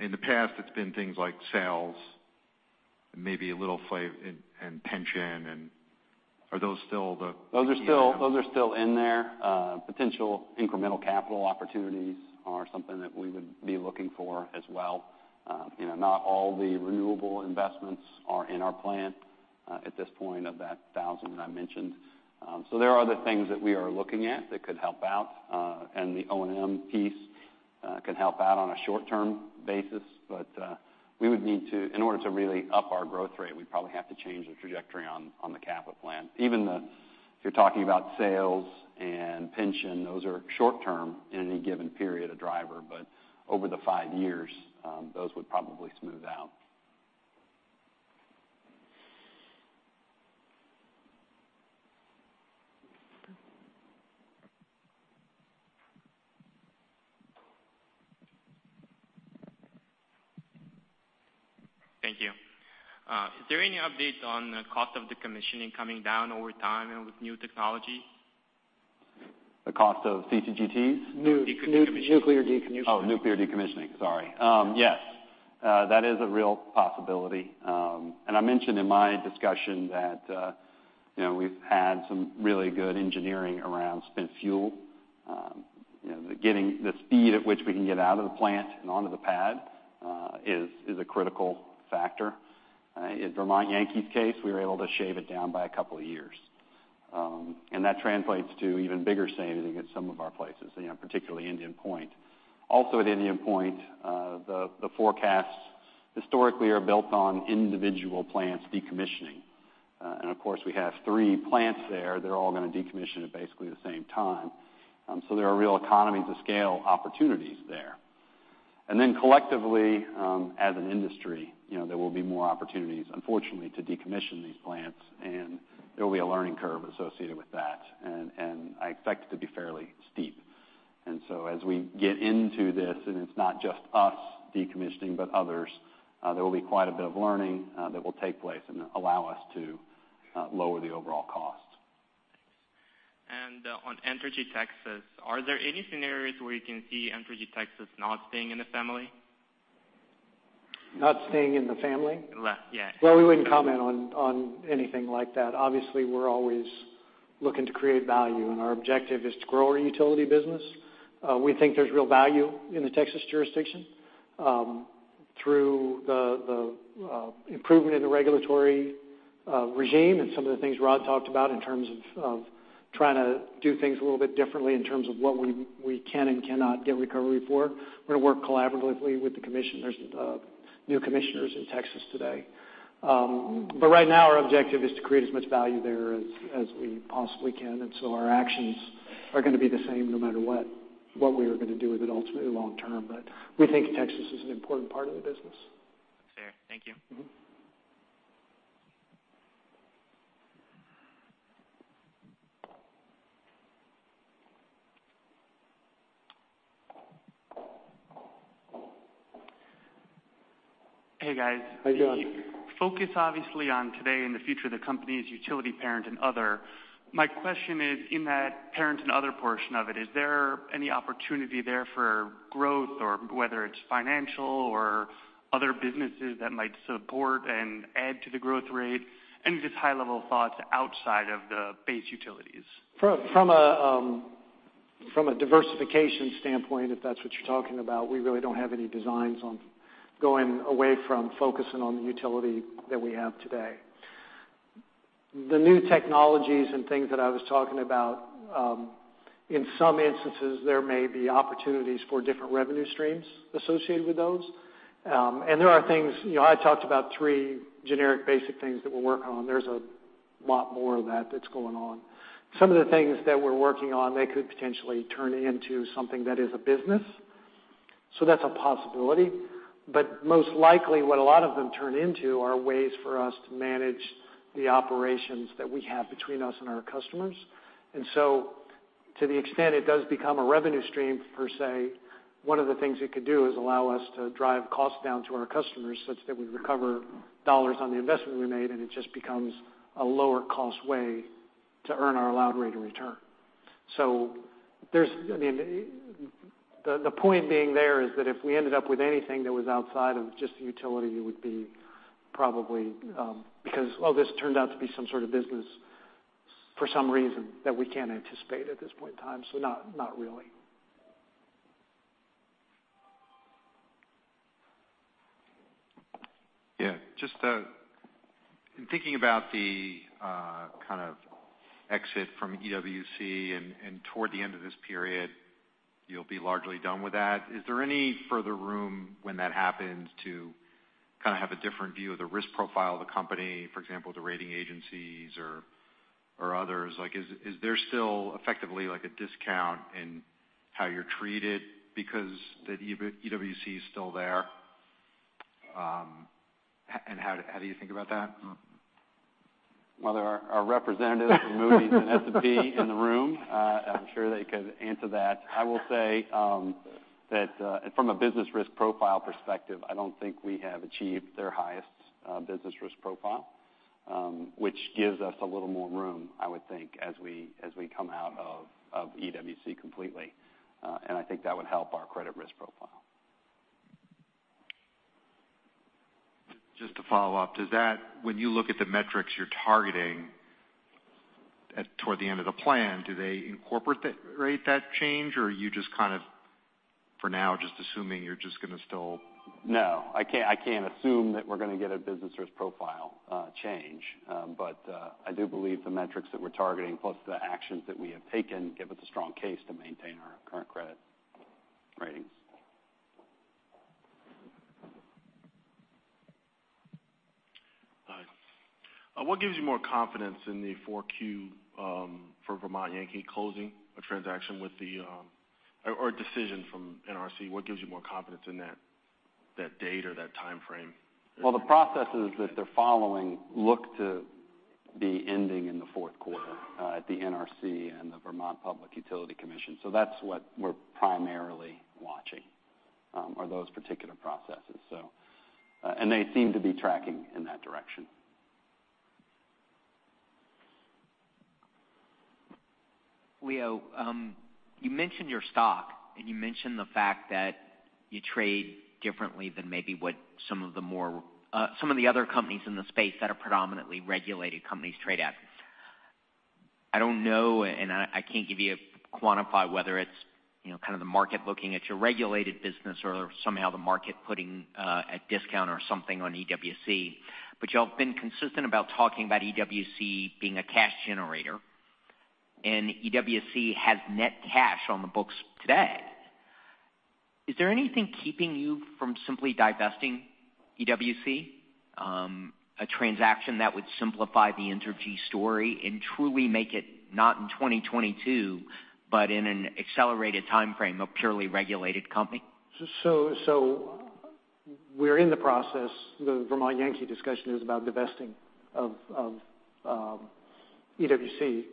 In the past, it's been things like sales, maybe a little play in pension. Are those still the- Those are still in there. Potential incremental capital opportunities are something that we would be looking for as well. Not all the renewable investments are in our plan at this point of that 1,000 that I mentioned. There are other things that we are looking at that could help out, and the O&M piece could help out on a short-term basis. In order to really up our growth rate, we'd probably have to change the trajectory on the capital plan. Even if you're talking about sales and pension, those are short-term in any given period, a driver. Over the five years, those would probably smooth out. Thank you. Is there any update on the cost of decommissioning coming down over time and with new technology? The cost of CCGTs? Nuclear decommissioning. Oh, nuclear decommissioning. Sorry. Yes. That is a real possibility. I mentioned in my discussion that we've had some really good engineering around spent fuel. The speed at which we can get out of the plant and onto the pad is a critical factor. In Vermont Yankee's case, we were able to shave it down by a couple of years. That translates to even bigger savings at some of our places, particularly Indian Point. Also at Indian Point, the forecasts historically are built on individual plants decommissioning. Of course, we have three plants there. They're all going to decommission at basically the same time. There are real economies of scale opportunities there. Collectively, as an industry, there will be more opportunities, unfortunately, to decommission these plants, and there will be a learning curve associated with that. I expect it to be fairly steep. As we get into this, and it's not just us decommissioning, but others, there will be quite a bit of learning that will take place and allow us to lower the overall cost. On Entergy Texas, are there any scenarios where you can see Entergy Texas not staying in the family? Not staying in the family? Yes. Well, we wouldn't comment on anything like that. Obviously, we're always looking to create value, and our objective is to grow our utility business. We think there's real value in the Texas jurisdiction through the improvement in the regulatory regime and some of the things Rod talked about in terms of trying to do things a little bit differently in terms of what we can and cannot get recovery for. We're going to work collaboratively with the commissioners, new commissioners in Texas today. Right now, our objective is to create as much value there as we possibly can, and so our actions are going to be the same no matter what we are going to do with it ultimately long term. We think Texas is an important part of the business. Fair. Thank you. Hey guys. Hey, John. The focus obviously on today and the future of the company is Utility, Parent & Other. My question is, in that Utility, Parent & Other portion of it, is there any opportunity there for growth or whether it's financial or other businesses that might support and add to the growth rate? Any just high-level thoughts outside of the base utilities. From a diversification standpoint, if that's what you're talking about, we really don't have any designs on going away from focusing on the utility that we have today. The new technologies and things that I was talking about, in some instances, there may be opportunities for different revenue streams associated with those. There are things, I talked about three generic basic things that we're working on. There's a lot more of that that's going on. Some of the things that we're working on, they could potentially turn into something that is a business. That's a possibility. Most likely, what a lot of them turn into are ways for us to manage the operations that we have between us and our customers. To the extent it does become a revenue stream per se, one of the things it could do is allow us to drive costs down to our customers such that we recover dollars on the investment we made, and it just becomes a lower-cost way to earn our allowed rate of return. The point being there is that if we ended up with anything that was outside of just the utility, it would be probably because, well, this turned out to be some sort of business for some reason that we can't anticipate at this point in time. Not really. Yeah. Just in thinking about the kind of exit from EWC and toward the end of this period, you'll be largely done with that. Is there any further room when that happens to have a different view of the risk profile of the company, for example, the rating agencies or others? Is there still effectively a discount in how you're treated because that EWC is still there? How do you think about that? Well, there are representatives from Moody's and S&P in the room. I'm sure they could answer that. I will say that from a business risk profile perspective, I don't think we have achieved their highest business risk profile, which gives us a little more room, I would think, as we come out of EWC completely. I think that would help our credit risk profile. Just to follow up, when you look at the metrics you're targeting toward the end of the plan, do they incorporate that rate change, or are you just kind of, for now, assuming you're going to still- No. I can't assume that we're going to get a business risk profile change. I do believe the metrics that we're targeting, plus the actions that we have taken, give us a strong case to maintain our current credit ratings. What gives you more confidence in the 4Q for Vermont Yankee closing a transaction or a decision from NRC? What gives you more confidence in that date or that timeframe? Well, the processes that they're following look to be ending in the fourth quarter at the NRC and the Vermont Public Utility Commission. That's what we're primarily watching, are those particular processes. They seem to be tracking in that direction. Leo, you mentioned your stock, you mentioned the fact that you trade differently than maybe what some of the other companies in the space that are predominantly regulated companies trade at. I don't know, I can't give you a quantify whether it's kind of the market looking at your regulated business or somehow the market putting a discount or something on EWC, you all have been consistent about talking about EWC being a cash generator, EWC has net cash on the books today. Is there anything keeping you from simply divesting EWC? A transaction that would simplify the Entergy story and truly make it, not in 2022, but in an accelerated timeframe, a purely regulated company? We're in the process. The Vermont Yankee discussion is about divesting of EWC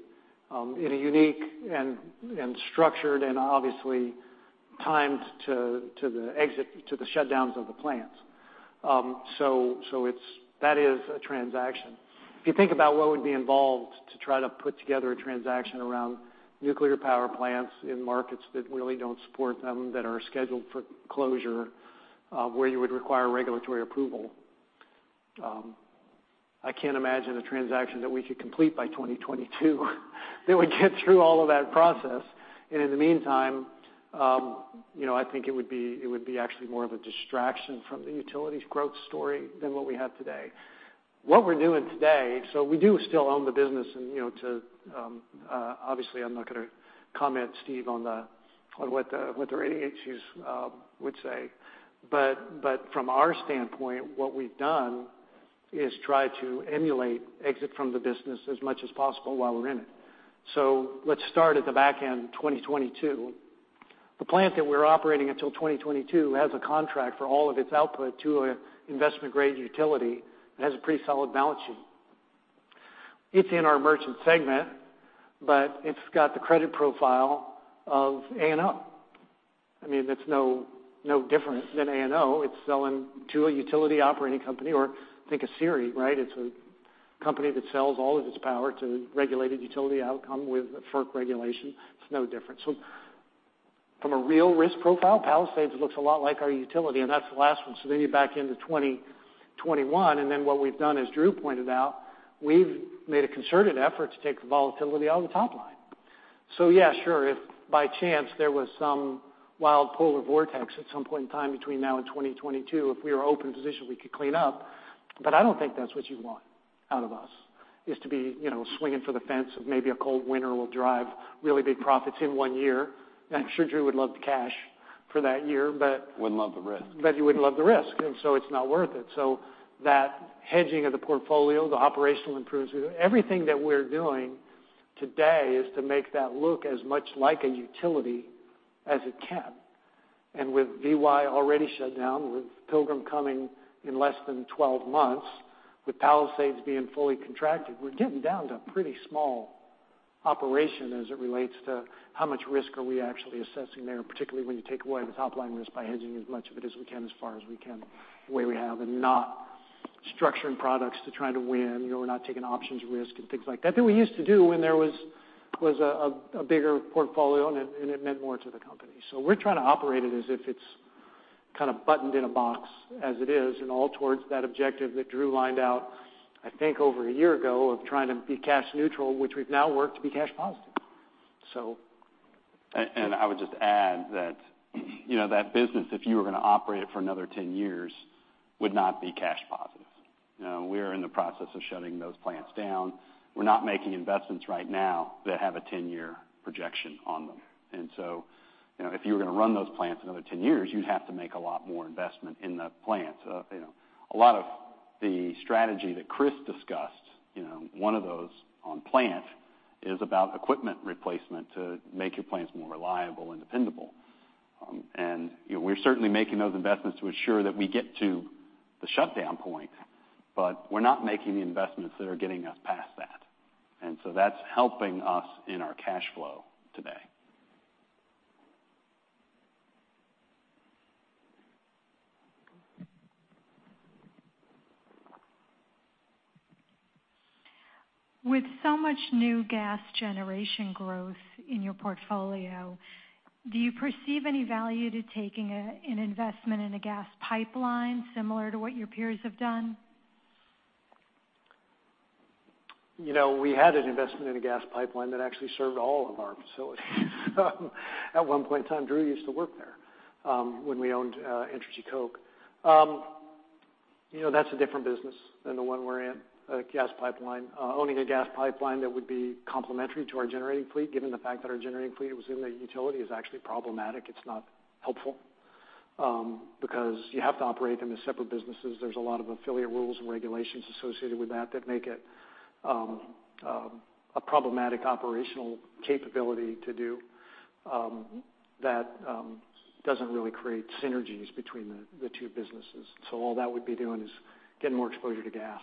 in a unique and structured and obviously timed to the shutdowns of the plants. That is a transaction. If you think about what would be involved to try to put together a transaction around nuclear power plants in markets that really don't support them, that are scheduled for closure, where you would require regulatory approval, I can't imagine a transaction that we could complete by 2022 that would get through all of that process. In the meantime, I think it would be actually more of a distraction from the utilities growth story than what we have today. What we're doing today, we do still own the business and obviously I'm not going to comment, Steve, on what the rating agencies would say. From our standpoint, what we've done is try to emulate exit from the business as much as possible while we're in it. Let's start at the back end 2022. The plant that we're operating until 2022 has a contract for all of its output to an investment-grade utility and has a pretty solid balance sheet. It's in our merchant segment, but it's got the credit profile of ANO. I mean, it's no different than ANO. It's selling to a utility operating company or think of SERC, right? It's a company that sells all of its power to regulated utility outcome with FERC regulation. It's no different. From a real risk profile, Palisades looks a lot like our utility, and that's the last one. You back into 2021, what we've done, as Drew pointed out, we've made a concerted effort to take the volatility out of the top line. Yeah, sure, if by chance there was some wild polar vortex at some point in time between now and 2022, if we were open position, we could clean up. I don't think that's what you want out of us, is to be swinging for the fence of maybe a cold winter will drive really big profits in one year. I'm sure Drew would love the cash for that year. Wouldn't love the risk He wouldn't love the risk, it's not worth it. That hedging of the portfolio, the operational improvements, everything that we're doing today is to make that look as much like a utility as it can. With VY already shut down, with Pilgrim coming in less than 12 months, with Palisades being fully contracted, we're getting down to a pretty small operation as it relates to how much risk are we actually assessing there, particularly when you take away the top-line risk by hedging as much of it as we can, as far as we can, the way we have, and not structuring products to try to win. We're not taking options risk and things like that we used to do when there was a bigger portfolio and it meant more to the company. We're trying to operate it as if it's kind of buttoned in a box as it is, and all towards that objective that Drew lined out, I think over a year ago, of trying to be cash neutral, which we've now worked to be cash positive. I would just add that business, if you were going to operate it for another 10 years, would not be cash positive. We are in the process of shutting those plants down. We're not making investments right now that have a 10-year projection on them. If you were going to run those plants another 10 years, you'd have to make a lot more investment in the plants. A lot of the strategy that Chris discussed, one of those on plant, is about equipment replacement to make your plants more reliable and dependable. We're certainly making those investments to ensure that we get to the shutdown point, but we're not making the investments that are getting us past that. That's helping us in our cash flow today. With so much new gas generation growth in your portfolio, do you perceive any value to taking an investment in a gas pipeline similar to what your peers have done? We had an investment in a gas pipeline that actually served all of our facilities. At one point in time, Drew used to work there, when we owned Entergy-Koch. That's a different business than the one we're in, gas pipeline. Owning a gas pipeline that would be complementary to our generating fleet, given the fact that our generating fleet was in the utility, is actually problematic. It's not helpful, because you have to operate them as separate businesses. There's a lot of affiliate rules and regulations associated with that that make it a problematic operational capability to do that doesn't really create synergies between the two businesses. All that would be doing is getting more exposure to gas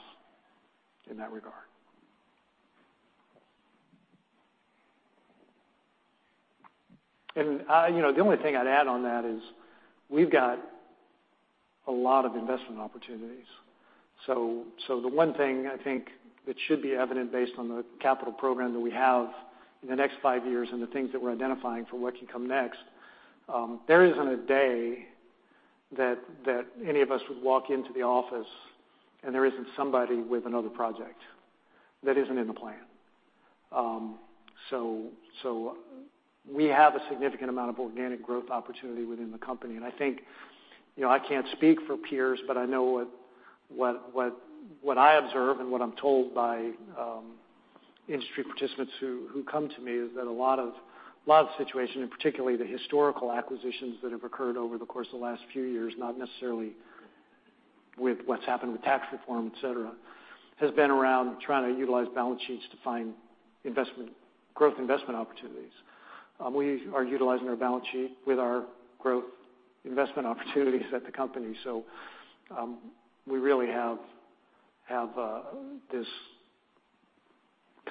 in that regard. The only thing I'd add on that is we've got a lot of investment opportunities. The one thing I think that should be evident based on the capital program that we have in the next 5 years and the things that we're identifying for what can come next, there isn't a day that any of us would walk into the office and there isn't somebody with another project that isn't in the plan. We have a significant amount of organic growth opportunity within the company, and I think, I can't speak for peers, but I know what I observe and what I'm told by industry participants who come to me is that a lot of the situation, and particularly the historical acquisitions that have occurred over the course of the last few years, not necessarily with what's happened with tax reform, et cetera, has been around trying to utilize balance sheets to find growth investment opportunities. We are utilizing our balance sheet with our growth investment opportunities at the company. We really have this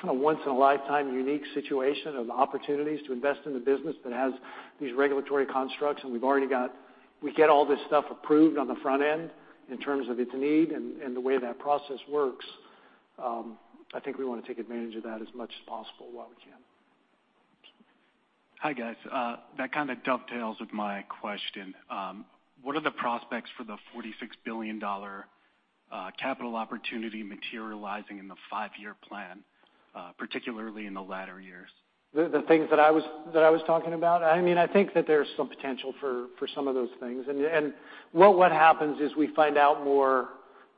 kind of once-in-a-lifetime unique situation of opportunities to invest in the business that has these regulatory constructs, and we get all this stuff approved on the front end in terms of its need and the way that process works. I think we want to take advantage of that as much as possible while we can. Hi, guys. That kind of dovetails with my question. What are the prospects for the $46 billion capital opportunity materializing in the 5-year plan, particularly in the latter years? The things that I was talking about? I think that there's some potential for some of those things. What happens is we find out more,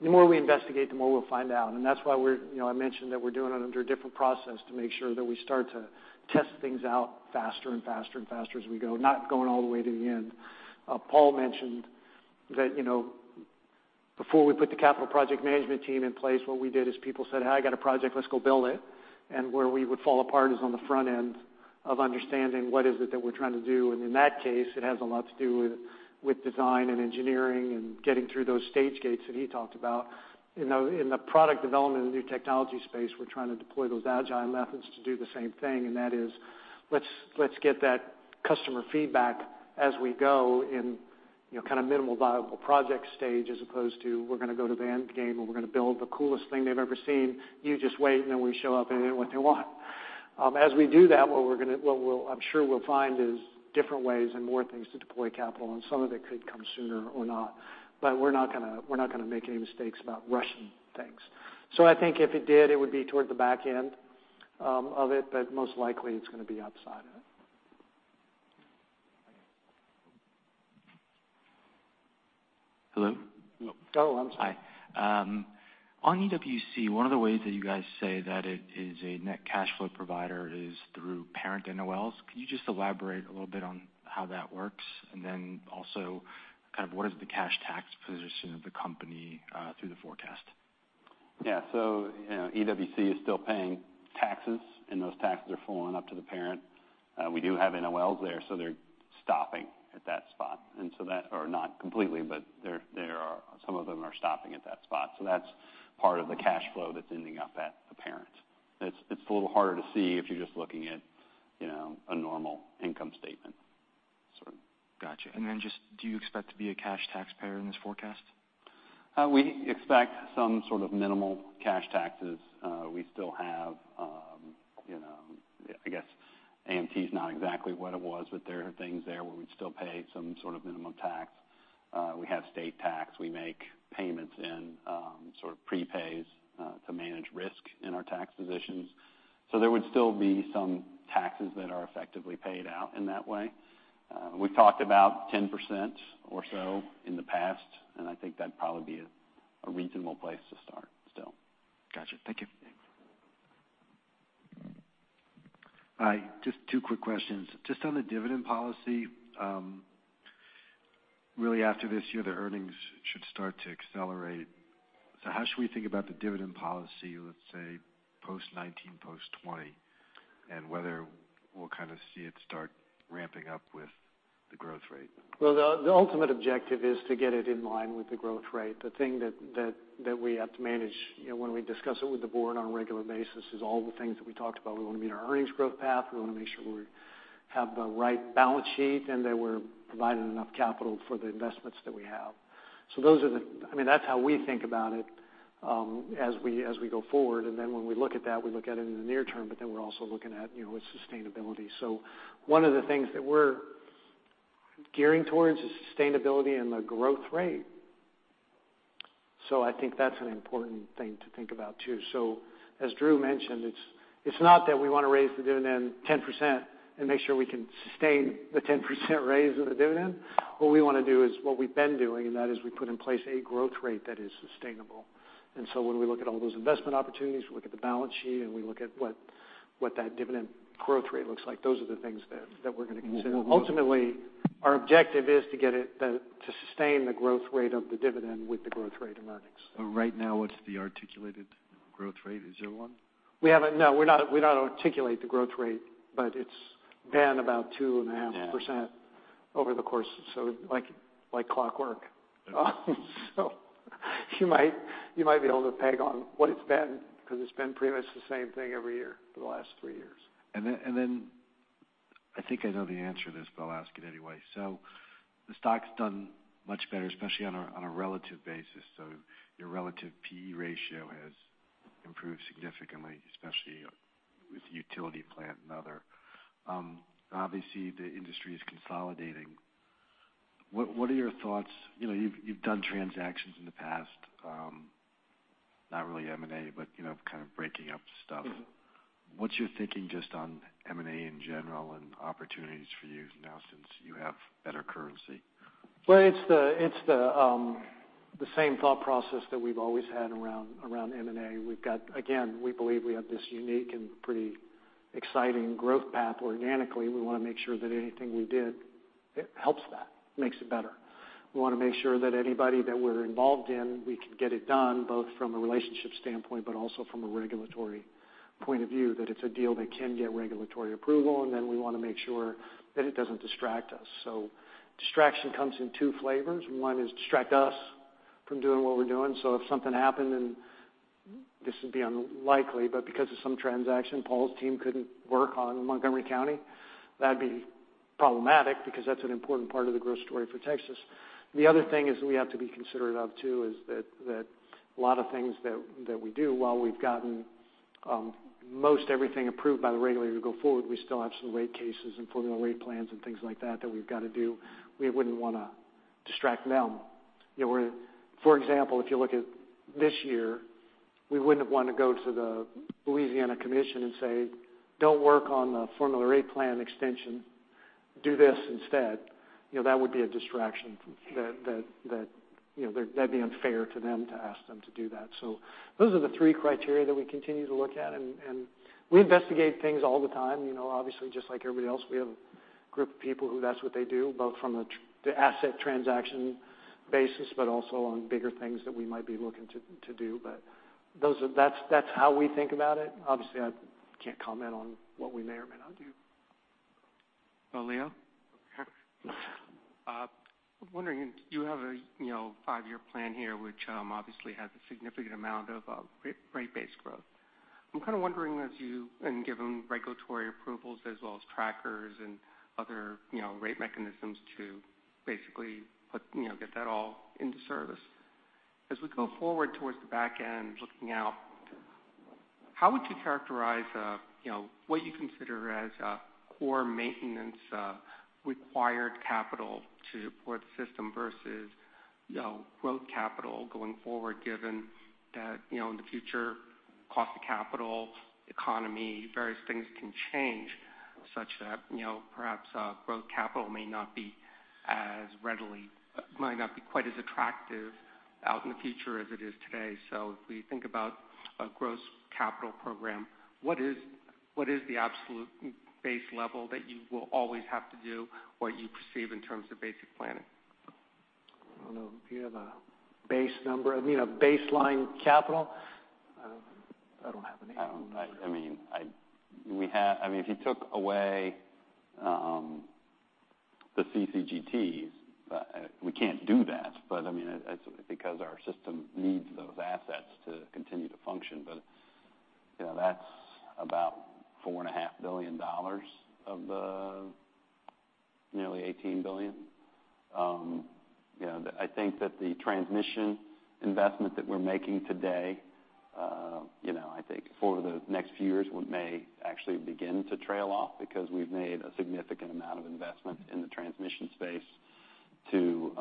the more we investigate, the more we'll find out. That's why I mentioned that we're doing it under a different process to make sure that we start to test things out faster and faster and faster as we go, not going all the way to the end. Paul mentioned that before we put the Capital Project Management Team in place, what we did is people said, "Hey, I got a project. Let's go build it." Where we would fall apart is on the front end of understanding what is it that we're trying to do. In that case, it has a lot to do with design and engineering and getting through those stage gates that he talked about. In the product development and new technology space, we're trying to deploy those agile methods to do the same thing. That is let's get that customer feedback as we go in kind of minimal viable product stage, as opposed to we're going to go to the end game or we're going to build the coolest thing they've ever seen. You just wait, and then we show up and they don't know what they want. As we do that, what I'm sure we'll find is different ways and more things to deploy capital. Some of it could come sooner or not, but we're not going to make any mistakes about rushing things. I think if it did, it would be toward the back end of it, but most likely it's going to be outside of it. Hello? I'm sorry. Hi. On EWC, one of the ways that you guys say that it is a net cash flow provider is through parent NOLs. Can you just elaborate a little bit on how that works? Also kind of what is the cash tax position of the company through the forecast? EWC is still paying taxes. Those taxes are flowing up to the parent. We do have NOLs there. They're stopping at that spot. Not completely, but some of them are stopping at that spot. That's part of the cash flow that's ending up at the parent. It's a little harder to see if you're just looking at a normal income statement sort of. Got you. Do you expect to be a cash taxpayer in this forecast? We expect some sort of minimal cash taxes. We still have, I guess AMT is not exactly what it was, but there are things there where we'd still pay some sort of minimum tax. We have state tax. We make payments in sort of prepays to manage risk in our tax positions. There would still be some taxes that are effectively paid out in that way. We've talked about 10% or so in the past, I think that'd probably be a reasonable place to start still. Got you. Thank you. Thanks. Hi. Just two quick questions. Just on the dividend policy. Really after this year, the earnings should start to accelerate. How should we think about the dividend policy, let's say post 2019, post 2020, and whether we'll kind of see it start ramping up with the growth rate? The ultimate objective is to get it in line with the growth rate. The thing that we have to manage when we discuss it with the board on a regular basis is all the things that we talked about. We want to meet our earnings growth path. We want to make sure we have the right balance sheet, and that we're providing enough capital for the investments that we have. I mean, that's how we think about it as we go forward. When we look at that, we look at it in the near term, we're also looking at its sustainability. One of the things that we're gearing towards is sustainability and the growth rate. I think that's an important thing to think about, too. As Drew mentioned, it's not that we want to raise the dividend 10% and make sure we can sustain the 10% raise of the dividend. What we want to do is what we've been doing, and that is we put in place a growth rate that is sustainable. When we look at all those investment opportunities, we look at the balance sheet, and we look at what that dividend growth rate looks like. Those are the things that we're going to consider. Ultimately, our objective is to sustain the growth rate of the dividend with the growth rate in earnings. Right now, what's the articulated growth rate? Is there one? No, we don't articulate the growth rate, it's been about 2.5%. Yeah over the course. Like clockwork. You might be able to peg on what it's been because it's been pretty much the same thing every year for the last three years. I think I know the answer to this, but I'll ask it anyway. The stock's done much better, especially on a relative basis. Your relative PE ratio has improved significantly, especially with the Utility, Parent & Other. Obviously, the industry is consolidating. What are your thoughts? You've done transactions in the past, not really M&A, but kind of breaking up stuff. What's your thinking just on M&A in general and opportunities for you now since you have better currency? Well, it's the same thought process that we've always had around M&A. Again, we believe we have this unique and pretty exciting growth path organically. We want to make sure that anything we did, it helps that, makes it better. We want to make sure that anybody that we're involved in, we can get it done, both from a relationship standpoint, but also from a regulatory point of view, that it's a deal that can get regulatory approval, we want to make sure that it doesn't distract us. Distraction comes in two flavors. One is distract us from doing what we're doing. If something happened, and this would be unlikely, but because of some transaction, Paul's team couldn't work on Montgomery County, that'd be problematic because that's an important part of the growth story for Texas. The other thing is we have to be considerate of too is that a lot of things that we do while we've gotten most everything approved by the regulator to go forward, we still have some rate cases and Formula Rate Plans and things like that we've got to do. We wouldn't want to distract them. For example, if you look at this year, we wouldn't want to go to the Louisiana Commission and say, "Don't work on the Formula Rate Plan extension. Do this instead." That would be a distraction. That'd be unfair to them to ask them to do that. Those are the three criteria that we continue to look at, and we investigate things all the time. Obviously, just like everybody else, we have a group of people who that's what they do, both from the asset transaction basis, but also on bigger things that we might be looking to do. That's how we think about it. Obviously, I can't comment on what we may or may not do. Leo? Okay. I'm wondering, you have a five-year plan here, which obviously has a significant amount of rate-based growth. I'm kind of wondering as you, and given regulatory approvals as well as trackers and other rate mechanisms to basically get that all into service. As we go forward towards the back end, looking out, how would you characterize what you consider as a core maintenance required capital to support the system versus growth capital going forward, given that in the future, cost of capital, economy, various things can change, such that perhaps growth capital might not be quite as attractive out in the future as it is today. If we think about a growth capital program, what is the absolute base level that you will always have to do what you perceive in terms of basic planning? I don't know. Do you have a base number? I mean, a baseline capital? I don't have any. I mean, if you took away the CCGTs, we can't do that, because our system needs those assets to continue to function. That's about $4.5 billion of the nearly $18 billion. I think that the transmission investment that we're making today I think for the next few years, we may actually begin to trail off because we've made a significant amount of investment in the transmission space to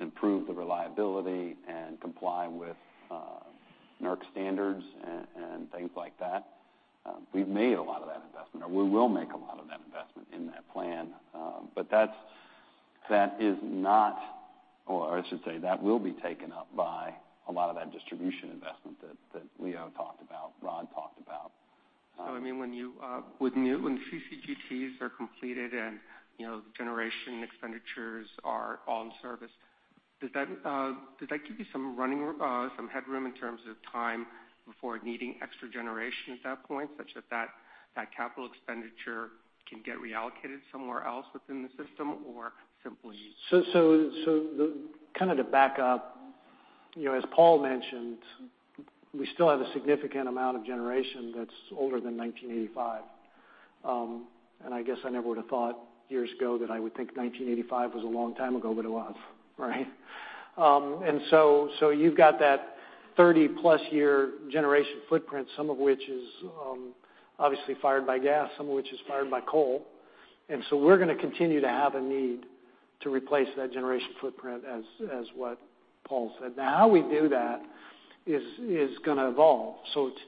improve the reliability and comply with NERC standards and things like that. We've made a lot of that investment, or we will make a lot of that investment in that plan. That is not, or I should say, that will be taken up by a lot of that distribution investment that Leo talked about, Rod talked about. When CCGTs are completed and generation expenditures are all in service, does that give you some headroom in terms of time before needing extra generation at that point, such that that capital expenditure can get reallocated somewhere else within the system? To kind of back up, as Paul mentioned, we still have a significant amount of generation that's older than 1985. I guess I never would've thought years ago that I would think 1985 was a long time ago, but it was, right? You've got that 30-plus year generation footprint, some of which is obviously fired by gas, some of which is fired by coal. We're going to continue to have a need to replace that generation footprint as what Paul said. Now, how we do that is going to evolve.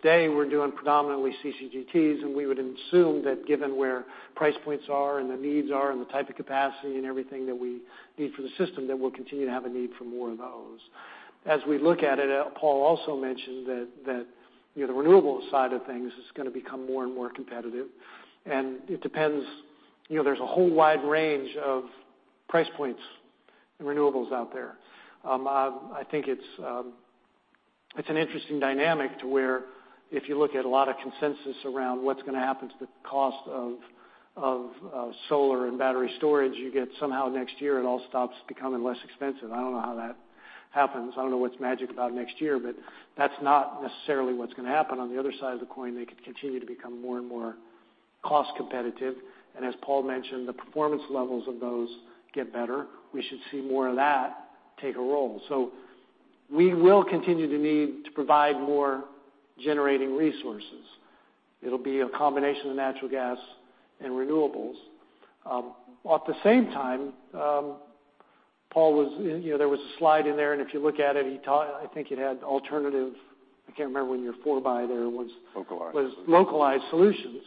Today we're doing predominantly CCGTs, and we would assume that given where price points are and the needs are and the type of capacity and everything that we need for the system, that we'll continue to have a need for more of those. As we look at it, Paul also mentioned that the renewables side of things is going to become more and more competitive, and it depends. There's a whole wide range of price points in renewables out there. I think it's an interesting dynamic to where if you look at a lot of consensus around what's going to happen to the cost of solar and battery storage, you get somehow next year it all stops becoming less expensive. I don't know how that happens. I don't know what's magic about next year, but that's not necessarily what's going to happen. On the other side of the coin, they could continue to become more and more cost competitive, and as Paul mentioned, the performance levels of those get better. We should see more of that take a role. We will continue to need to provide more generating resources. It'll be a combination of natural gas and renewables. At the same time, there was a slide in there, and if you look at it, I think it had alternative, I can't remember when you're [forby] there was- Localized solutions localized solutions.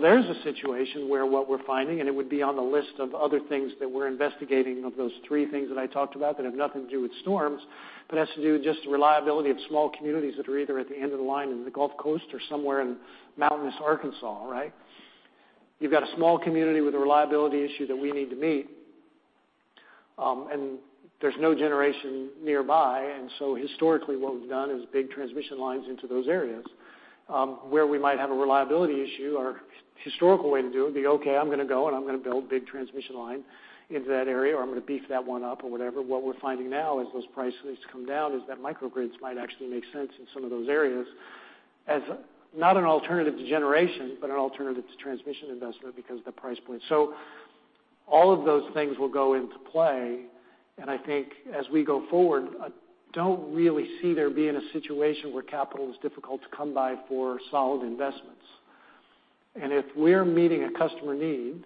There's a situation where what we're finding, and it would be on the list of other things that we're investigating of those three things that I talked about that have nothing to do with storms, but has to do with just the reliability of small communities that are either at the end of the line in the Gulf Coast or somewhere in mountainous Arkansas, right? You've got a small community with a reliability issue that we need to meet, and there's no generation nearby. Historically what we've done is big transmission lines into those areas. Where we might have a reliability issue, our historical way to do it would be, okay, I'm going to go, I'm going to build big transmission line into that area, or I'm going to beef that one up or whatever. What we're finding now as those price points come down is that microgrids might actually make sense in some of those areas as not an alternative to generation, but an alternative to transmission investment because the price point. All of those things will go into play, and I think as we go forward, I don't really see there being a situation where capital is difficult to come by for solid investments. If we're meeting a customer need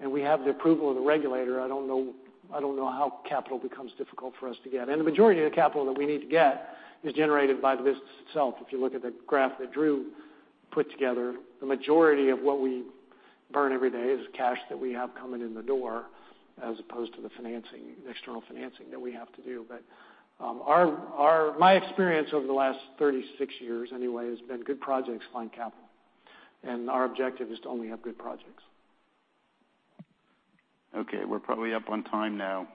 and we have the approval of the regulator, I don't know how capital becomes difficult for us to get. The majority of the capital that we need to get is generated by the business itself. If you look at the graph that Drew put together, the majority of what we burn every day is cash that we have coming in the door as opposed to the external financing that we have to do. My experience over the last 36 years anyway, has been good projects find capital, and our objective is to only have good projects. Okay, we're probably up on time now.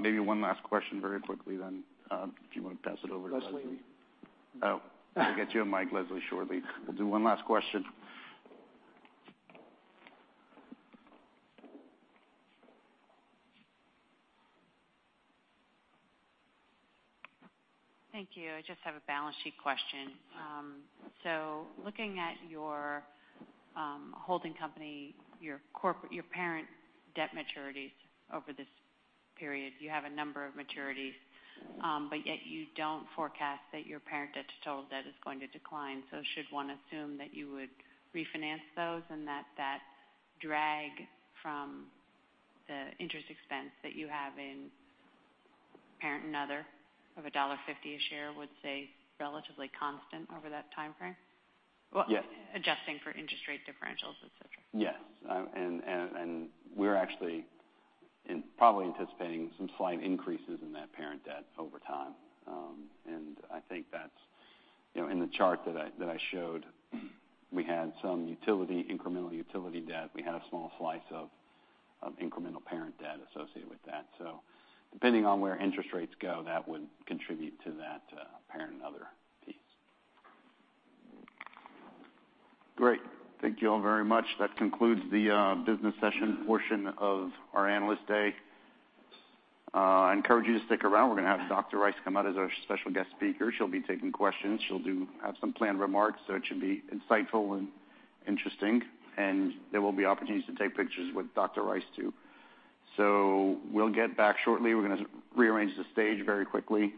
Maybe one last question very quickly, then if you want to pass it over to Leslie. Leslie. Oh. We'll get you a mic, Leslie, shortly. We'll do one last question. Thank you. I just have a balance sheet question. Looking at your holding company, your parent debt maturities over this period, you have a number of maturities, yet you don't forecast that your parent debt to total debt is going to decline. Should one assume that you would refinance those and that drag from the interest expense that you have in Parent and Other of $1.50 a share, would say, relatively constant over that timeframe? Yes. Adjusting for interest rate differentials, et cetera. Yes. We're actually probably anticipating some slight increases in that parent debt over time. I think that's in the chart that I showed, we had some incremental utility debt. We had a small slice of incremental Parent debt associated with that. Depending on where interest rates go, that would contribute to that Parent and Other piece. Great. Thank you all very much. That concludes the business session portion of our Analyst Day. I encourage you to stick around. We're going to have Condoleezza Rice come out as our special guest speaker. She'll be taking questions. She'll have some planned remarks, so it should be insightful and interesting. There will be opportunities to take pictures with Condoleezza Rice, too. We'll get back shortly. We're going to rearrange the stage very quickly.